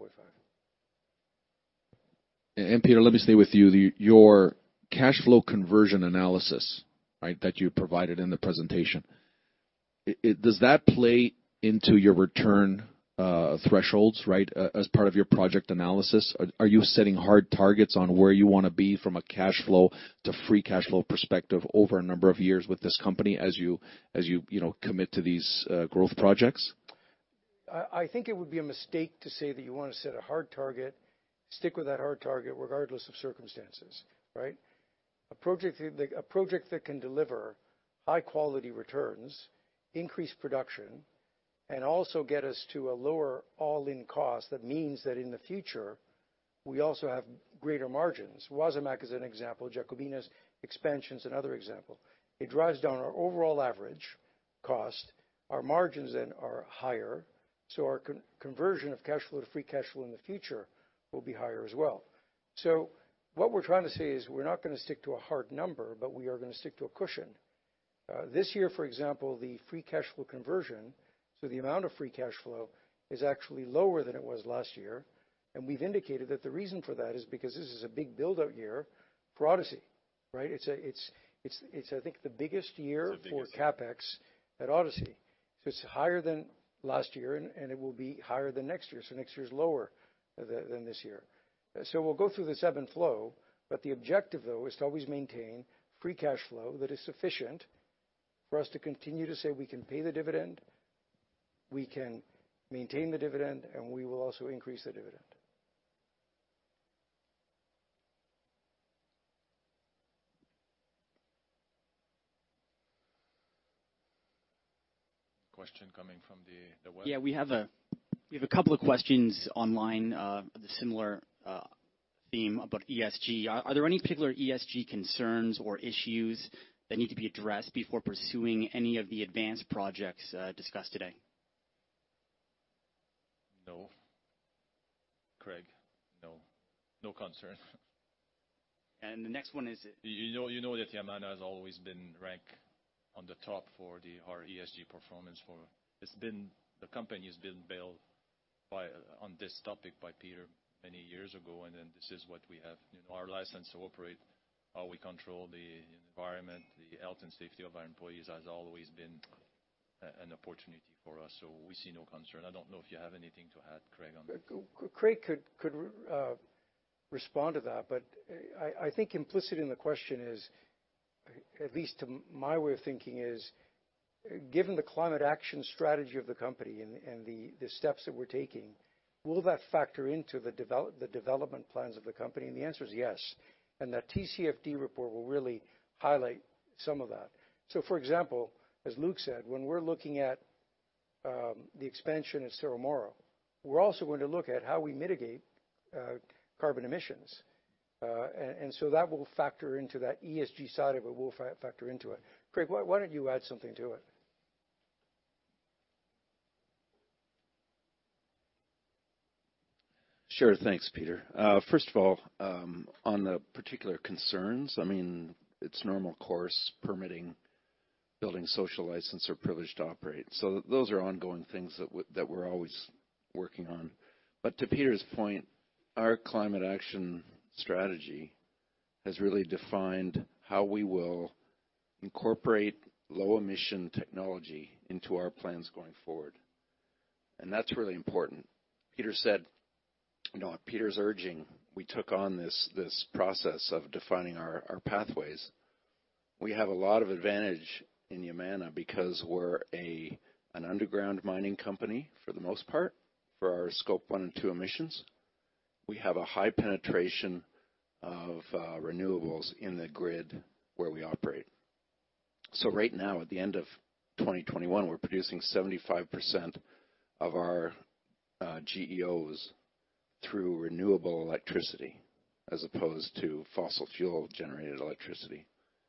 Peter, let me stay with you. Your cash flow conversion analysis, right? That you provided in the presentation, does that play into your return thresholds, right? As part of your project analysis. Are you setting hard targets on where you wanna be from a cash flow to free cash flow perspective over a number of years with this company as you you know commit to these growth projects? I think it would be a mistake to say that you wanna set a hard target, stick with that hard target regardless of circumstances, right? A project that can deliver high quality returns, increase production, and also get us to a lower all-in cost, that means that in the future we also have greater margins. Wasamac is an example, Jacobina's expansion is another example. It drives down our overall average cost. Our margins then are higher, so our conversion of cash flow to free cash flow in the future will be higher as well. What we're trying to say is, we're not gonna stick to a hard number, but we are gonna stick to a cushion. This year, for example, the free cash flow conversion to the amount of free cash flow is actually lower than it was last year, and we've indicated that the reason for that is because this is a big build-out year for Odyssey, right? It's a, I think, the biggest year- The biggest, yeah. For CapEx at Odyssey. It's higher than last year and it will be higher than next year, so next year's lower than this year. We'll go through this ebb and flow. The objective though is to always maintain free cash flow that is sufficient for us to continue to say we can pay the dividend, we can maintain the dividend, and we will also increase the dividend. Question coming from the web. We have a couple of questions online with a similar theme about ESG. Are there any particular ESG concerns or issues that need to be addressed before pursuing any of the advanced projects discussed today? No. Craig? No. No concern. The next one is. You know that Yamana has always been ranked on the top for our ESG performance. The company has been built upon this topic by Peter many years ago, and then this is what we have. You know, our license to operate, how we control the environment, the health and safety of our employees has always been an opportunity for us, so we see no concern. I don't know if you have anything to add, Craig, on this. Craig could respond to that, but I think implicit in the question is, at least to my way of thinking, given the climate action strategy of the company and the steps that we're taking, will that factor into the development plans of the company? The answer is yes. The TCFD report will really highlight some of that. For example, as Luke said, when we're looking at the expansion at Cerro Moro, we're also going to look at how we mitigate carbon emissions. That will factor into that ESG side of it, will factor into it. Craig, why don't you add something to it? Sure. Thanks, Peter. First of all, on the particular concerns, I mean, it's normal course permitting, building social license or privilege to operate, so those are ongoing things that we're always working on. To Peter's point, our climate action strategy has really defined how we will incorporate low emission technology into our plans going forward, and that's really important. Peter said, you know, at Peter's urging, we took on this process of defining our pathways. We have a lot of advantage in Yamana because we're an underground mining company for the most part for our scope one and two emissions. We have a high penetration of renewables in the grid where we operate. Right now, at the end of 2021, we're producing 75% of our GEOs through renewable electricity as opposed to fossil fuel-generated electricity,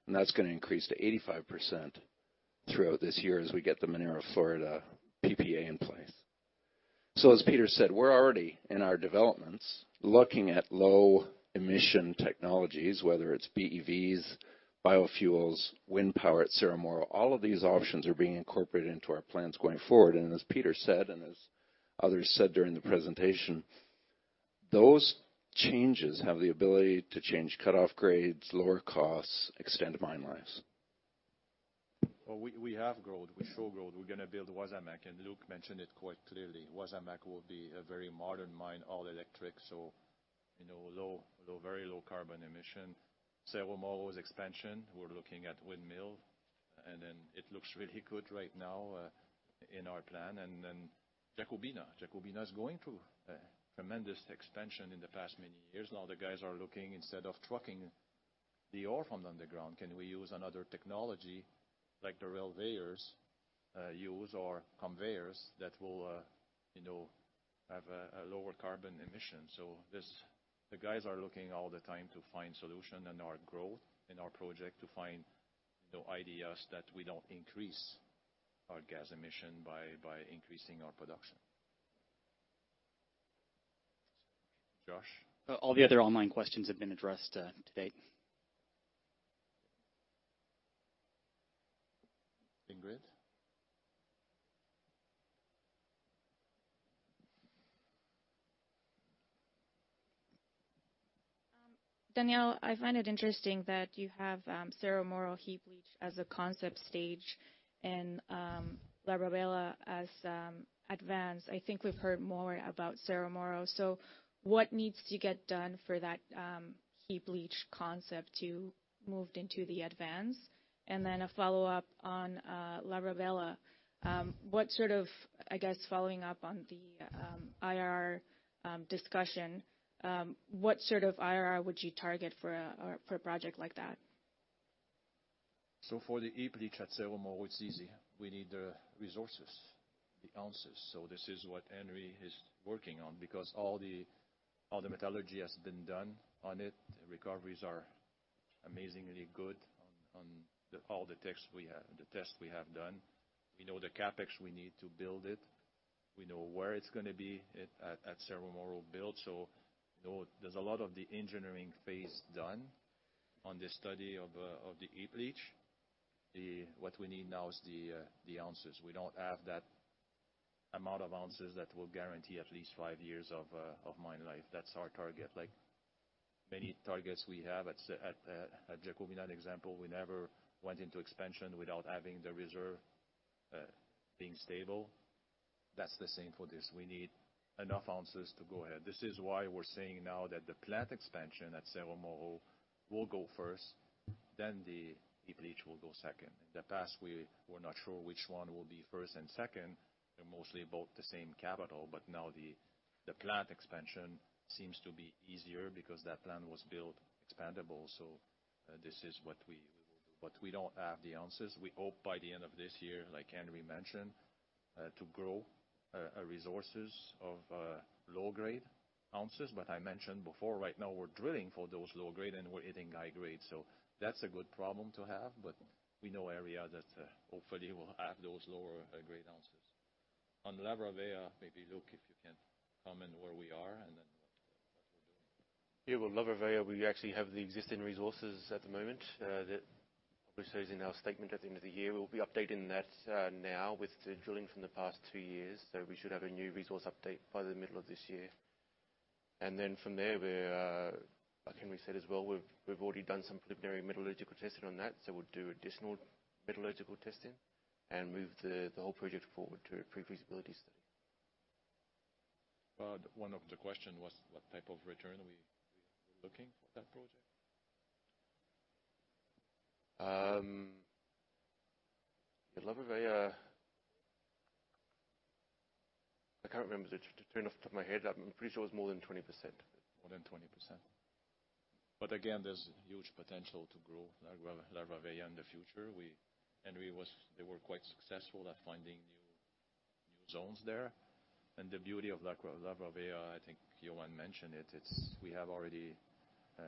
and that's gonna increase to 85% throughout this year as we get the Minera Florida PPA in place. As Peter said, we're already in our developments looking at low emission technologies, whether it's BEVs, biofuels, wind power at Cerro Moro. All of these options are being incorporated into our plans going forward. As Peter said, and as others said during the presentation, those changes have the ability to change cutoff grades, lower costs, extend mine lives. Well, we have growth. We show growth. We're gonna build Wasamac, and Luke mentioned it quite clearly. Wasamac will be a very modern mine, all electric, so you know, low, very low carbon emission. Cerro Moro's expansion, we're looking at windmill, and then it looks really good right now in our plan. Jacobina is going through a tremendous expansion in the past many years. Now the guys are looking, instead of trucking the ore from the underground, can we use another technology like the Rail-Veyor or conveyors that will, you know, have a lower carbon emission. The guys are looking all the time to find solution in our growth, in our project to find, you know, ideas that we don't increase our gas emission by increasing our production. Josh? All the other online questions have been addressed to date. Ingrid? Daniel, I find it interesting that you have Cerro Moro heap leach as a concept stage and La Robela as advanced. I think we've heard more about Cerro Moro. What needs to get done for that heap leach concept to move into the advanced? And then a follow-up on La Robela. What sort of... I guess following up on the IRR discussion, what sort of IRR would you target for a project like that? For the heap leach at Cerro Moro, it's easy. We need the resources, the ounces. This is what Henry is working on because all the metallurgy has been done on it. The recoveries are amazingly good on all the tests we have, the tests we have done. We know the CapEx we need to build it. We know where it's gonna be at Cerro Moro built. Now there's a lot of the engineering phase done on the study of the heap leach. What we need now is the ounces. We don't have that amount of ounces that will guarantee at least five years of mine life. That's our target. Like many targets we have at Jacobina example, we never went into expansion without having the reserve being stable. That's the same for this. We need enough ounces to go ahead. This is why we're saying now that the plant expansion at Cerro Moro will go first, then the heap leach will go second. In the past we were not sure which one will be first and second. They're mostly about the same capital, but now the plant expansion seems to be easier because that plant was built expandable. So this is what we will do. But we don't have the ounces. We hope by the end of this year, like Henry mentioned, to grow resources of low grade ounces. But I mentioned before, right now we're drilling for those low grade, and we're hitting high grade. So that's a good problem to have, but we know area that hopefully will have those lower grade ounces. On Lavra Velha, maybe Luke, if you can comment where we are and then what we're doing. Yeah. Well, Lavra Velha we actually have the existing resources at the moment that we said in our statement at the end of the year. We'll be updating that now with the drilling from the past two years. We should have a new resource update by the middle of this year. From there we're, like Henry said as well, we've already done some preliminary metallurgical testing on that, so we'll do additional metallurgical testing and move the whole project forward to a pre-feasibility study. One of the questions was what type of return are we looking for that project? At Lavra Velha, I can't remember the return off the top of my head. I'm pretty sure it was more than 20%. More than 20%. Again, there's huge potential to grow Lavra Velha in the future. They were quite successful at finding new zones there. The beauty of Lavra Velha, I think Johan mentioned it's we have already a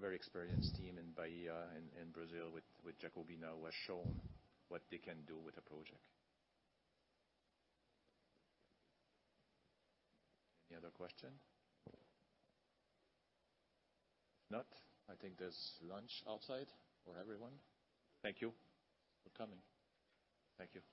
very experienced team in Bahia and in Brazil with Jacobina, who has shown what they can do with the project. Any other question? If not, I think there's lunch outside for everyone. Thank you for coming. Thank you.